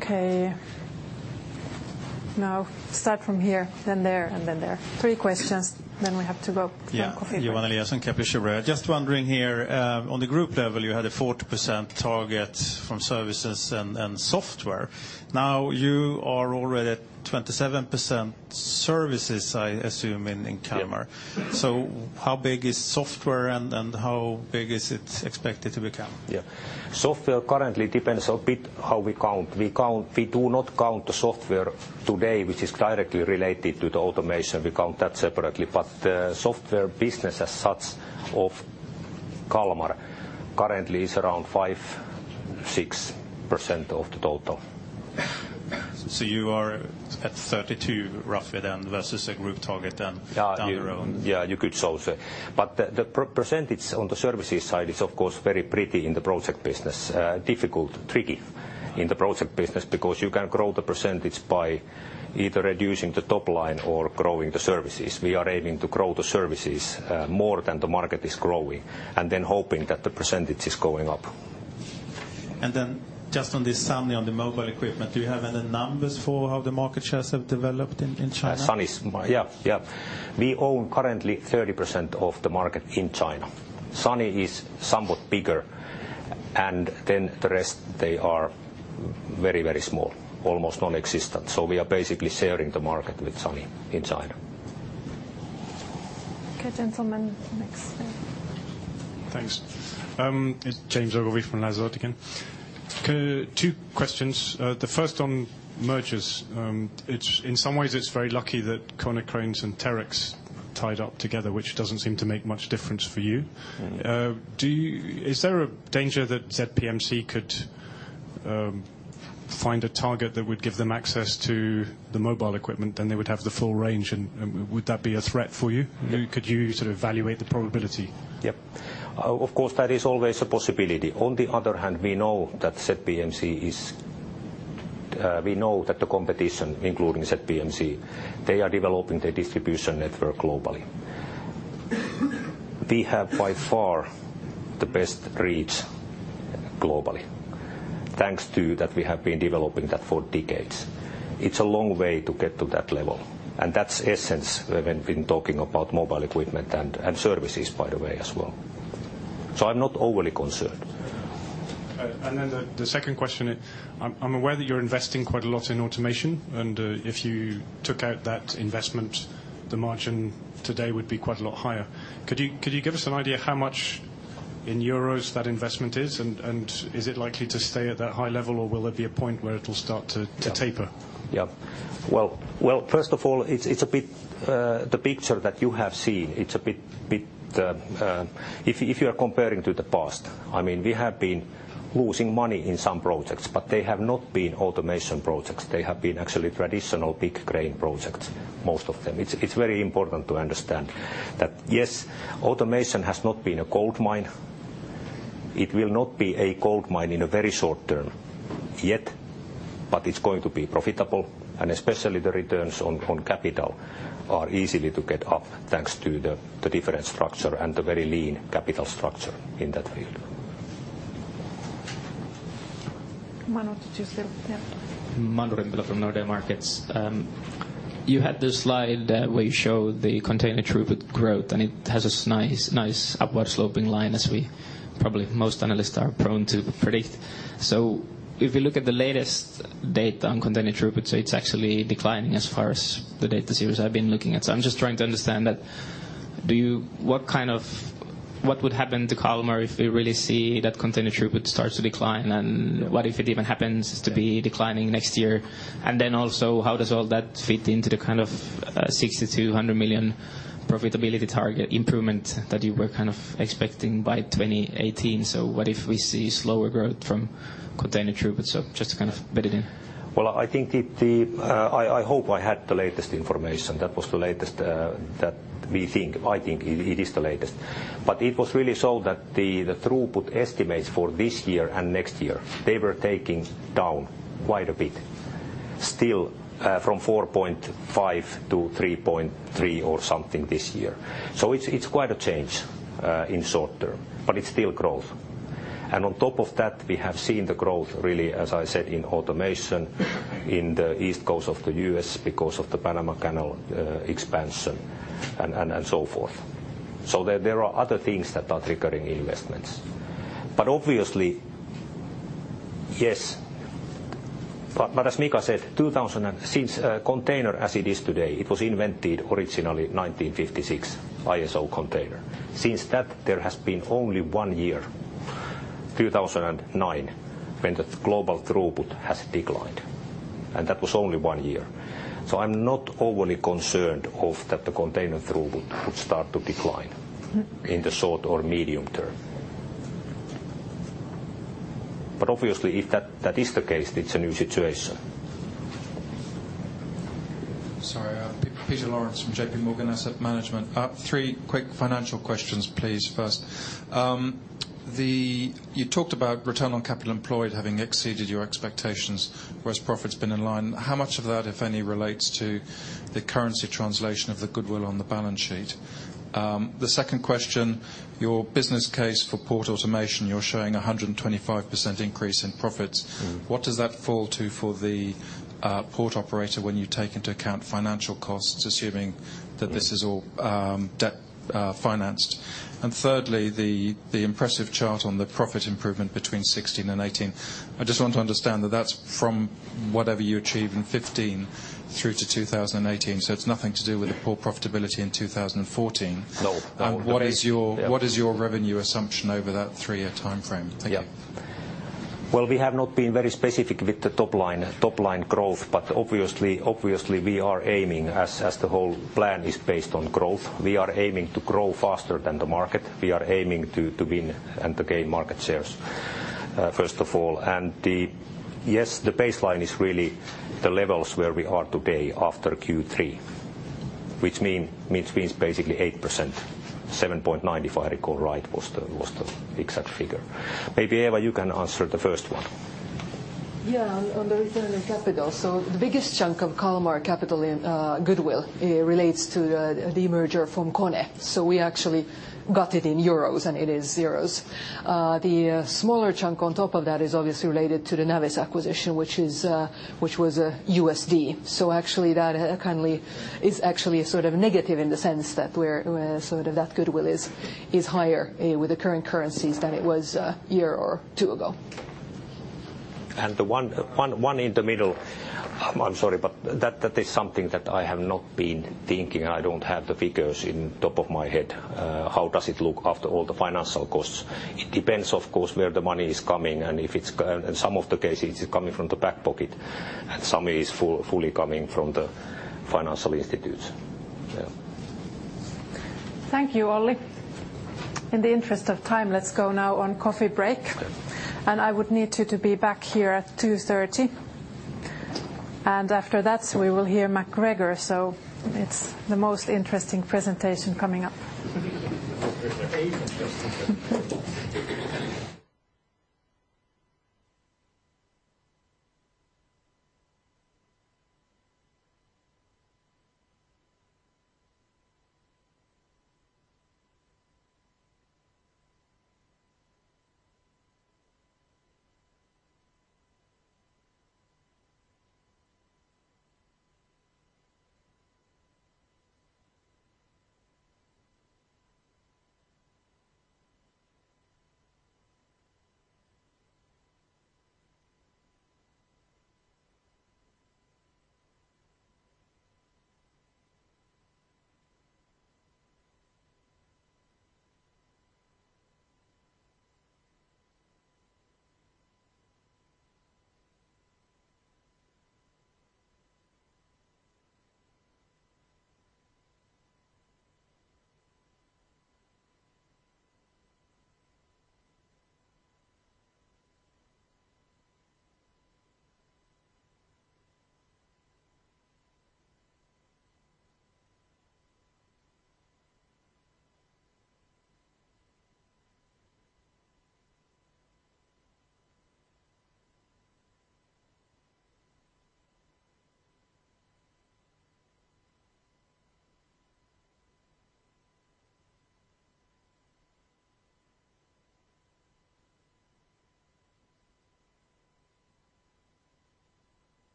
Okay. Start from here, then there, and then there. Three questions, we have to go for coffee. Johan Eliason, Kepler Cheuvreux. Just wondering here, on the group level, you had a 40% target from services and software. Now you are already at 27% services, I assume, in KALMAR. Yeah. How big is software and how big is it expected to become? Yeah. Software currently depends a bit how we count. We do not count the software today which is directly related to the automation. We count that separately. The software business as such of KALMAR currently is around 5%, 6% of the total. You are at 32 roughly then versus a group target then down the road. Yeah, you could say. The percentage on the services side is of course very pretty in the project business. Difficult, tricky in the project business because you can grow the percentage by either reducing the top line or growing the services. We are aiming to grow the services more than the market is growing, hoping that the percentage is going up. Just on the SANY, on the mobile equipment, do you have any numbers for how the market shares have developed in China? SANY's. Yeah. Yeah. We own currently 30% of the market in China. SANY is somewhat bigger. The rest, they are very, very small, almost non-existent. We are basically sharing the market with SANY in China. Okay, gentleman next there. Thanks. It's James Oldroyd from Lazard again. Two questions. The first on mergers. In some ways, it's very lucky that Konecranes and Terex tied up together, which doesn't seem to make much difference for you. Mm-hmm. Is there a danger that ZPMC could find a target that would give them access to the mobile equipment? They would have the full range and would that be a threat for you? Mm-hmm. Could you sort of evaluate the probability? Yep. Of course, that is always a possibility. On the other hand, we know that ZPMC is, we know that the competition, including ZPMC, they are developing their distribution network globally. We have by far the best reach globally, thanks to that we have been developing that for decades. It's a long way to get to that level, and that's essence when been talking about mobile equipment and services by the way as well. I'm not overly concerned. The second question is I'm aware that you're investing quite a lot in automation, and if you took out that investment, the margin today would be quite a lot higher. Could you give us an idea how much? In euros that investment is, and is it likely to stay at that high level or will there be a point where it'll start to taper? Well, first of all, it's a bit the picture that you have seen, it's a bit if you are comparing to the past, I mean, we have been losing money in some projects. They have not been automation projects, they have been actually traditional big crane projects, most of them. It's very important to understand that, yes, automation has not been a gold mine. It will not be a gold mine in a very short term yet, but it's going to be profitable. Especially the returns on capital are easily to get up thanks to the different structure and the very lean capital structure in t Manu Rimpelä to choose there. Yeah. Manu from Nordea Markets. You had this slide where you showed the container throughput growth, and it has this nice upward sloping line as we probably most analysts are prone to predict. If you look at the latest data on container throughput, it's actually declining as far as the data series I've been looking at. I'm just trying to understand that what would happen to KALMAR if we really see that container throughput starts to decline and what if it even happens to be declining next year? Also, how does all that fit into the kind of 60 million-100 million profitability target improvement that you were kind of expecting by 2018? What if we see slower growth from container throughput? Just to kind of bed it in. Well, I think I hope I had the latest information. That was the latest that we think. I think it is the latest. It was really so that the throughput estimates for this year and next year, they were taking down quite a bit. Still, from 4.5% to 3.3% or something this year. It's quite a change in short term, but it's still growth. On top of that, we have seen the growth really, as I said, in automation in the East Coast of the U.S. because of the Panama Canal expansion and so forth. There are other things that are triggering investments. Obviously, yes. As Mika said, 2000 and... Since container as it is today, it was invented originally 1956, ISO container. Since that there has been only one year, 2009, when the global throughput has declined. That was only one year. I'm not overly concerned of that the container throughput would start to decline in the short or medium term. Obviously, if that is the case, it's a new situation. Sorry. Peter Lawrence from J.P. Morgan Asset Management. Three quick financial questions, please. First, you talked about return on capital employed having exceeded your expectations, whereas profit's been in line. How much of that, if any, relates to the currency translation of the goodwill on the balance sheet? The second question, your business case for port automation, you're showing a 125% increase in profits. Mm-hmm. What does that fall to for the port operator when you take into account financial costs, assuming that this is all debt financed? Thirdly, the impressive chart on the profit improvement between 16 and 18. I just want to understand that that's from whatever you achieve in 15 through to 2018. It's nothing to do with the poor profitability in 2014. No. What is your- Yeah. What is your revenue assumption over that three-year timeframe? Thank you. Yeah. Well, we have not been very specific with the top line growth, obviously we are aiming as the whole plan is based on growth. We are aiming to grow faster than the market. We are aiming to win and to gain market shares, first of all. Yes, the baseline is really the levels where we are today after Q3, which means basically 8%, 7.9%, if I recall right, was the exact figure. Maybe, Eeva, you can answer the first one. On the return on capital. The biggest chunk of KALMAR capital in goodwill, it relates to the merger from Kone. We actually got it in euros, and it is euros. The smaller chunk on top of that is obviously related to the Navis acquisition, which is, which was USD. Actually that kindly is actually a sort of negative in the sense that we're sort of that goodwill is higher with the current currencies than it was a year or two ago. The one, one in the middle, I'm sorry, but that is something that I have not been thinking. I don't have the figures in top of my head. How does it look after all the financial costs? It depends, of course, where the money is coming, and if it's and some of the cases, it's coming from the back pocket, and some is fully coming from the financial institutes. Yeah. Thank you, Olli. In the interest of time, let's go now on coffee break. Sure. I would need you to be back here at 2:30 P.M. After that, we will hear MacGregor. It's the most interesting presentation coming up.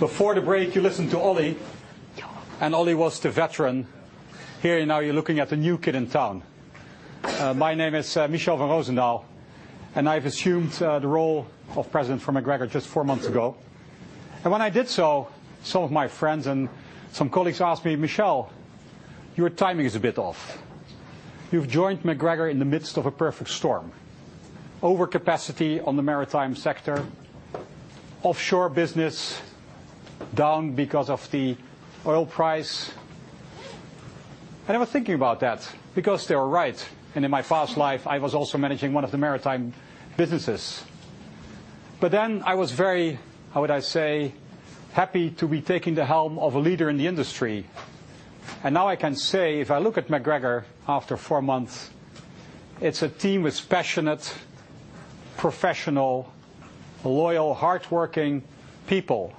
Before the break, you listened to Olli was the veteran. Here now you're looking at the new kid in town. My name is Michel van Roozendaal, I've assumed the role of President for MacGregor just four months ago. When I did so, some of my friends and some colleagues asked me, "Michel, your timing is a bit off. You've joined MacGregor in the midst of a perfect storm. Overcapacity on the maritime sector, offshore business down because of the oil price." I was thinking about that because they were right, in my past life I was also managing one of the maritime businesses. Then I was very, how would I say, happy to be taking the helm of a leader in the industry. Now I can say, if I look at MacGregor after four months, it's a team with passionate, professional, loyal, hardworking people.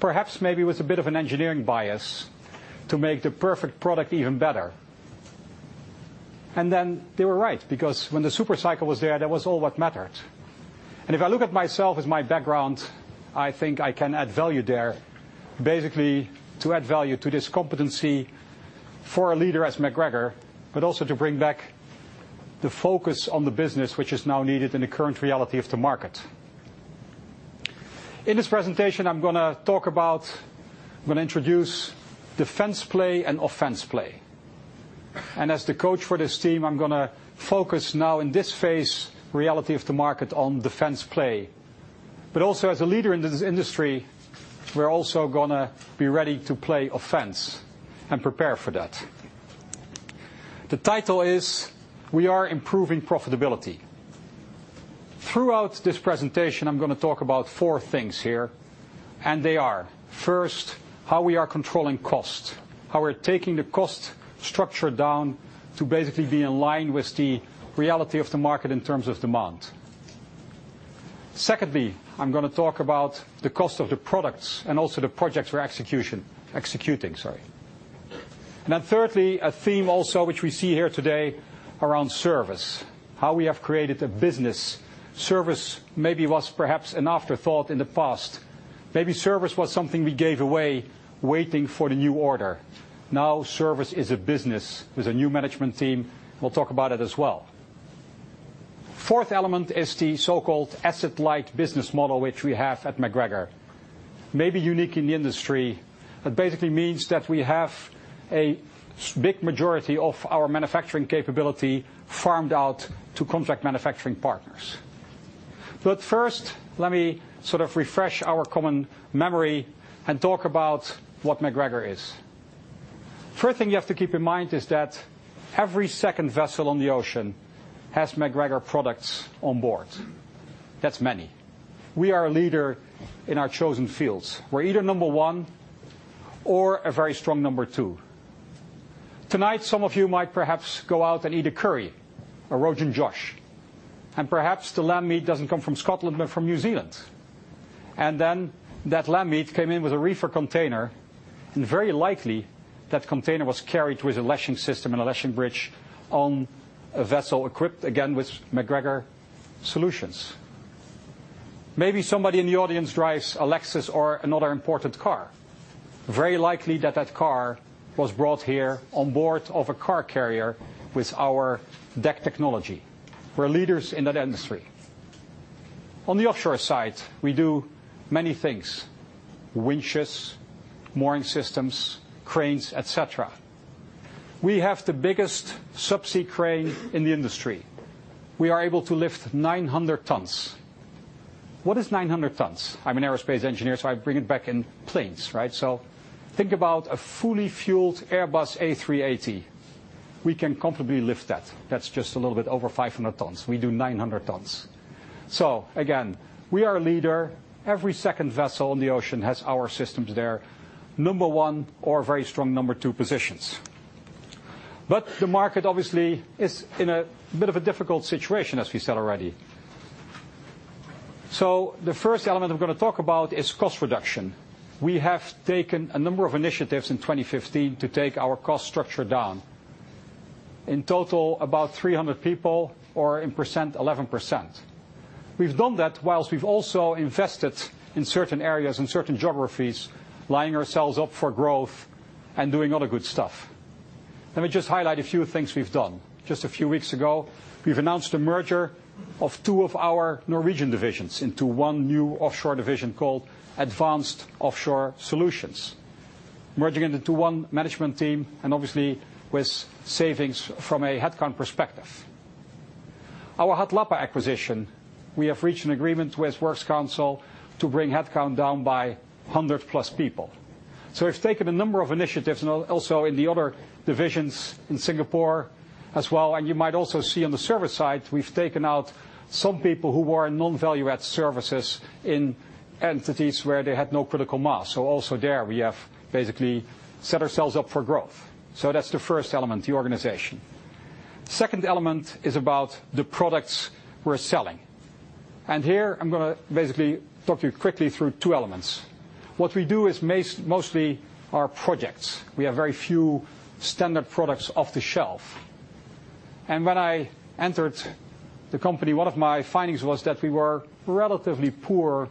Perhaps maybe with a bit of an engineering bias to make the perfect product even better. Then they were right, because when the super cycle was there, that was all what mattered. If I look at myself as my background, I think I can add value there, basically to add value to this competency for a leader as MacGregor, but also to bring back the focus on the business which is now needed in the current reality of the market. In this presentation, I'm gonna talk about. I'm gonna introduce defense play and offense play. As the coach for this team, I'm gonna focus now in this phase, reality of the market, on defense play. Also as a leader in this industry, we're also going to be ready to play offense and prepare for that. The title is, We Are Improving Profitability. Throughout this presentation, I'm going to talk about four things here, and they are: first, how we are controlling costs, how we're taking the cost structure down to basically be in line with the reality of the market in terms of demand. Secondly, I'm going to talk about the cost of the products and also the projects we're executing, sorry. Then thirdly, a theme also which we see here today around service. How we have created a business. Service maybe was perhaps an afterthought in the past. Maybe service was something we gave away waiting for the new order. Now service is a business. With the new management team, we'll talk about it as well. Fourth element is the so-called asset-light business model, which we have at MacGregor. Maybe unique in the industry, but basically means that we have a big majority of our manufacturing capability farmed out to contract manufacturing partners. First, let me sort of refresh our common memory and talk about what MacGregor is. First thing you have to keep in mind is that every second vessel on the ocean has MacGregor products on board. That's many. We are a leader in our chosen fields. We're either number one or a very strong number two. Tonight, some of you might perhaps go out and eat a curry or rogan josh, and perhaps the lamb meat doesn't come from Scotland, but from New Zealand. That lamb meat came in with a reefer container, and very likely that container was carried with a latching system and a latching bridge on a vessel equipped again with MacGregor solutions. Maybe somebody in the audience drives a Lexus or another imported car. Very likely that that car was brought here on board of a car carrier with our deck technology. We're leaders in that industry. On the offshore side, we do many things: winches, mooring systems, cranes, et cetera. We have the biggest subsea crane in the industry. We are able to lift 900 tons. What is 900 tons? I'm an aerospace engineer, so I bring it back in planes, right? Think about a fully fueled Airbus A380. We can comfortably lift that. That's just a little bit over 500 tons. We do 900 tons. Again, we are a leader. Every second vessel in the ocean has our systems there. Number one or very strong number two positions. The market obviously is in a bit of a difficult situation, as we said already. The first element I'm gonna talk about is cost reduction. We have taken a number of initiatives in 2015 to take our cost structure down. In total, about 300 people or in percent, 11%. We've done that whilst we've also invested in certain areas and certain geographies, lining ourselves up for growth and doing other good stuff. Let me just highlight a few things we've done. Just a few weeks ago, we've announced a merger of two of our Norwegian divisions into one new offshore division called Advanced Offshore Solutions, merging into one management team and obviously with savings from a headcount perspective. Our Hatlapa acquisition, we have reached an agreement with Works Council to bring headcount down by 100-plus people. We've taken a number of initiatives, and also in the other divisions in Singapore as well. You might also see on the service side, we've taken out some people who were in non-value-add services in entities where they had no critical mass. Also there we have basically set ourselves up for growth. That's the first element, the organization. Second element is about the products we're selling. Here I'm gonna basically talk you quickly through two elements. What we do is mostly are projects. We have very few standard products off the shelf. When I entered the company, one of my findings was that we were relatively poor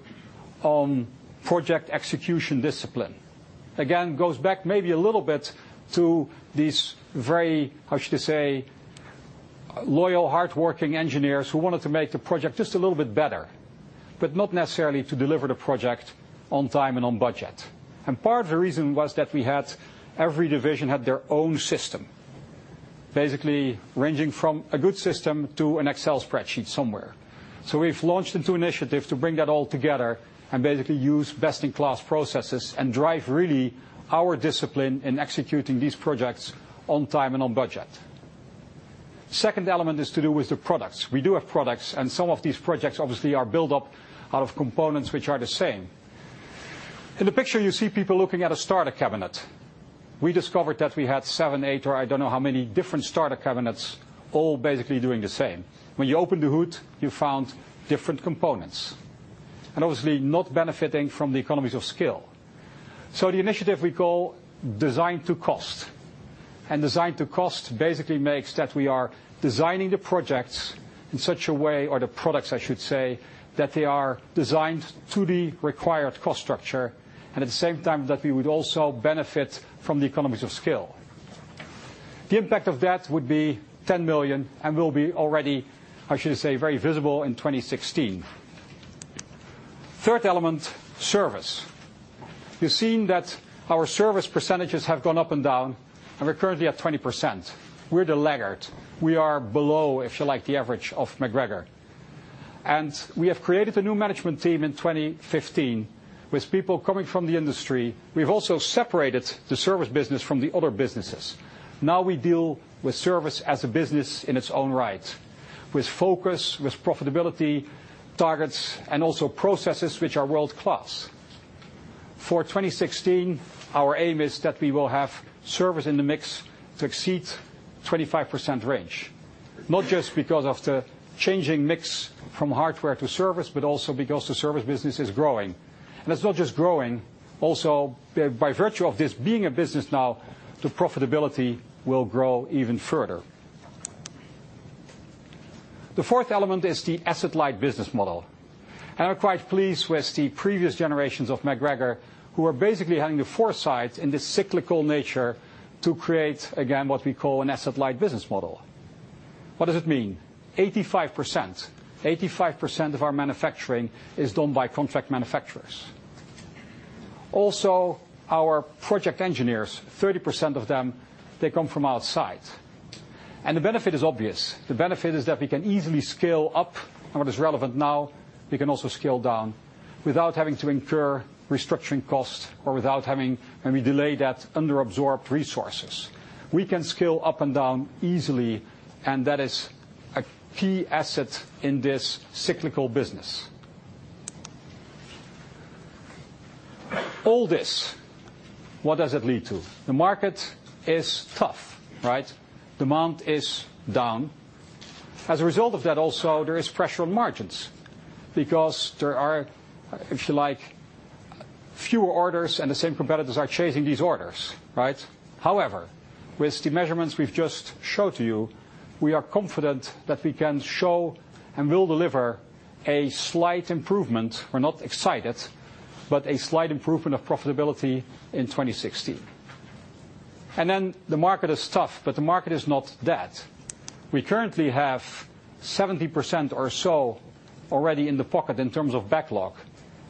on project execution discipline. Again, goes back maybe a little bit to these very, how should I say, loyal, hardworking engineers who wanted to make the project just a little bit better, but not necessarily to deliver the project on time and on budget. Part of the reason was that every division had their own system, basically ranging from a good system to an Excel spreadsheet somewhere. We've launched into initiative to bring that all together and basically use best-in-class processes and drive really our discipline in executing these projects on time and on budget. Second element is to do with the products. We do have products, and some of these projects obviously are built up out of components which are the same. In the picture, you see people looking at a starter cabinet. We discovered that we had 7, 8, or I don't know how many different starter cabinets, all basically doing the same. When you open the hood, you found different components, and obviously not benefiting from the economies of scale. The initiative we call Design to Cost. Design to Cost basically makes that we are designing the projects in such a way, or the products I should say, that they are designed to the required cost structure and at the same time that we would also benefit from the economies of skill. The impact of that would be 10 million and will be already, I should say, very visible in 2016. Third element, service. You're seeing that our service percentages have gone up and down, and we're currently at 20%. We're the laggard. We are below, if you like, the average of MacGregor. We have created a new management team in 2015 with people coming from the industry. We've also separated the service business from the other businesses. Now we deal with service as a business in its own right, with focus, with profitability targets, and also processes which are world-class. For 2016, our aim is that we will have service in the mix to exceed 25% range, not just because of the changing mix from hardware to service, but also because the service business is growing. It's not just growing. Also, by virtue of this being a business now, the profitability will grow even further. The fourth element is the asset-light business model. I'm quite pleased with the previous generations of MacGregor, who are basically having the foresight in this cyclical nature to create again what we call an asset-light business model. What does it mean? 85%. 85% of our manufacturing is done by contract manufacturers. Our project engineers, 30% of them, they come from outside. The benefit is obvious. The benefit is that we can easily scale up. What is relevant now, we can also scale down without having to incur restructuring costs or without having any delay that under-absorbed resources. We can scale up and down easily, and that is a key asset in this cyclical business. All this, what does it lead to? The market is tough, right? Demand is down. As a result of that also, there is pressure on margins because there are, if you like, fewer orders and the same competitors are chasing these orders, right? However, with the measurements we've just showed to you, we are confident that we can show and will deliver a slight improvement. We're not excited, but a slight improvement of profitability in 2016. The market is tough, but the market is not dead. We currently have 70% or so already in the pocket in terms of backlog.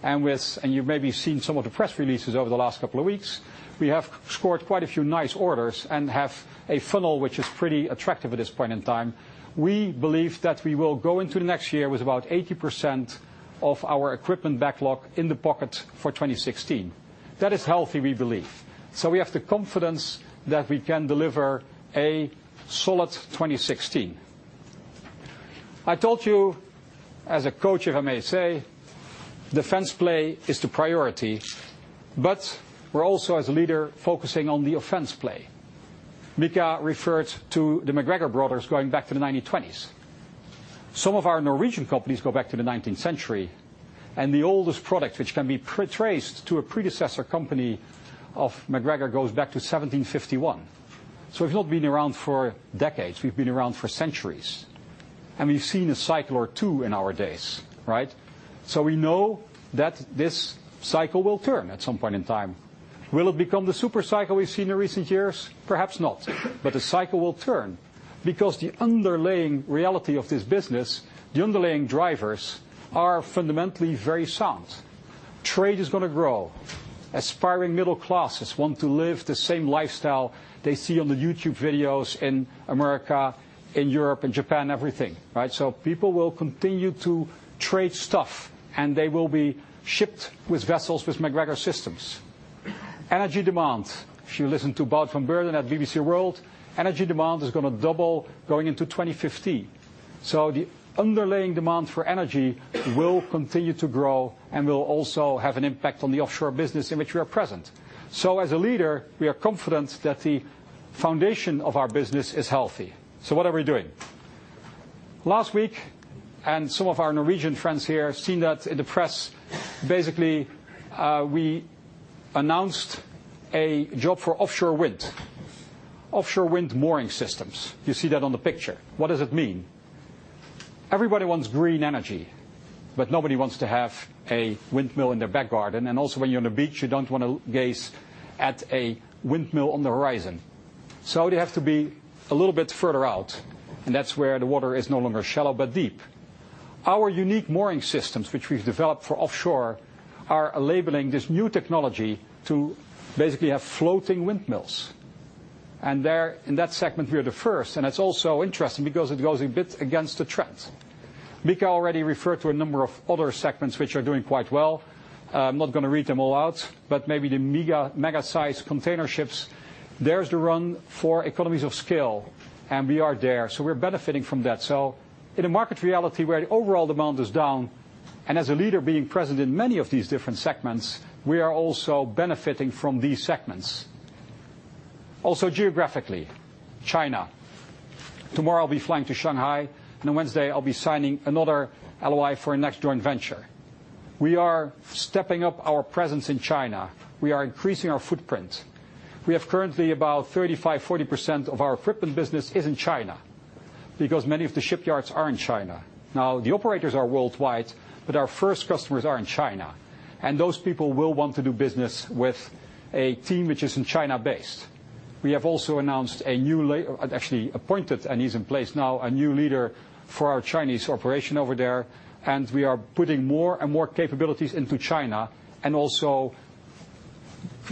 You've maybe seen some of the press releases over the last couple of weeks, we have scored quite a few nice orders and have a funnel which is pretty attractive at this point in time. We believe that we will go into the next year with about 80% of our equipment backlog in the pocket for 2016. That is healthy, we believe. We have the confidence that we can deliver a solid 2016. I told you as a coach, if I may say, defense play is the priority, but we're also as a leader, focusing on the offense play. Mika referred to the MacGregor brothers going back to the 1920s. Some of our Norwegian companies go back to the 19th century, and the oldest product, which can be traced to a predecessor company of MacGregor, goes back to 1751. We've not been around for decades, we've been around for centuries, and we've seen a cycle or two in our days, right? We know that this cycle will turn at some point in time. Will it become the super cycle we've seen in recent years? Perhaps not, but the cycle will turn because the underlying reality of this business, the underlying drivers are fundamentally very sound. Trade is going to grow. Aspiring middle classes want to live the same lifestyle they see on the YouTube videos in America, in Europe, in Japan, everything, right? People will continue to trade stuff, and they will be shipped with vessels with MacGregor Systems. Energy demand. If you listen to Bob von Bergen at BBC World, energy demand is going to double going into 2050. The underlying demand for energy will continue to grow and will also have an impact on the offshore business in which we are present. As a leader, we are confident that the foundation of our business is healthy. What are we doing? Last week, and some of our Norwegian friends here have seen that in the press, basically, we announced a job for offshore wind. Offshore wind mooring systems. You see that on the picture. What does it mean? Everybody wants green energy, but nobody wants to have a windmill in their back garden. Also when you're on a beach, you don't want to gaze at a windmill on the horizon. They have to be a little bit further out, and that's where the water is no longer shallow, but deep. Our unique mooring systems, which we've developed for offshore, are labeling this new technology to basically have floating windmills. In that segment, we are the first, and it's also interesting because it goes a bit against the trend. Mika already referred to a number of other segments which are doing quite well. I'm not going to read them all out, maybe the mega-size container ships, there's the run for economies of scale, and we are there. We're benefiting from that. In a market reality where the overall demand is down, and as a leader being present in many of these different segments, we are also benefiting from these segments. Also geographically, China. Tomorrow, I'll be flying to Shanghai, and on Wednesday, I'll be signing another LOI for a next joint venture. We are stepping up our presence in China. We are increasing our footprint. We have currently about 35%, 40% of our equipment business is in China because many of the shipyards are in China. The operators are worldwide, but our first customers are in China, and those people will want to do business with a team which is in China-based. We have also announced a new actually appointed, and he's in place now, a new leader for our Chinese operation over there, and we are putting more and more capabilities into China and also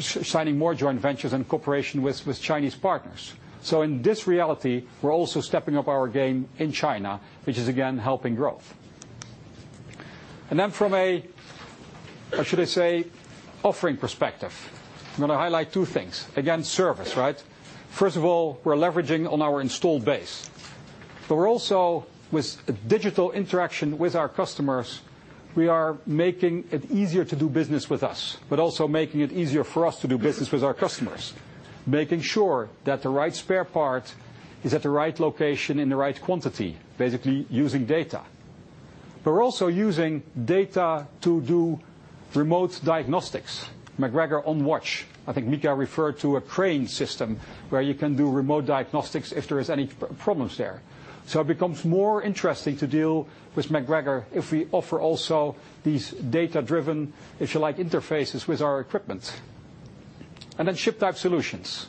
signing more joint ventures in cooperation with Chinese partners. In this reality, we're also stepping up our game in China, which is again helping growth. From a, or should I say, offering perspective, I'm going to highlight two things. Again, service, right? First of all, we're leveraging on our installed base. We're also with digital interaction with our customers, we are making it easier to do business with us, but also making it easier for us to do business with our customers. Making sure that the right spare part is at the right location in the right quantity, basically using data. We're also using data to do remote diagnostics. MacGregor OnWatch. I think Mika referred to a crane system where you can do remote diagnostics if there is any problems there. It becomes more interesting to deal with MacGregor if we offer also these data-driven, if you like, interfaces with our equipment. Ship type solutions.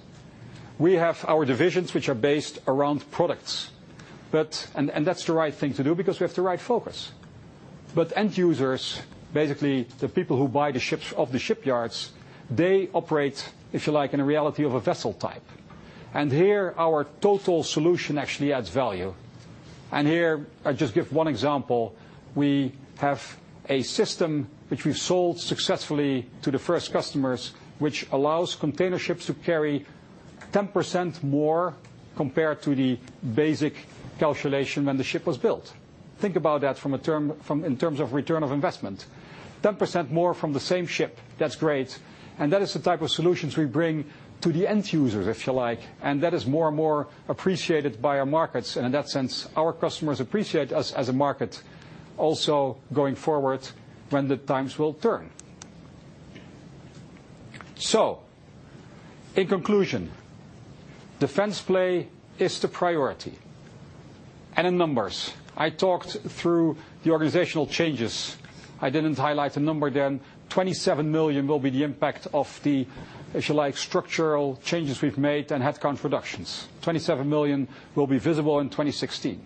We have our divisions which are based around products. That's the right thing to do because we have the right focus. End users, basically the people who buy the ships of the shipyards, they operate, if you like, in a reality of a vessel type. Here, our total solution actually adds value. Here, I just give one example. We have a system which we've sold successfully to the first customers, which allows container ships to carry 10% more compared to the basic calculation when the ship was built. Think about that in terms of return of investment. 10% more from the same ship. That's great. That is the type of solutions we bring to the end users, if you like. That is more and more appreciated by our markets. In that sense, our customers appreciate us as a market also going forward when the times will turn. In conclusion, defense play is the priority. In numbers, I talked through the organizational changes. I didn't highlight the number then. 27 million will be the impact of the, if you like, structural changes we've made and headcount reductions. 27 million will be visible in 2016.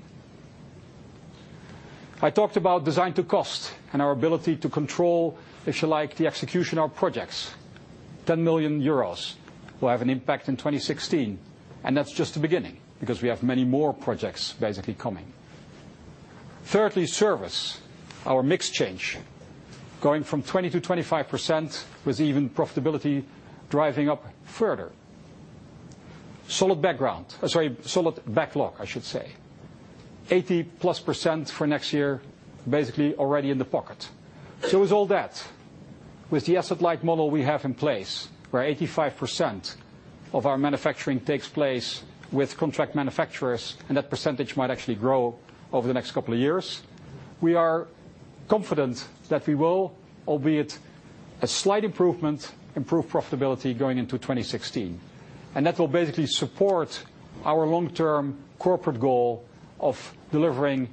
I talked about Design to Cost and our ability to control, if you like, the execution of projects. 10 million euros will have an impact in 2016. That's just the beginning, because we have many more projects basically coming. Thirdly, service. Our mix change, going from 20%-25% with even profitability driving up further. Solid background. Sorry, solid backlog, I should say. 80%+ for next year, basically already in the pocket. With all that, with the asset-light model we have in place, where 85% of our manufacturing takes place with contract manufacturers, and that percentage might actually grow over the next couple of years, we are confident that we will, albeit a slight improvement, improve profitability going into 2016. That will basically support our long-term corporate goal of delivering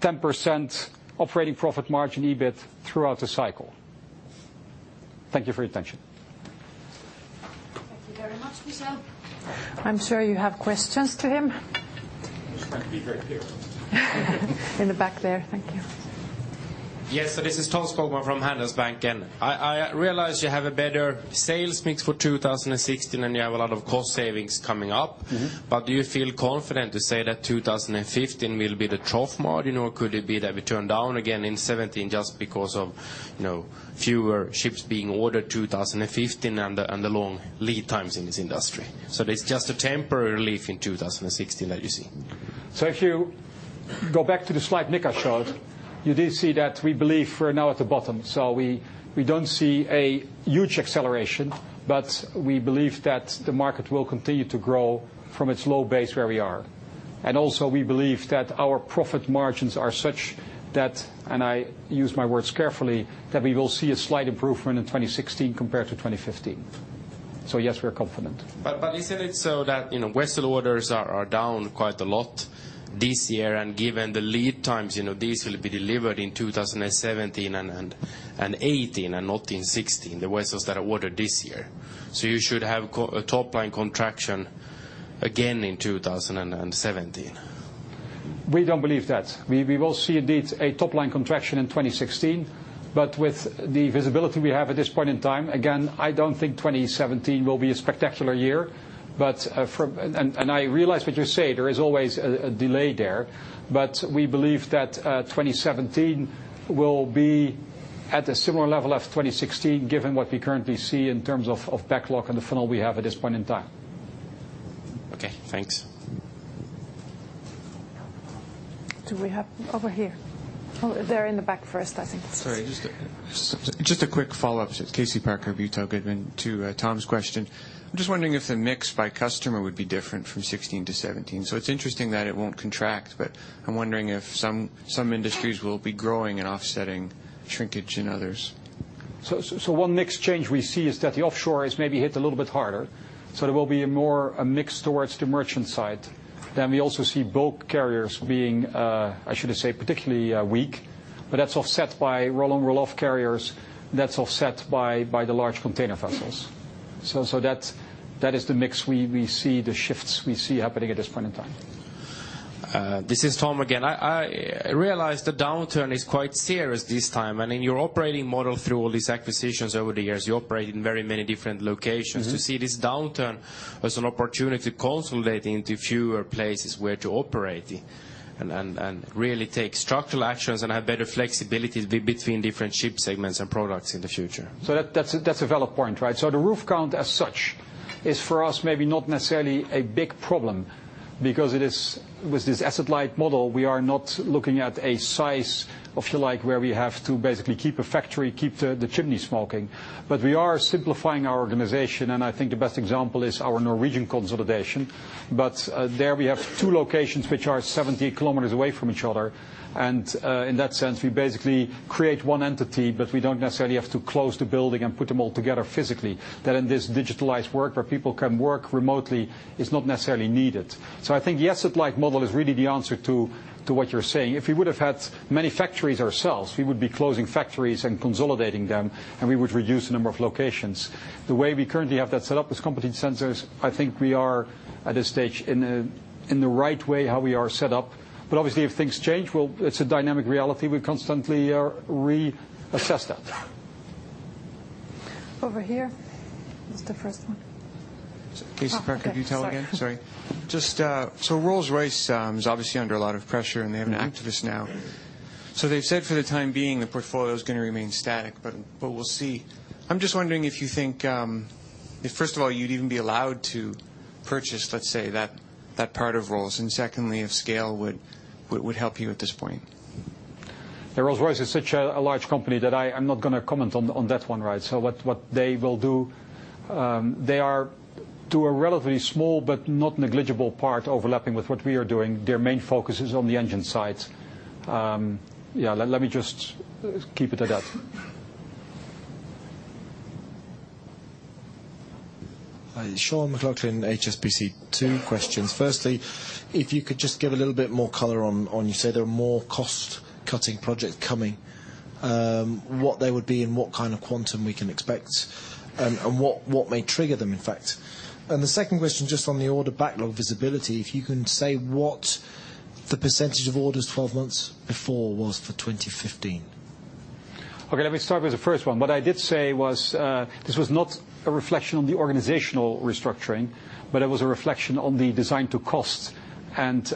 10% operating profit margin EBIT throughout the cycle. Thank you for your attention. Thank you very much, Marcel. I'm sure you have questions to him. This might be very clear. In the back there. Thank you. Yes. This is Tom Stønvold from Handelsbanken. I realize you have a better sales mix for 2016, you have a lot of cost savings coming up. Mm-hmm. Do you feel confident to say that 2015 will be the trough mark? You know, could it be that we turn down again in 2017 just because of, you know, fewer ships being ordered 2015 and the, and the long lead times in this industry? It's just a temporary relief in 2016 that you see? If you go back to the slide Nick has showed, you did see that we believe we're now at the bottom. We don't see a huge acceleration, but we believe that the market will continue to grow from its low base where we are. Also, we believe that our profit margins are such that, and I use my words carefully, that we will see a slight improvement in 2016 compared to 2015. Yes, we are confident. Isn't it so that, you know, vessel orders are down quite a lot this year, and given the lead times, you know, these will be delivered in 2017 and 2018 and not in 2016, the vessels that are ordered this year. You should have a top-line contraction again in 2017. We don't believe that. We will see indeed a top-line contraction in 2016, but with the visibility we have at this point in time, again, I don't think 2017 will be a spectacular year. I realize what you say. There is always a delay there. We believe that, 2017 will be at a similar level of 2016, given what we currently see in terms of backlog and the funnel we have at this point in time. Okay, thanks. Do we have? Over here. Oh, there in the back first, I think. Sorry, just a quick follow-up. It's Casey Parker of Utagodin to Tom's question. I'm just wondering if the mix by customer would be different from 16 to 17. It's interesting that it won't contract, but I'm wondering if some industries will be growing and offsetting shrinkage in others. One mix change we see is that the offshore is maybe hit a little bit harder. There will be a more, a mix towards the merchant side. We also see bulk carriers being, I should say, particularly weak. That's offset by roll on, roll off carriers. That's offset by the large container vessels. That's, that is the mix we see, the shifts we see happening at this point in time. This is Tom again. I realize the downturn is quite serious this time, and in your operating model through all these acquisitions over the years, you operate in very many different locations. Mm-hmm. To see this downturn as an opportunity consolidating to fewer places where to operate and really take structural actions and have better flexibility between different ship segments and products in the future. That, that's a, that's a valid point, right? The roof count as such is for us maybe not necessarily a big problem because it is, with this asset-light model, we are not looking at a size, if you like, where we have to basically keep a factory, keep the chimney smoking. We are simplifying our organization, and I think the best example is our Norwegian consolidation. There we have two locations which are 70 kilometers away from each other. In that sense, we basically create one entity, but we don't necessarily have to close the building and put them all together physically. That in this digitalized work where people can work remotely, it's not necessarily needed. I think the asset-light model is really the answer to what you're saying. If we would have had many factories ourselves, we would be closing factories and consolidating them, and we would reduce the number of locations. The way we currently have that set up with competent centers, I think we are at a stage in the right way how we are set up. Obviously, if things change, well, it's a dynamic reality. We constantly are reassess that. Over here. What's the first one? Casey Parker of Utagodin again. Oh, sorry. Sorry. Just, Rolls-Royce is obviously under a lot of pressure, and they have a new to this now. Yeah. They've said for the time being the portfolio is going to remain static, but we'll see. I'm just wondering if you think, if first of all you'd even be allowed to purchase, let's say, that part of Rolls, and secondly, if scale would help you at this point. Rolls-Royce is such a large company that I am not going to comment on that one, right? What they will do, they are to a relatively small but not negligible part overlapping with what we are doing. Their main focus is on the engine side. Yeah, let me just keep it at that. Sean McLoughlin, HSBC. Two questions. Firstly, if you could just give a little bit more color on you say there are more cost-cutting projects coming, what they would be and what kind of quantum we can expect and what may trigger them in fact? The second question, just on the order backlog visibility, if you can say what the percentage of orders 12 months before was for 2015. Okay, let me start with the first one. What I did say was, this was not a reflection on the organizational restructuring, but it was a reflection on the design to cost and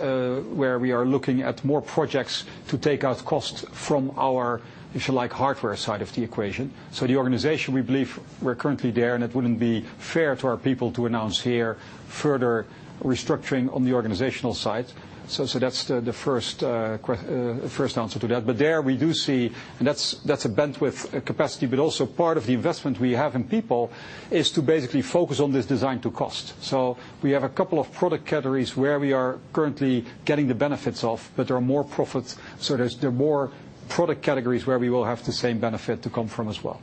where we are looking at more projects to take out costs from our, if you like, hardware side of the equation. The organization, we believe we're currently there, and it wouldn't be fair to our people to announce here further restructuring on the organizational side. So that's the first answer to that. There we do see, and that's a bandwidth capacity, but also part of the investment we have in people is to basically focus on this design to cost. We have a couple of product categories where we are currently getting the benefits of, but there are more profits. There are more product categories where we will have the same benefit to come from as well.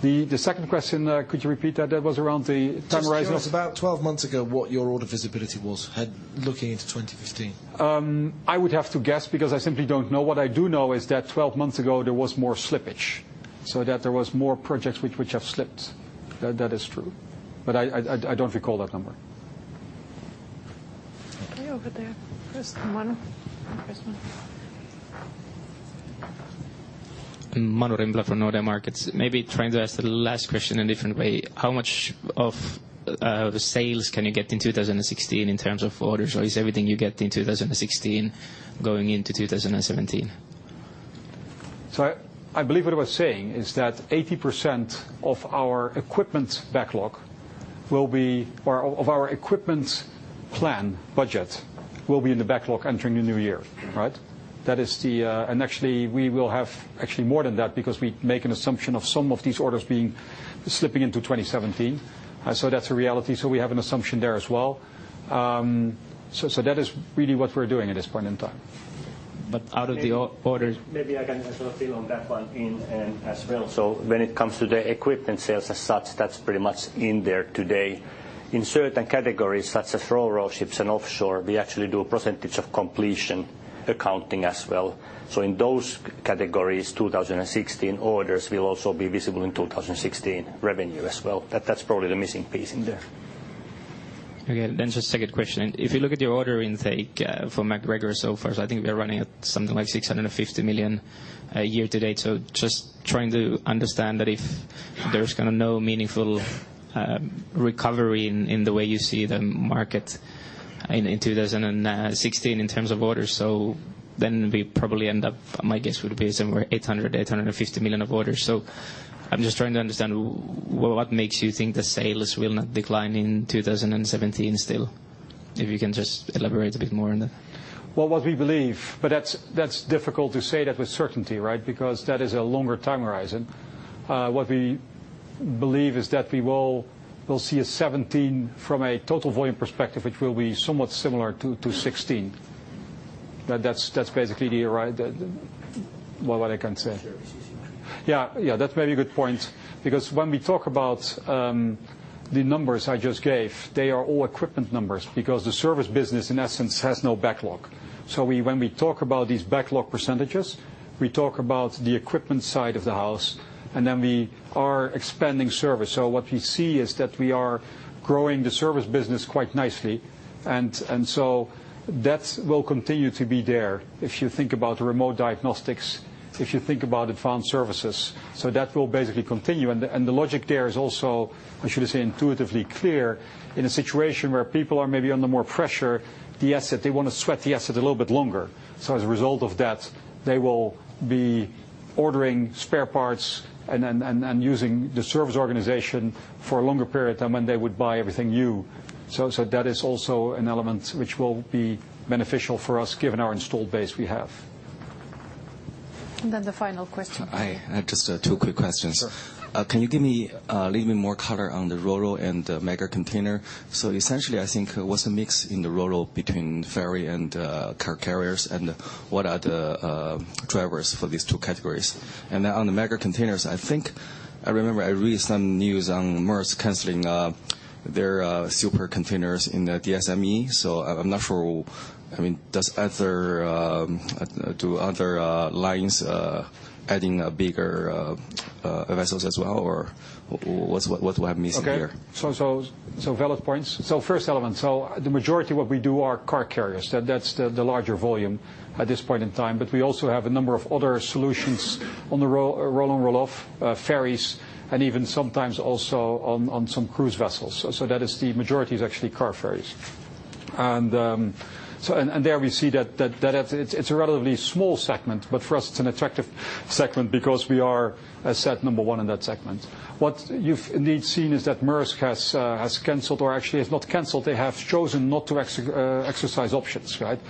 The second question, could you repeat that? That was around the time horizon. Just curious about 12 months ago, what your order visibility was had, looking into 2015? I would have to guess because I simply don't know. What I do know is that 12 months ago, there was more slippage, so that there was more projects which have slipped. That is true. I don't recall that number. Okay over there. Manu Rimpelä. Manu Rimpelä from Nordea Markets. Maybe trying to ask the last question a different way. How much of the sales can you get in 2016 in terms of orders? Is everything you get in 2016 going into 2017? I believe what I was saying is that 80% of our equipment backlog will be or of our equipment plan budget will be in the backlog entering the new year, right? That is the... Actually, we will have actually more than that because we make an assumption of some of these orders being slipping into 2017. That's a reality. We have an assumption there as well. That is really what we're doing at this point in time. Out of the orders Maybe I can sort of fill on that one in as well. When it comes to the equipment sales as such, that's pretty much in there today. In certain categories, such as ro-ro ships and offshore, we actually do a percentage of completion accounting as well. In those categories, 2016 orders will also be visible in 2016 revenue as well. That's probably the missing piece in there. Okay, just second question. If you look at your order intake, for MacGregor so far, I think we are running at something like 650 million, year to date. Just trying to understand that if there's kind of no meaningful recovery in the way you see the market in 2016 in terms of orders. We probably end up, my guess would be somewhere 800 million-850 million of orders. I'm just trying to understand what makes you think the sales will not decline in 2017 still? If you can just elaborate a bit more on that. Well, what we believe, but that's difficult to say that with certainty, right? Because that is a longer time horizon. What we believe is that we will see a 17 from a total volume perspective, which will be somewhat similar to 16. That's basically the, right, the, well, what I can say. Services, you mean? Yeah, that's maybe a good point because when we talk about the numbers I just gave, they are all equipment numbers because the service business, in essence, has no backlog. When we talk about these backlog percentages, we talk about the equipment side of the house, and then we are expanding service. What we see is that we are growing the service business quite nicely. That will continue to be there if you think about remote diagnostics, if you think about advanced services. That will basically continue. The logic there is also, I should say, intuitively clear in a situation where people are maybe under more pressure, the asset, they want to sweat the asset a little bit longer. As a result of that, they will be ordering spare parts and using the service organization for a longer period of time, and they would buy everything new. That is also an element which will be beneficial for us given our installed base we have. The final question. Hi. I have just two quick questions. Sure. Can you give me a little bit more color on the ro-ro and the mega container? Essentially, I think what's the mix in the ro-ro between ferry and car carriers, and what are the drivers for these two categories? On the mega containers, I think I remember I read some news on Maersk canceling their super containers in the DSME. I'm not sure, I mean, does other lines adding bigger vessels as well, or what do I miss here? Okay. So valid points. First element, the majority what we do are car carriers. That's the larger volume at this point in time. We also have a number of other solutions on the roll on, roll off ferries, and even sometimes also on some cruise vessels. That is the majority is actually car ferries. There we see that it's a relatively small segment, but for us it's an attractive segment because we are asset number one in that segment. What you've indeed seen is that Maersk has canceled, or actually has not canceled, they have chosen not to exercise options, right?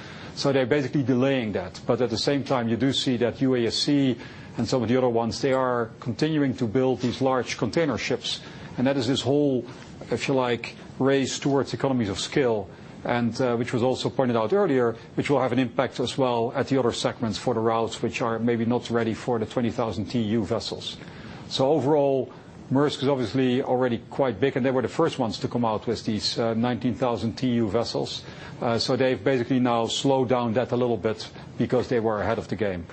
They're basically delaying that. At the same time, you do see that UASC and some of the other ones, they are continuing to build these large container ships. That is this whole, if you like, race towards economies of scale, and which was also pointed out earlier, which will have an impact as well at the other segments for the routes which are maybe not ready for the 20,000 TEU vessels. Overall, Maersk is obviously already quite big, and they were the first ones to come out with these 19,000 TEU vessels. They've basically now slowed down that a little bit because they were ahead of the game.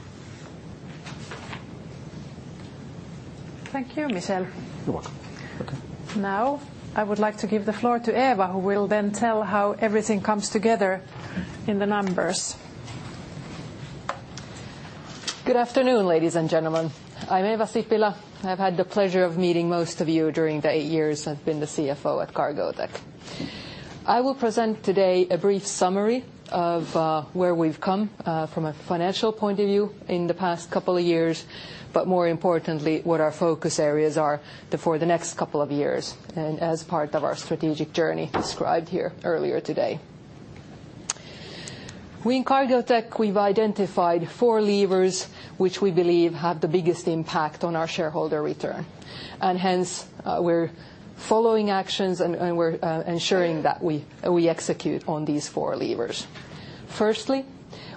Thank you, Michaël. You're welcome. I would like to give the floor to Eeva, who will then tell how everything comes together in the numbers. Good afternoon, ladies and gentlemen. I'm Eeva Sipilä. I've had the pleasure of meeting most of you during the eight years I've been the CFO at Cargotec. I will present today a brief summary of where we've come from a financial point of view in the past two years, but more importantly, what our focus areas are for the next two years, as part of our strategic journey described here earlier today. We in Cargotec, we've identified four levers which we believe have the biggest impact on our shareholder return. Hence, we're following actions and we're ensuring that we execute on these four levers. Firstly,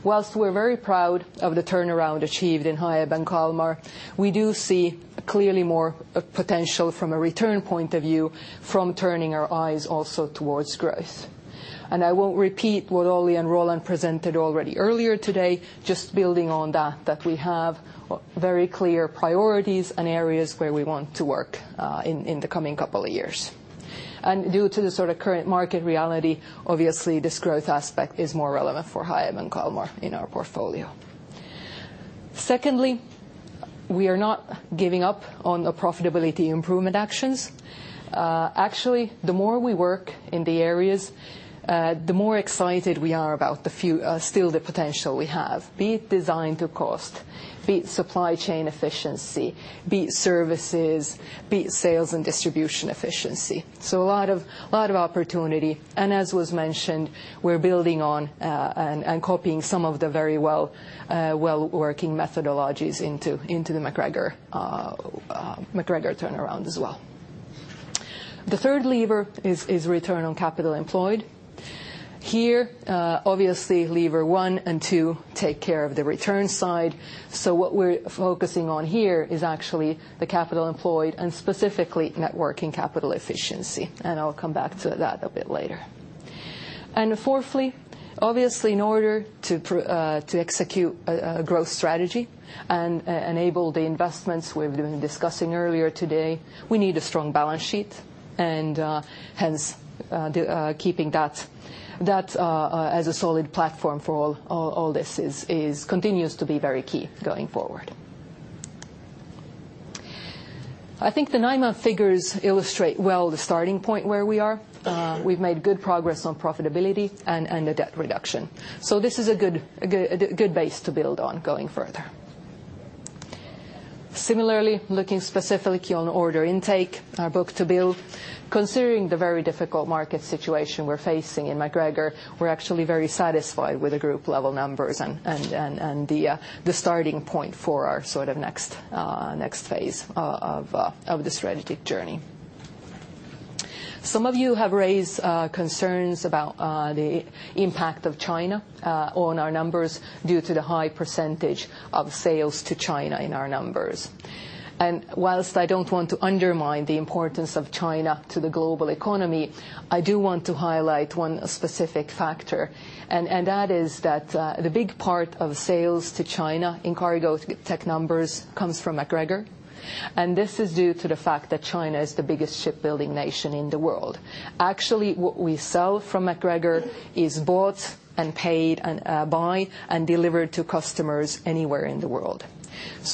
whilst we're very proud of the turnaround achieved in HIAB and KALMAR, we do see clearly more potential from a return point of view from turning our eyes also towards growth. I won't repeat what Olli and Roland presented already earlier today, just building on that we have very clear priorities and areas where we want to work in the coming couple of years. Due to the sort of current market reality, obviously this growth aspect is more relevant for HIAB and KALMAR in our portfolio. Secondly, we are not giving up on the profitability improvement actions. Actually, the more we work in the areas, the more excited we are about still the potential we have, be it Design to Cost, be it supply chain efficiency, be it services, be it sales and distribution efficiency. A lot of, a lot of opportunity. As was mentioned, we're building on, and copying some of the very well, well-working methodologies into the MacGregor turnaround as well. The third lever is return on capital employed. Here, obviously, lever one and two take care of the return side. What we're focusing on here is actually the capital employed and specifically networking capital efficiency, and I'll come back to that a bit later. Fourthly, obviously, in order to execute a growth strategy and enable the investments we've been discussing earlier today, we need a strong balance sheet, and hence, the keeping that, as a solid platform for all this continues to be very key going forward. I think the 9-month figures illustrate well the starting point where we are. We've made good progress on profitability and the debt reduction. This is a good base to build on going further. Similarly, looking specifically on order intake, our book-to-bill, considering the very difficult market situation we're facing in MacGregor, we're actually very satisfied with the group level numbers and the starting point for our sort of next phase of the strategic journey. Some of you have raised concerns about the impact of China on our numbers due to the high % of sales to China in our numbers. Whilst I don't want to undermine the importance of China to the global economy, I do want to highlight one specific factor, and that is that the big part of sales to China in Cargotec numbers comes from MacGregor. This is due to the fact that China is the biggest shipbuilding nation in the world. Actually, what we sell from MacGregor is bought and paid and delivered to customers anywhere in the world.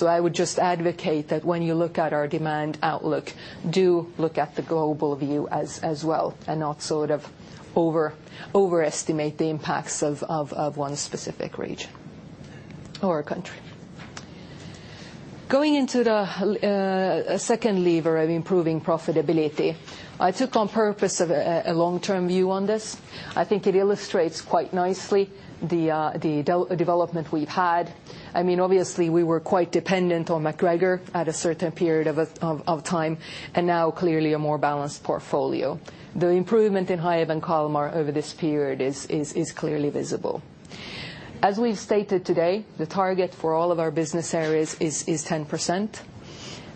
I would just advocate that when you look at our demand outlook, do look at the global view as well and not sort of overestimate the impacts of one specific region or country. Going into the second lever of improving profitability, I took on purpose of a long-term view on this. I think it illustrates quite nicely the de-development we've had. I mean, obviously, we were quite dependent on MacGregor at a certain period of time, now clearly a more balanced portfolio. The improvement in HIAB and KALMAR over this period is clearly visible. As we've stated today, the target for all of our business areas is 10%.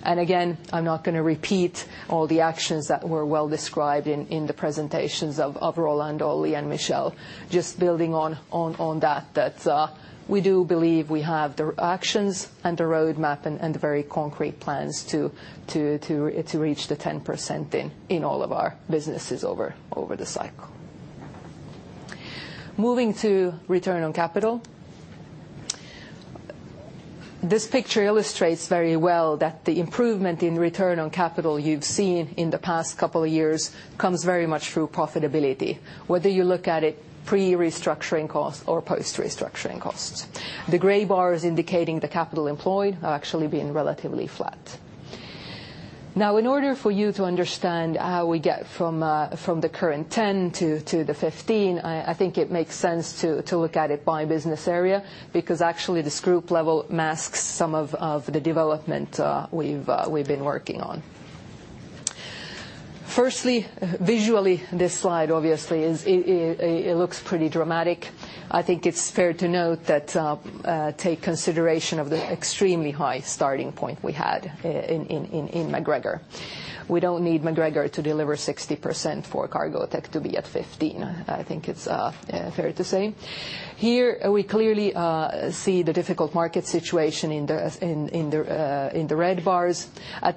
Again, I'm not gonna repeat all the actions that were well described in the presentations of Roland, Olli, and Michel. Just building on that, we do believe we have the actions and the roadmap and very concrete plans to reach the 10% in all of our businesses over the cycle. Moving to return on capital. This picture illustrates very well that the improvement in return on capital you've seen in the past couple of years comes very much through profitability, whether you look at it pre-restructuring costs or post-restructuring costs. The gray bar is indicating the capital employed are actually being relatively flat. In order for you to understand how we get from the current 10 to the 15, I think it makes sense to look at it by business area, because actually this group level masks some of the development we've been working on. Visually, this slide obviously is, it looks pretty dramatic. I think it's fair to note that, take consideration of the extremely high starting point we had in MacGregor. We don't need MacGregor to deliver 60% for Cargotec to be at 15, I think it's fair to say. Here, we clearly see the difficult market situation in the red bars.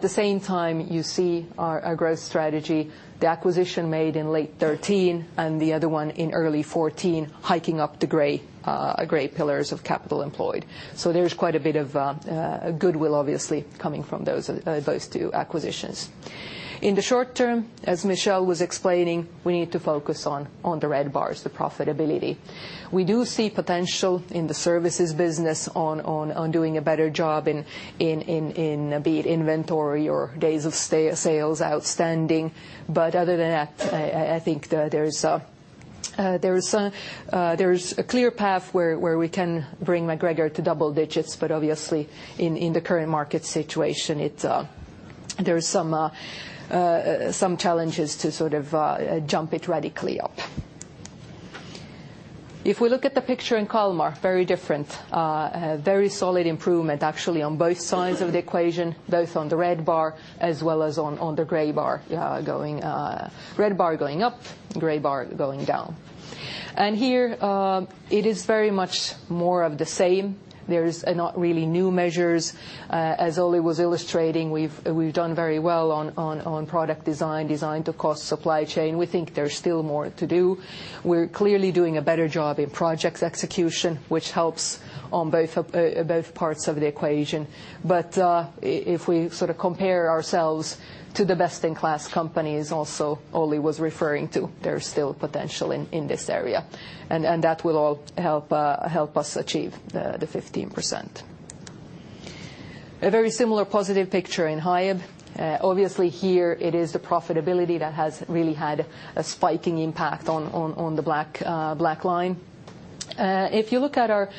The same time, you see our growth strategy, the acquisition made in late 2013 and the other one in early 2014, hiking up the gray gray pillars of capital employed. There's quite a bit of goodwill, obviously, coming from those two acquisitions. In the short term, as Michel was explaining, we need to focus on the red bars, the profitability. We do see potential in the services business on doing a better job in be it inventory or days of sales outstanding. Other than that, I think there's, there's a clear path where we can bring MacGregor to double digits, but obviously in the current market situation, it, there's some challenges to sort of, jump it radically up. If we look at the picture in KALMAR, very different. A very solid improvement, actually, on both sides of the equation, both on the red bar as well as on the gray bar, going. Red bar going up, gray bar going down. Here, it is very much more of the same. There's not really new measures. As Oli was illustrating, we've done very well on product design, Design to Cost, supply chain. We think there's still more to do. We're clearly doing a better job in projects execution, which helps on both of both parts of the equation. If we sort of compare ourselves to the best-in-class companies also Oli was referring to, there's still potential in this area, and that will all help us achieve the 15%. A very similar positive picture in HIAB. Obviously here it is the profitability that has really had a spiking impact on the black black line. If you look at our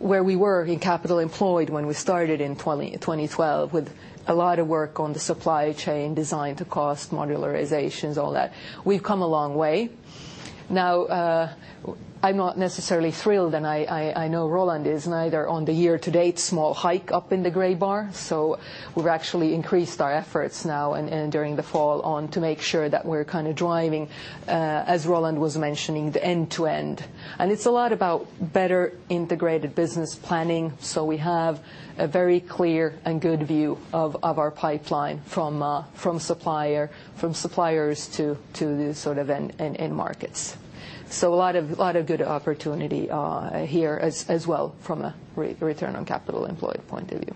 where we were in capital employed when we started in 2012, with a lot of work on the supply chain Design to Cost modularizations, all that, we've come a long way. I'm not necessarily thrilled, and I know Roland is neither on the year-to-date small hike up in the gray bar. We've actually increased our efforts now and during the fall on to make sure that we're kind of driving, as Roland was mentioning, the end-to-end. It's a lot about better integrated business planning. We have a very clear and good view of our pipeline from suppliers to the sort of end markets. A lot of good opportunity here as well from a return on capital employed point of view.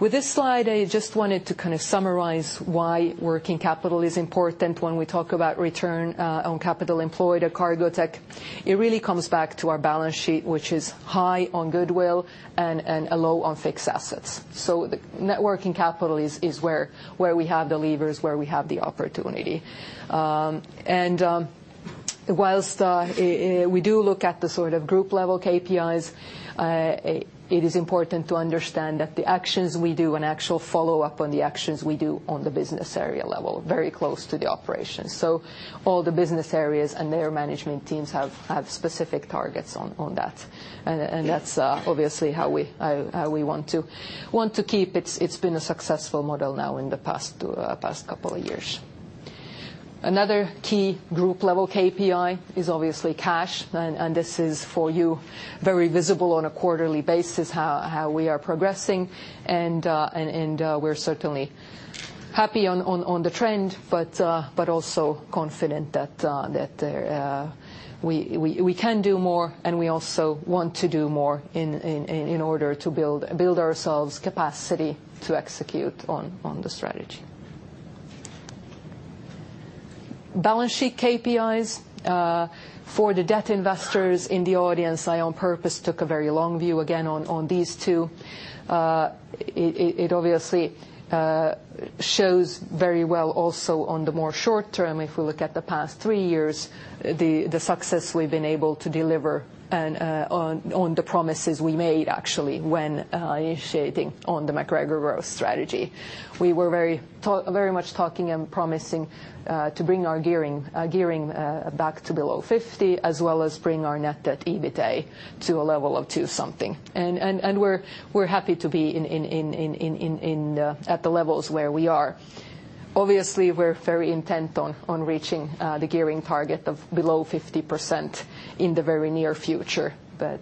With this slide, I just wanted to kind of summarize why working capital is important when we talk about return on capital employed at Cargotec. It really comes back to our balance sheet, which is high on goodwill and low on fixed assets. The net working capital is where we have the levers, where we have the opportunity. Whilst, we do look at the sort of group-level KPIs, it is important to understand that the actions we do and actual follow-up on the actions we do on the business area level, very close to the operation. All the business areas and their management teams have specific targets on that. That's obviously how we want to keep. It's been a successful model now in the past couple of years. Another key group-level KPI is obviously cash, and this is for you very visible on a quarterly basis, how we are progressing. We're certainly happy on the trend, but also confident that we can do more and we also want to do more in order to build ourselves capacity to execute on the strategy. Balance sheet KPIs. For the debt investors in the audience, I on purpose took a very long view again on these two. It obviously shows very well also on the more short term, if we look at the past three years, the success we've been able to deliver and on the promises we made actually when initiating on the MacGregor growth strategy. We were very much talking and promising to bring our gearing back to below 50, as well as bring our net debt EBITA to a level of two something. We're happy to be in at the levels where we are. Obviously, we're very intent on reaching the gearing target of below 50% in the very near future.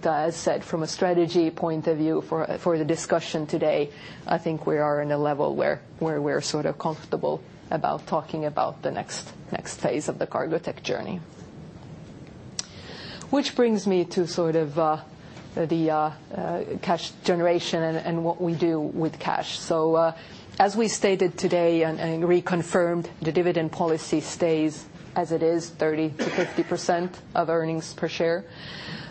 As said, from a strategy point of view for the discussion today, I think we are in a level where we're sort of comfortable about talking about the next phase of the Cargotec journey. Which brings me to sort of the cash generation and what we do with cash. As we stated today and reconfirmed, the dividend policy stays as it is, 30%-50% of earnings per share.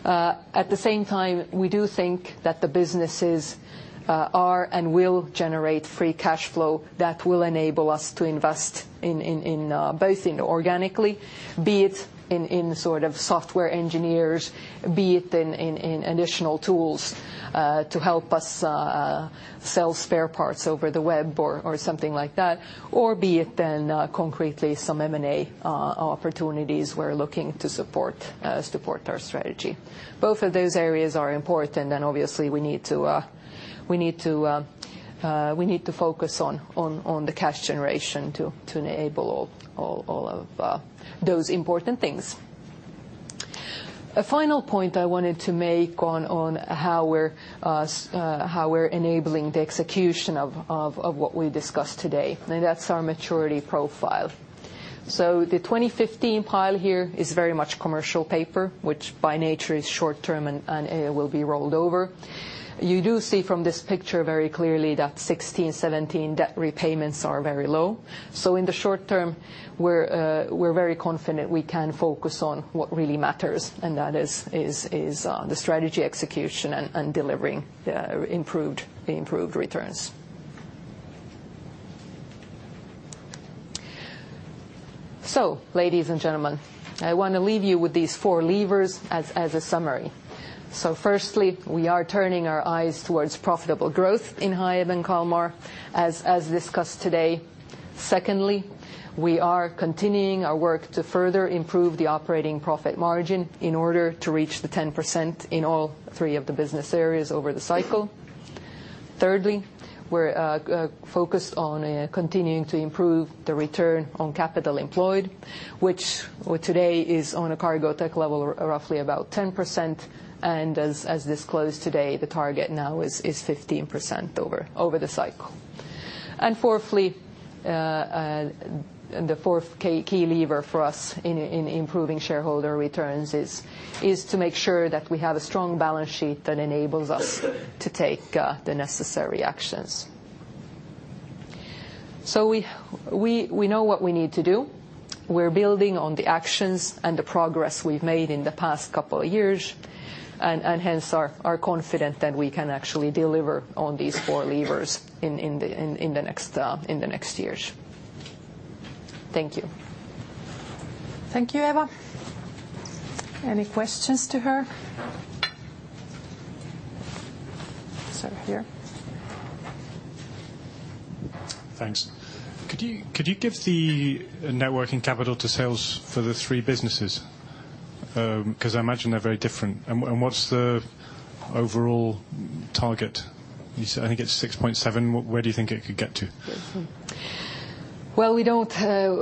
At the same time, we do think that the businesses are and will generate free cash flow that will enable us to invest in both organically, be it in sort of software engineers, be it in additional tools to help us sell spare parts over the web or something like that, or be it then concretely some M&A opportunities we're looking to support our strategy. Both of those areas are important, obviously we need to focus on the cash generation to enable all of those important things. A final point I wanted to make on how we're, how we're enabling the execution of what we discussed today, and that's our maturity profile. The 2015 pile here is very much commercial paper, which by nature is short term and will be rolled over. You do see from this picture very clearly that 2016, 2017 debt repayments are very low. In the short term we're very confident we can focus on what really matters, and that is the strategy execution and delivering the improved returns. Ladies and gentlemen, I wanna leave you with these four levers as a summary. Firstly, we are turning our eyes towards profitable growth in HIAB and KALMAR, as discussed today. Secondly, we are continuing our work to further improve the operating profit margin in order to reach the 10% in all three of the business areas over the cycle. Thirdly, we're focused on continuing to improve the return on capital employed, which today is on a Cargotec level, roughly about 10%, and as disclosed today, the target now is 15% over the cycle. Fourthly, and the fourth key lever for us in improving shareholder returns is to make sure that we have a strong balance sheet that enables us to take the necessary actions. We know what we need to do. We're building on the actions and the progress we've made in the past couple of years, and hence are confident that we can actually deliver on these four levers in the next years. Thank you. Thank you, Eva. Any questions to her? Sir, here. Thanks. Could you give the net working capital to sales for the three businesses? 'cause I imagine they're very different. What's the overall target? You said, I think it's 6.7. Where do you think it could get to? Well, we don't,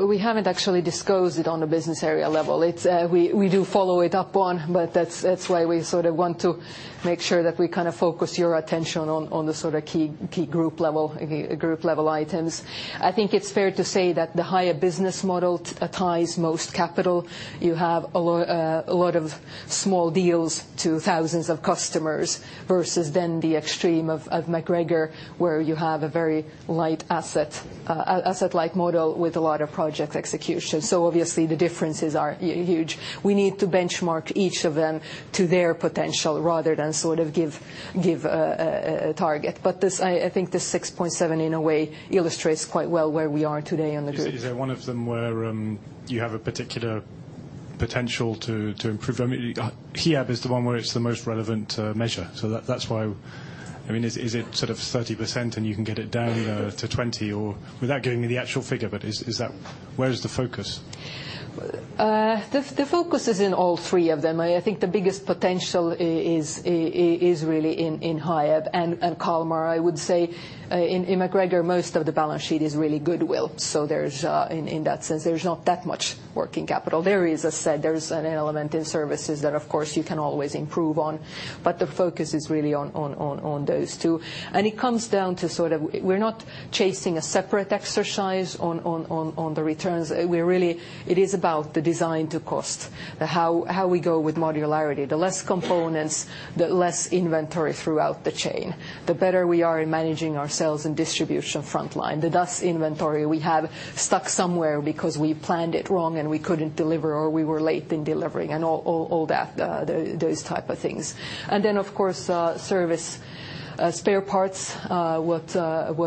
we haven't actually disclosed it on a business area level. It's, we do follow it up on, but that's why we sort of want to make sure that we kind of focus your attention on the sort of key group level items. I think it's fair to say that the higher business model ties most capital. You have a lot of small deals to thousands of customers versus then the extreme of MacGregor, where you have a very light asset light model with a lot of project execution. Obviously the differences are huge. We need to benchmark each of them to their potential rather than sort of give a target. This, I think this 6.7 in a way illustrates quite well where we are today on the group. Is there one of them where you have a particular potential to improve? I mean, HIAB is the one where it's the most relevant measure, so that's why. I mean, is it sort of 30% and you can get it down to 20? Without giving me the actual figure, but is that where is the focus? The focus is in all three of them. I think the biggest potential is really in HIAB and KALMAR. I would say, in MacGregor, most of the balance sheet is really goodwill. There's, in that sense, there's not that much working capital. There is, as said, there's an element in services that of course you can always improve on, but the focus is really on those two. It comes down to sort of. We're not chasing a separate exercise on the returns. We're really, it is about the Design to Cost, the how we go with modularity. The less components, the less inventory throughout the chain, the better we are in managing ourselves and distribution frontline. The thus inventory we have stuck somewhere because we planned it wrong and we couldn't deliver or we were late in delivering and all that, those type of things. Of course, service, spare parts, what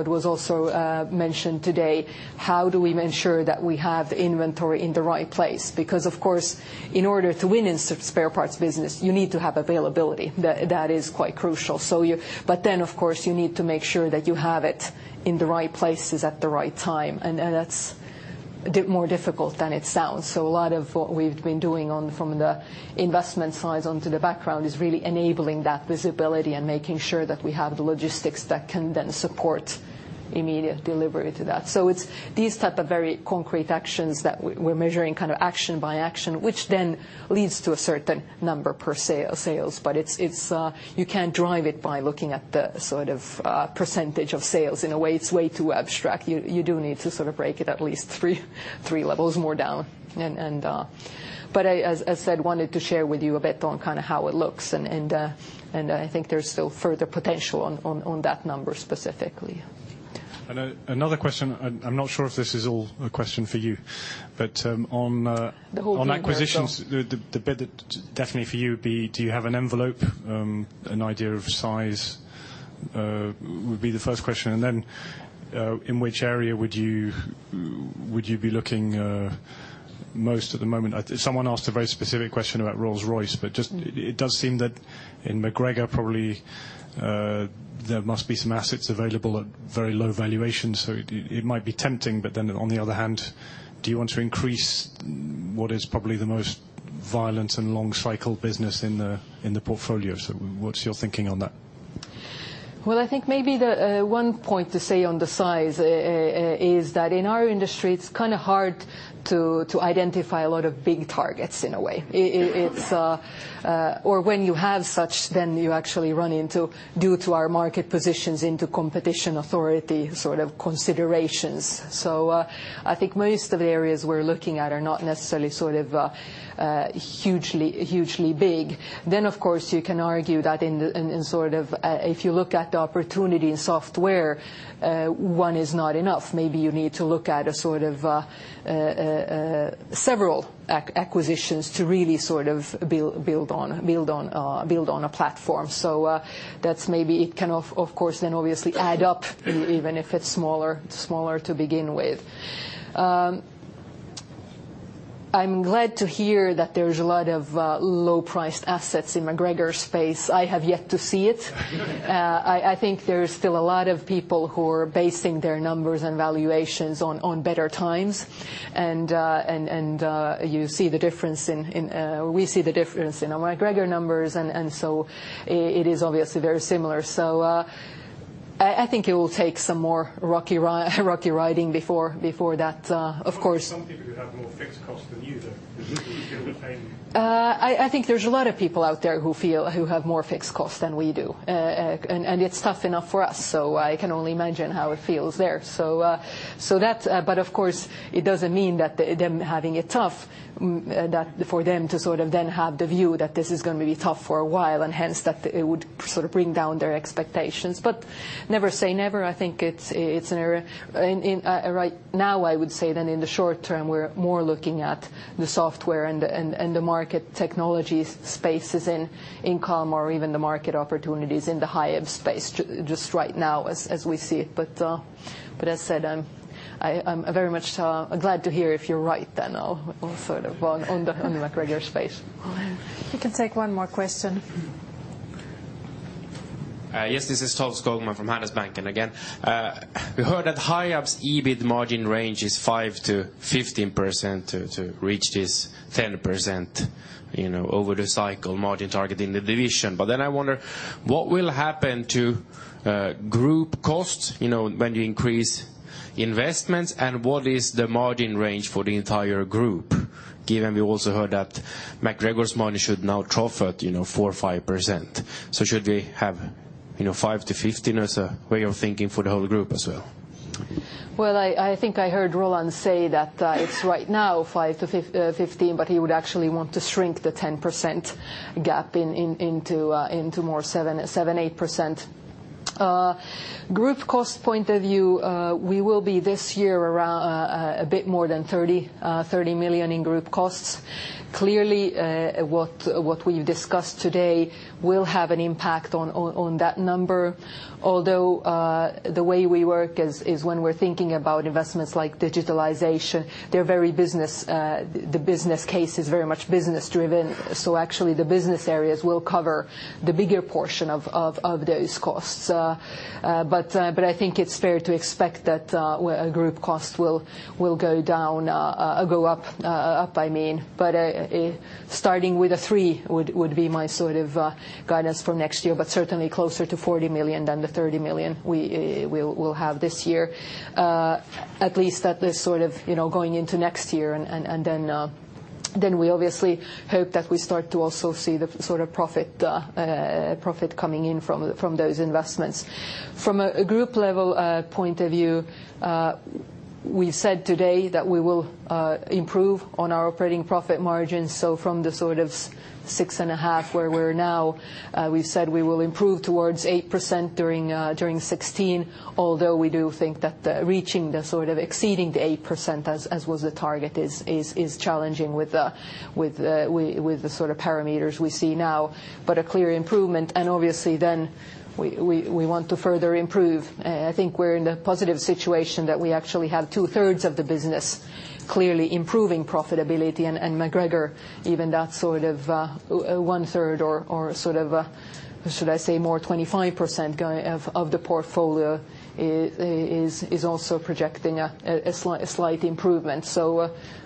was also mentioned today, how do we ensure that we have inventory in the right place? Of course, in order to win in spare parts business, you need to have availability. That is quite crucial. Of course, you need to make sure that you have it in the right places at the right time, and that's more difficult than it sounds. A lot of what we've been doing on from the investment side onto the background is really enabling that visibility and making sure that we have the logistics that can then support immediate delivery to that. It's these type of very concrete actions that we're measuring kind of action by action, which then leads to a certain number per sale, sales. It's, you can't drive it by looking at the sort of percentage of sales. In a way, it's way too abstract. You do need to sort of break it at least three levels more down. I, as said, wanted to share with you a bit on kind of how it looks and I think there's still further potential on that number specifically. Another question, I'm not sure if this is all a question for you, but, on. The whole thing. Yeah on acquisitions, the bit that definitely for you would be, do you have an envelope, an idea of size, would be the first question. In which area would you be looking most at the moment? Someone asked a very specific question about Rolls-Royce, but just it does seem that in MacGregor probably, there must be some assets available at very low valuation, so it might be tempting. On the other hand, do you want to increase, what is probably the most violent and long cycle business in the portfolio. What's your thinking on that? I think maybe the one point to say on the size, is that in our industry, it's kind of hard to identify a lot of big targets in a way. It's or when you have such, then you actually run into, due to our market positions, into competition authority sort of considerations. I think most of the areas we're looking at are not necessarily sort of, hugely big. Of course, you can argue that in the sort of, if you look at the opportunity in software, one is not enough. Maybe you need to look at a sort of, several acquisitions to really sort of build on a platform. That's maybe it can, of course, obviously add up even if it's smaller to begin with. I'm glad to hear that there's a lot of low-priced assets in MacGregor space. I have yet to see it. I think there's still a lot of people who are basing their numbers and valuations on better times. We see the difference in our MacGregor numbers, it is obviously very similar. I think it will take some more rocky riding before that, of course. Some people have more fixed costs than you, though. I think there's a lot of people out there who feel, who have more fixed costs than we do. It's tough enough for us, so I can only imagine how it feels there. That's. Of course, it doesn't mean that them having it tough, that for them to sort of then have the view that this is gonna be tough for a while and hence that it would sort of bring down their expectations. Never say never. I think it's an area. In right now, I would say then in the short term, we're more looking at the software and the market technologies spaces in income or even the market opportunities in the high end space just right now as we see it. as said, I'm very much glad to hear if you're right then, or sort of on the, on the MacGregor space. We can take one more question. Yes, this is Tore Skogman from Handelsbanken again. We heard that HIAB's EBIT margin range is 5%-15% to reach this 10%, you know, over the cycle margin target in the division. I wonder what will happen to group costs, you know, when you increase investments, and what is the margin range for the entire group, given we also heard that MacGregor's margin should now trough at, you know, 4%, 5%. Should we have, you know, 5%-15% as a way of thinking for the whole group as well? I think I heard Roland say that, it's right now 5-15, but he would actually want to shrink the 10% gap into more 7%-8%. Group cost point of view, we will be this year around a bit more than 30 million in group costs. Clearly, what we've discussed today will have an impact on that number. Although, the way we work is when we're thinking about investments like digitalization, they're very business, the business case is very much business-driven. Actually the business areas will cover the bigger portion of those costs. But I think it's fair to expect that a group cost will go down, go up, I mean. Starting with a three would be my sort of guidance for next year, but certainly closer to 40 million than the 30 million we'll have this year. At least that is sort of, you know, going into next year, and then we obviously hope that we start to also see the sort of profit coming in from those investments. From a group level point of view, we said today that we will improve on our operating profit margins. From the sort of 6.5 where we're now, we've said we will improve towards 8% during 2016. Although we do think that reaching the sort of exceeding the 8% as was the target is, is challenging with the, with the, with the sort of parameters we see now. A clear improvement, we want to further improve. I think we're in a positive situation that we actually have 2/3 of the business clearly improving profitability. MacGregor, even that sort of, 1/3 or sort of, should I say more 25% going of the portfolio is also projecting a slight improvement.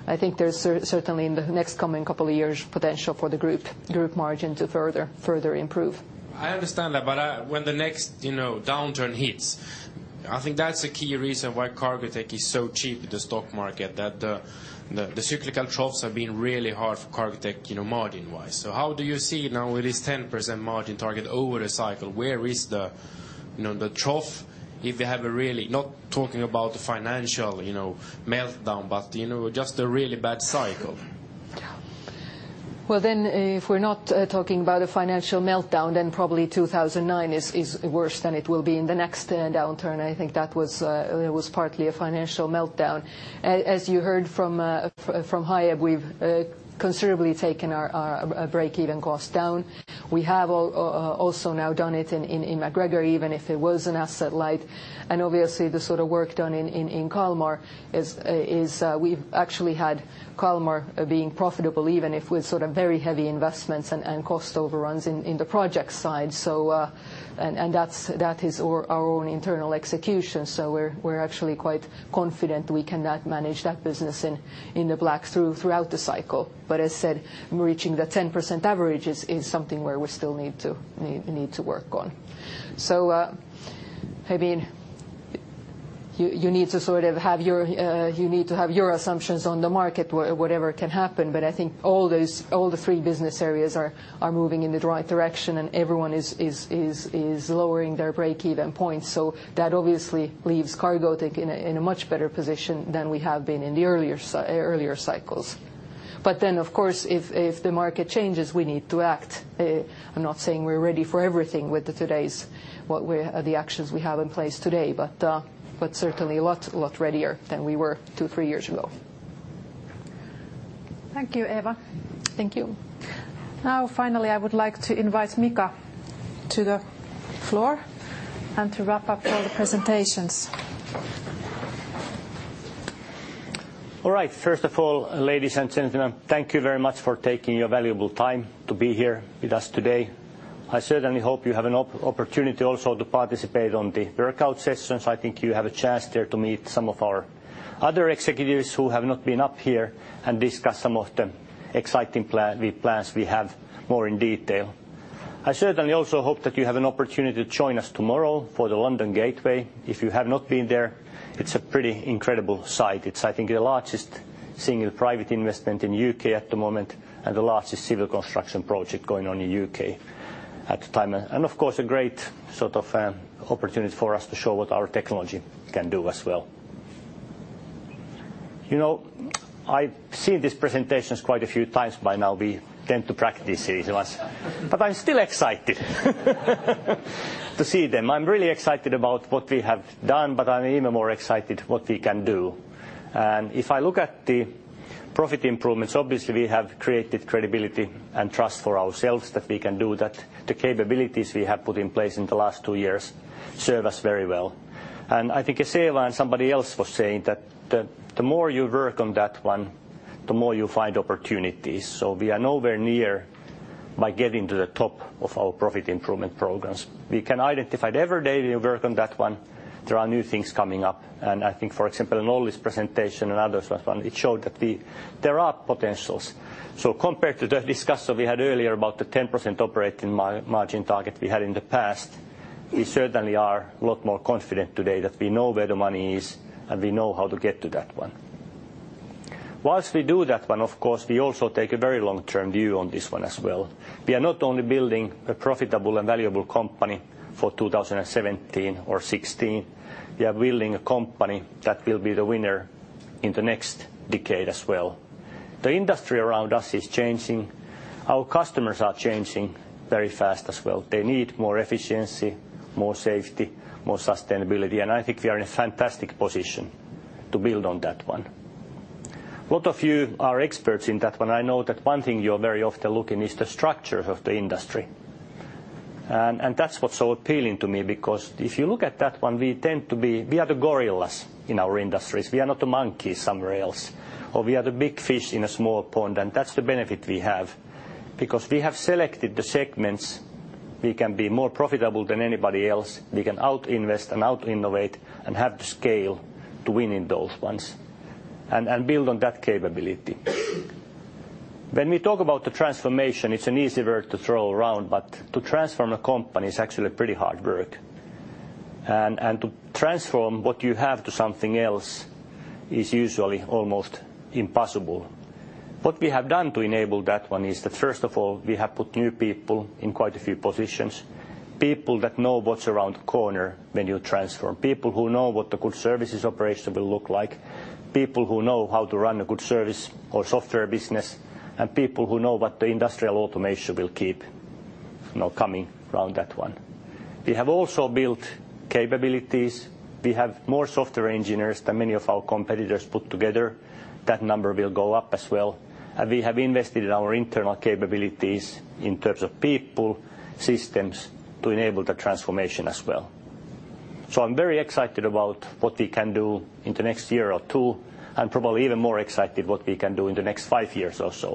I think there's certainly in the next coming couple of years, potential for the group margin to further improve. I understand that, but, when the next, you know, downturn hits, I think that's a key reason why Cargotec is so cheap in the stock market, that the cyclical troughs have been really hard for Cargotec, you know, margin-wise. How do you see now with this 10% margin target over a cycle, where is the, you know, the trough if you have a really, not talking about the financial, you know, meltdown, but you know, just a really bad cycle? Well, if we're not talking about a financial meltdown, then probably 2009 is worse than it will be in the next downturn. I think that was partly a financial meltdown. As you heard from HIAB, we've considerably taken our break-even cost down. We have also now done it in MacGregor, even if it was an asset-light. Obviously, the sort of work done in KALMAR is we've actually had KALMAR being profitable even if with sort of very heavy investments and cost overruns in the project side. And that is our own internal execution. We're actually quite confident we can now manage that business in the black throughout the cycle. As said, reaching the 10% average is something where we still need to work on. I mean, you need to sort of have your assumptions on the market whatever can happen. I think all those, all the three business areas are moving in the right direction and everyone is lowering their breakeven point. That obviously leaves Cargotec in a much better position than we have been in the earlier cycles. Of course, if the market changes, we need to act. I'm not saying we're ready for everything with today's the actions we have in place today. Certainly a lot readier than we were two, three years ago. Thank you, Eva. Thank you. Finally, I would like to invite Mika to the floor and to wrap up all the presentations. First of all, ladies and gentlemen, thank you very much for taking your valuable time to be here with us today. I certainly hope you have an opportunity also to participate on the breakout sessions. I think you have a chance there to meet some of our other executives who have not been up here and discuss some of the exciting plans we have more in detail. I certainly also hope that you have an opportunity to join us tomorrow for the London Gateway. If you have not been there, it's a pretty incredible site. It's I think the largest single private investment in UK at the moment, and the largest civil construction project going on in UK at the time. Of course, a great sort of opportunity for us to show what our technology can do as well. You know, I've seen these presentations quite a few times by now. We tend to practice these ones. I'm still excited to see them. I'm really excited about what we have done, but I'm even more excited what we can do. If I look at the profit improvements, obviously we have created credibility and trust for ourselves that we can do that. The capabilities we have put in place in the last two years serve us very well. I think as Eeva and somebody else was saying that the more you work on that one, the more you find opportunities. We are nowhere near by getting to the top of our profit improvement programs. We can identify it every day we work on that one, there are new things coming up. I think, for example, in Olli's presentation and others as well, it showed that there are potentials. Compared to the discussion we had earlier about the 10% operating margin target we had in the past, we certainly are a lot more confident today that we know where the money is, and we know how to get to that one. While we do that one, of course, we also take a very long-term view on this one as well. We are not only building a profitable and valuable company for 2017 or 2016, we are building a company that will be the winner in the next decade as well. The industry around us is changing. Our customers are changing very fast as well. They need more efficiency, more safety, more sustainability, and I think we are in a fantastic position to build on that one. A lot of you are experts in that one. That's what's so appealing to me because if you look at that one, we tend to be we are the gorillas in our industries. We are not the monkeys somewhere else, or we are the big fish in a small pond, and that's the benefit we have. Because we have selected the segments we can be more profitable than anybody else. We can out-invest and out-innovate and have the scale to win in those ones and build on that capability. When we talk about the transformation, it's an easy word to throw around, but to transform a company is actually pretty hard work. To transform what you have to something else is usually almost impossible. What we have done to enable that one is that, first of all, we have put new people in quite a few positions, people that know what's around the corner when you transform. People who know what a good services operation will look like, people who know how to run a good service or software business, and people who know what the industrial automation will keep, you know, coming around that one. We have also built capabilities. We have more software engineers than many of our competitors put together. That number will go up as well. We have invested in our internal capabilities in terms of people, systems to enable the transformation as well. I'm very excited about what we can do in the next year or 2, and probably even more excited what we can do in the next 5 years or so.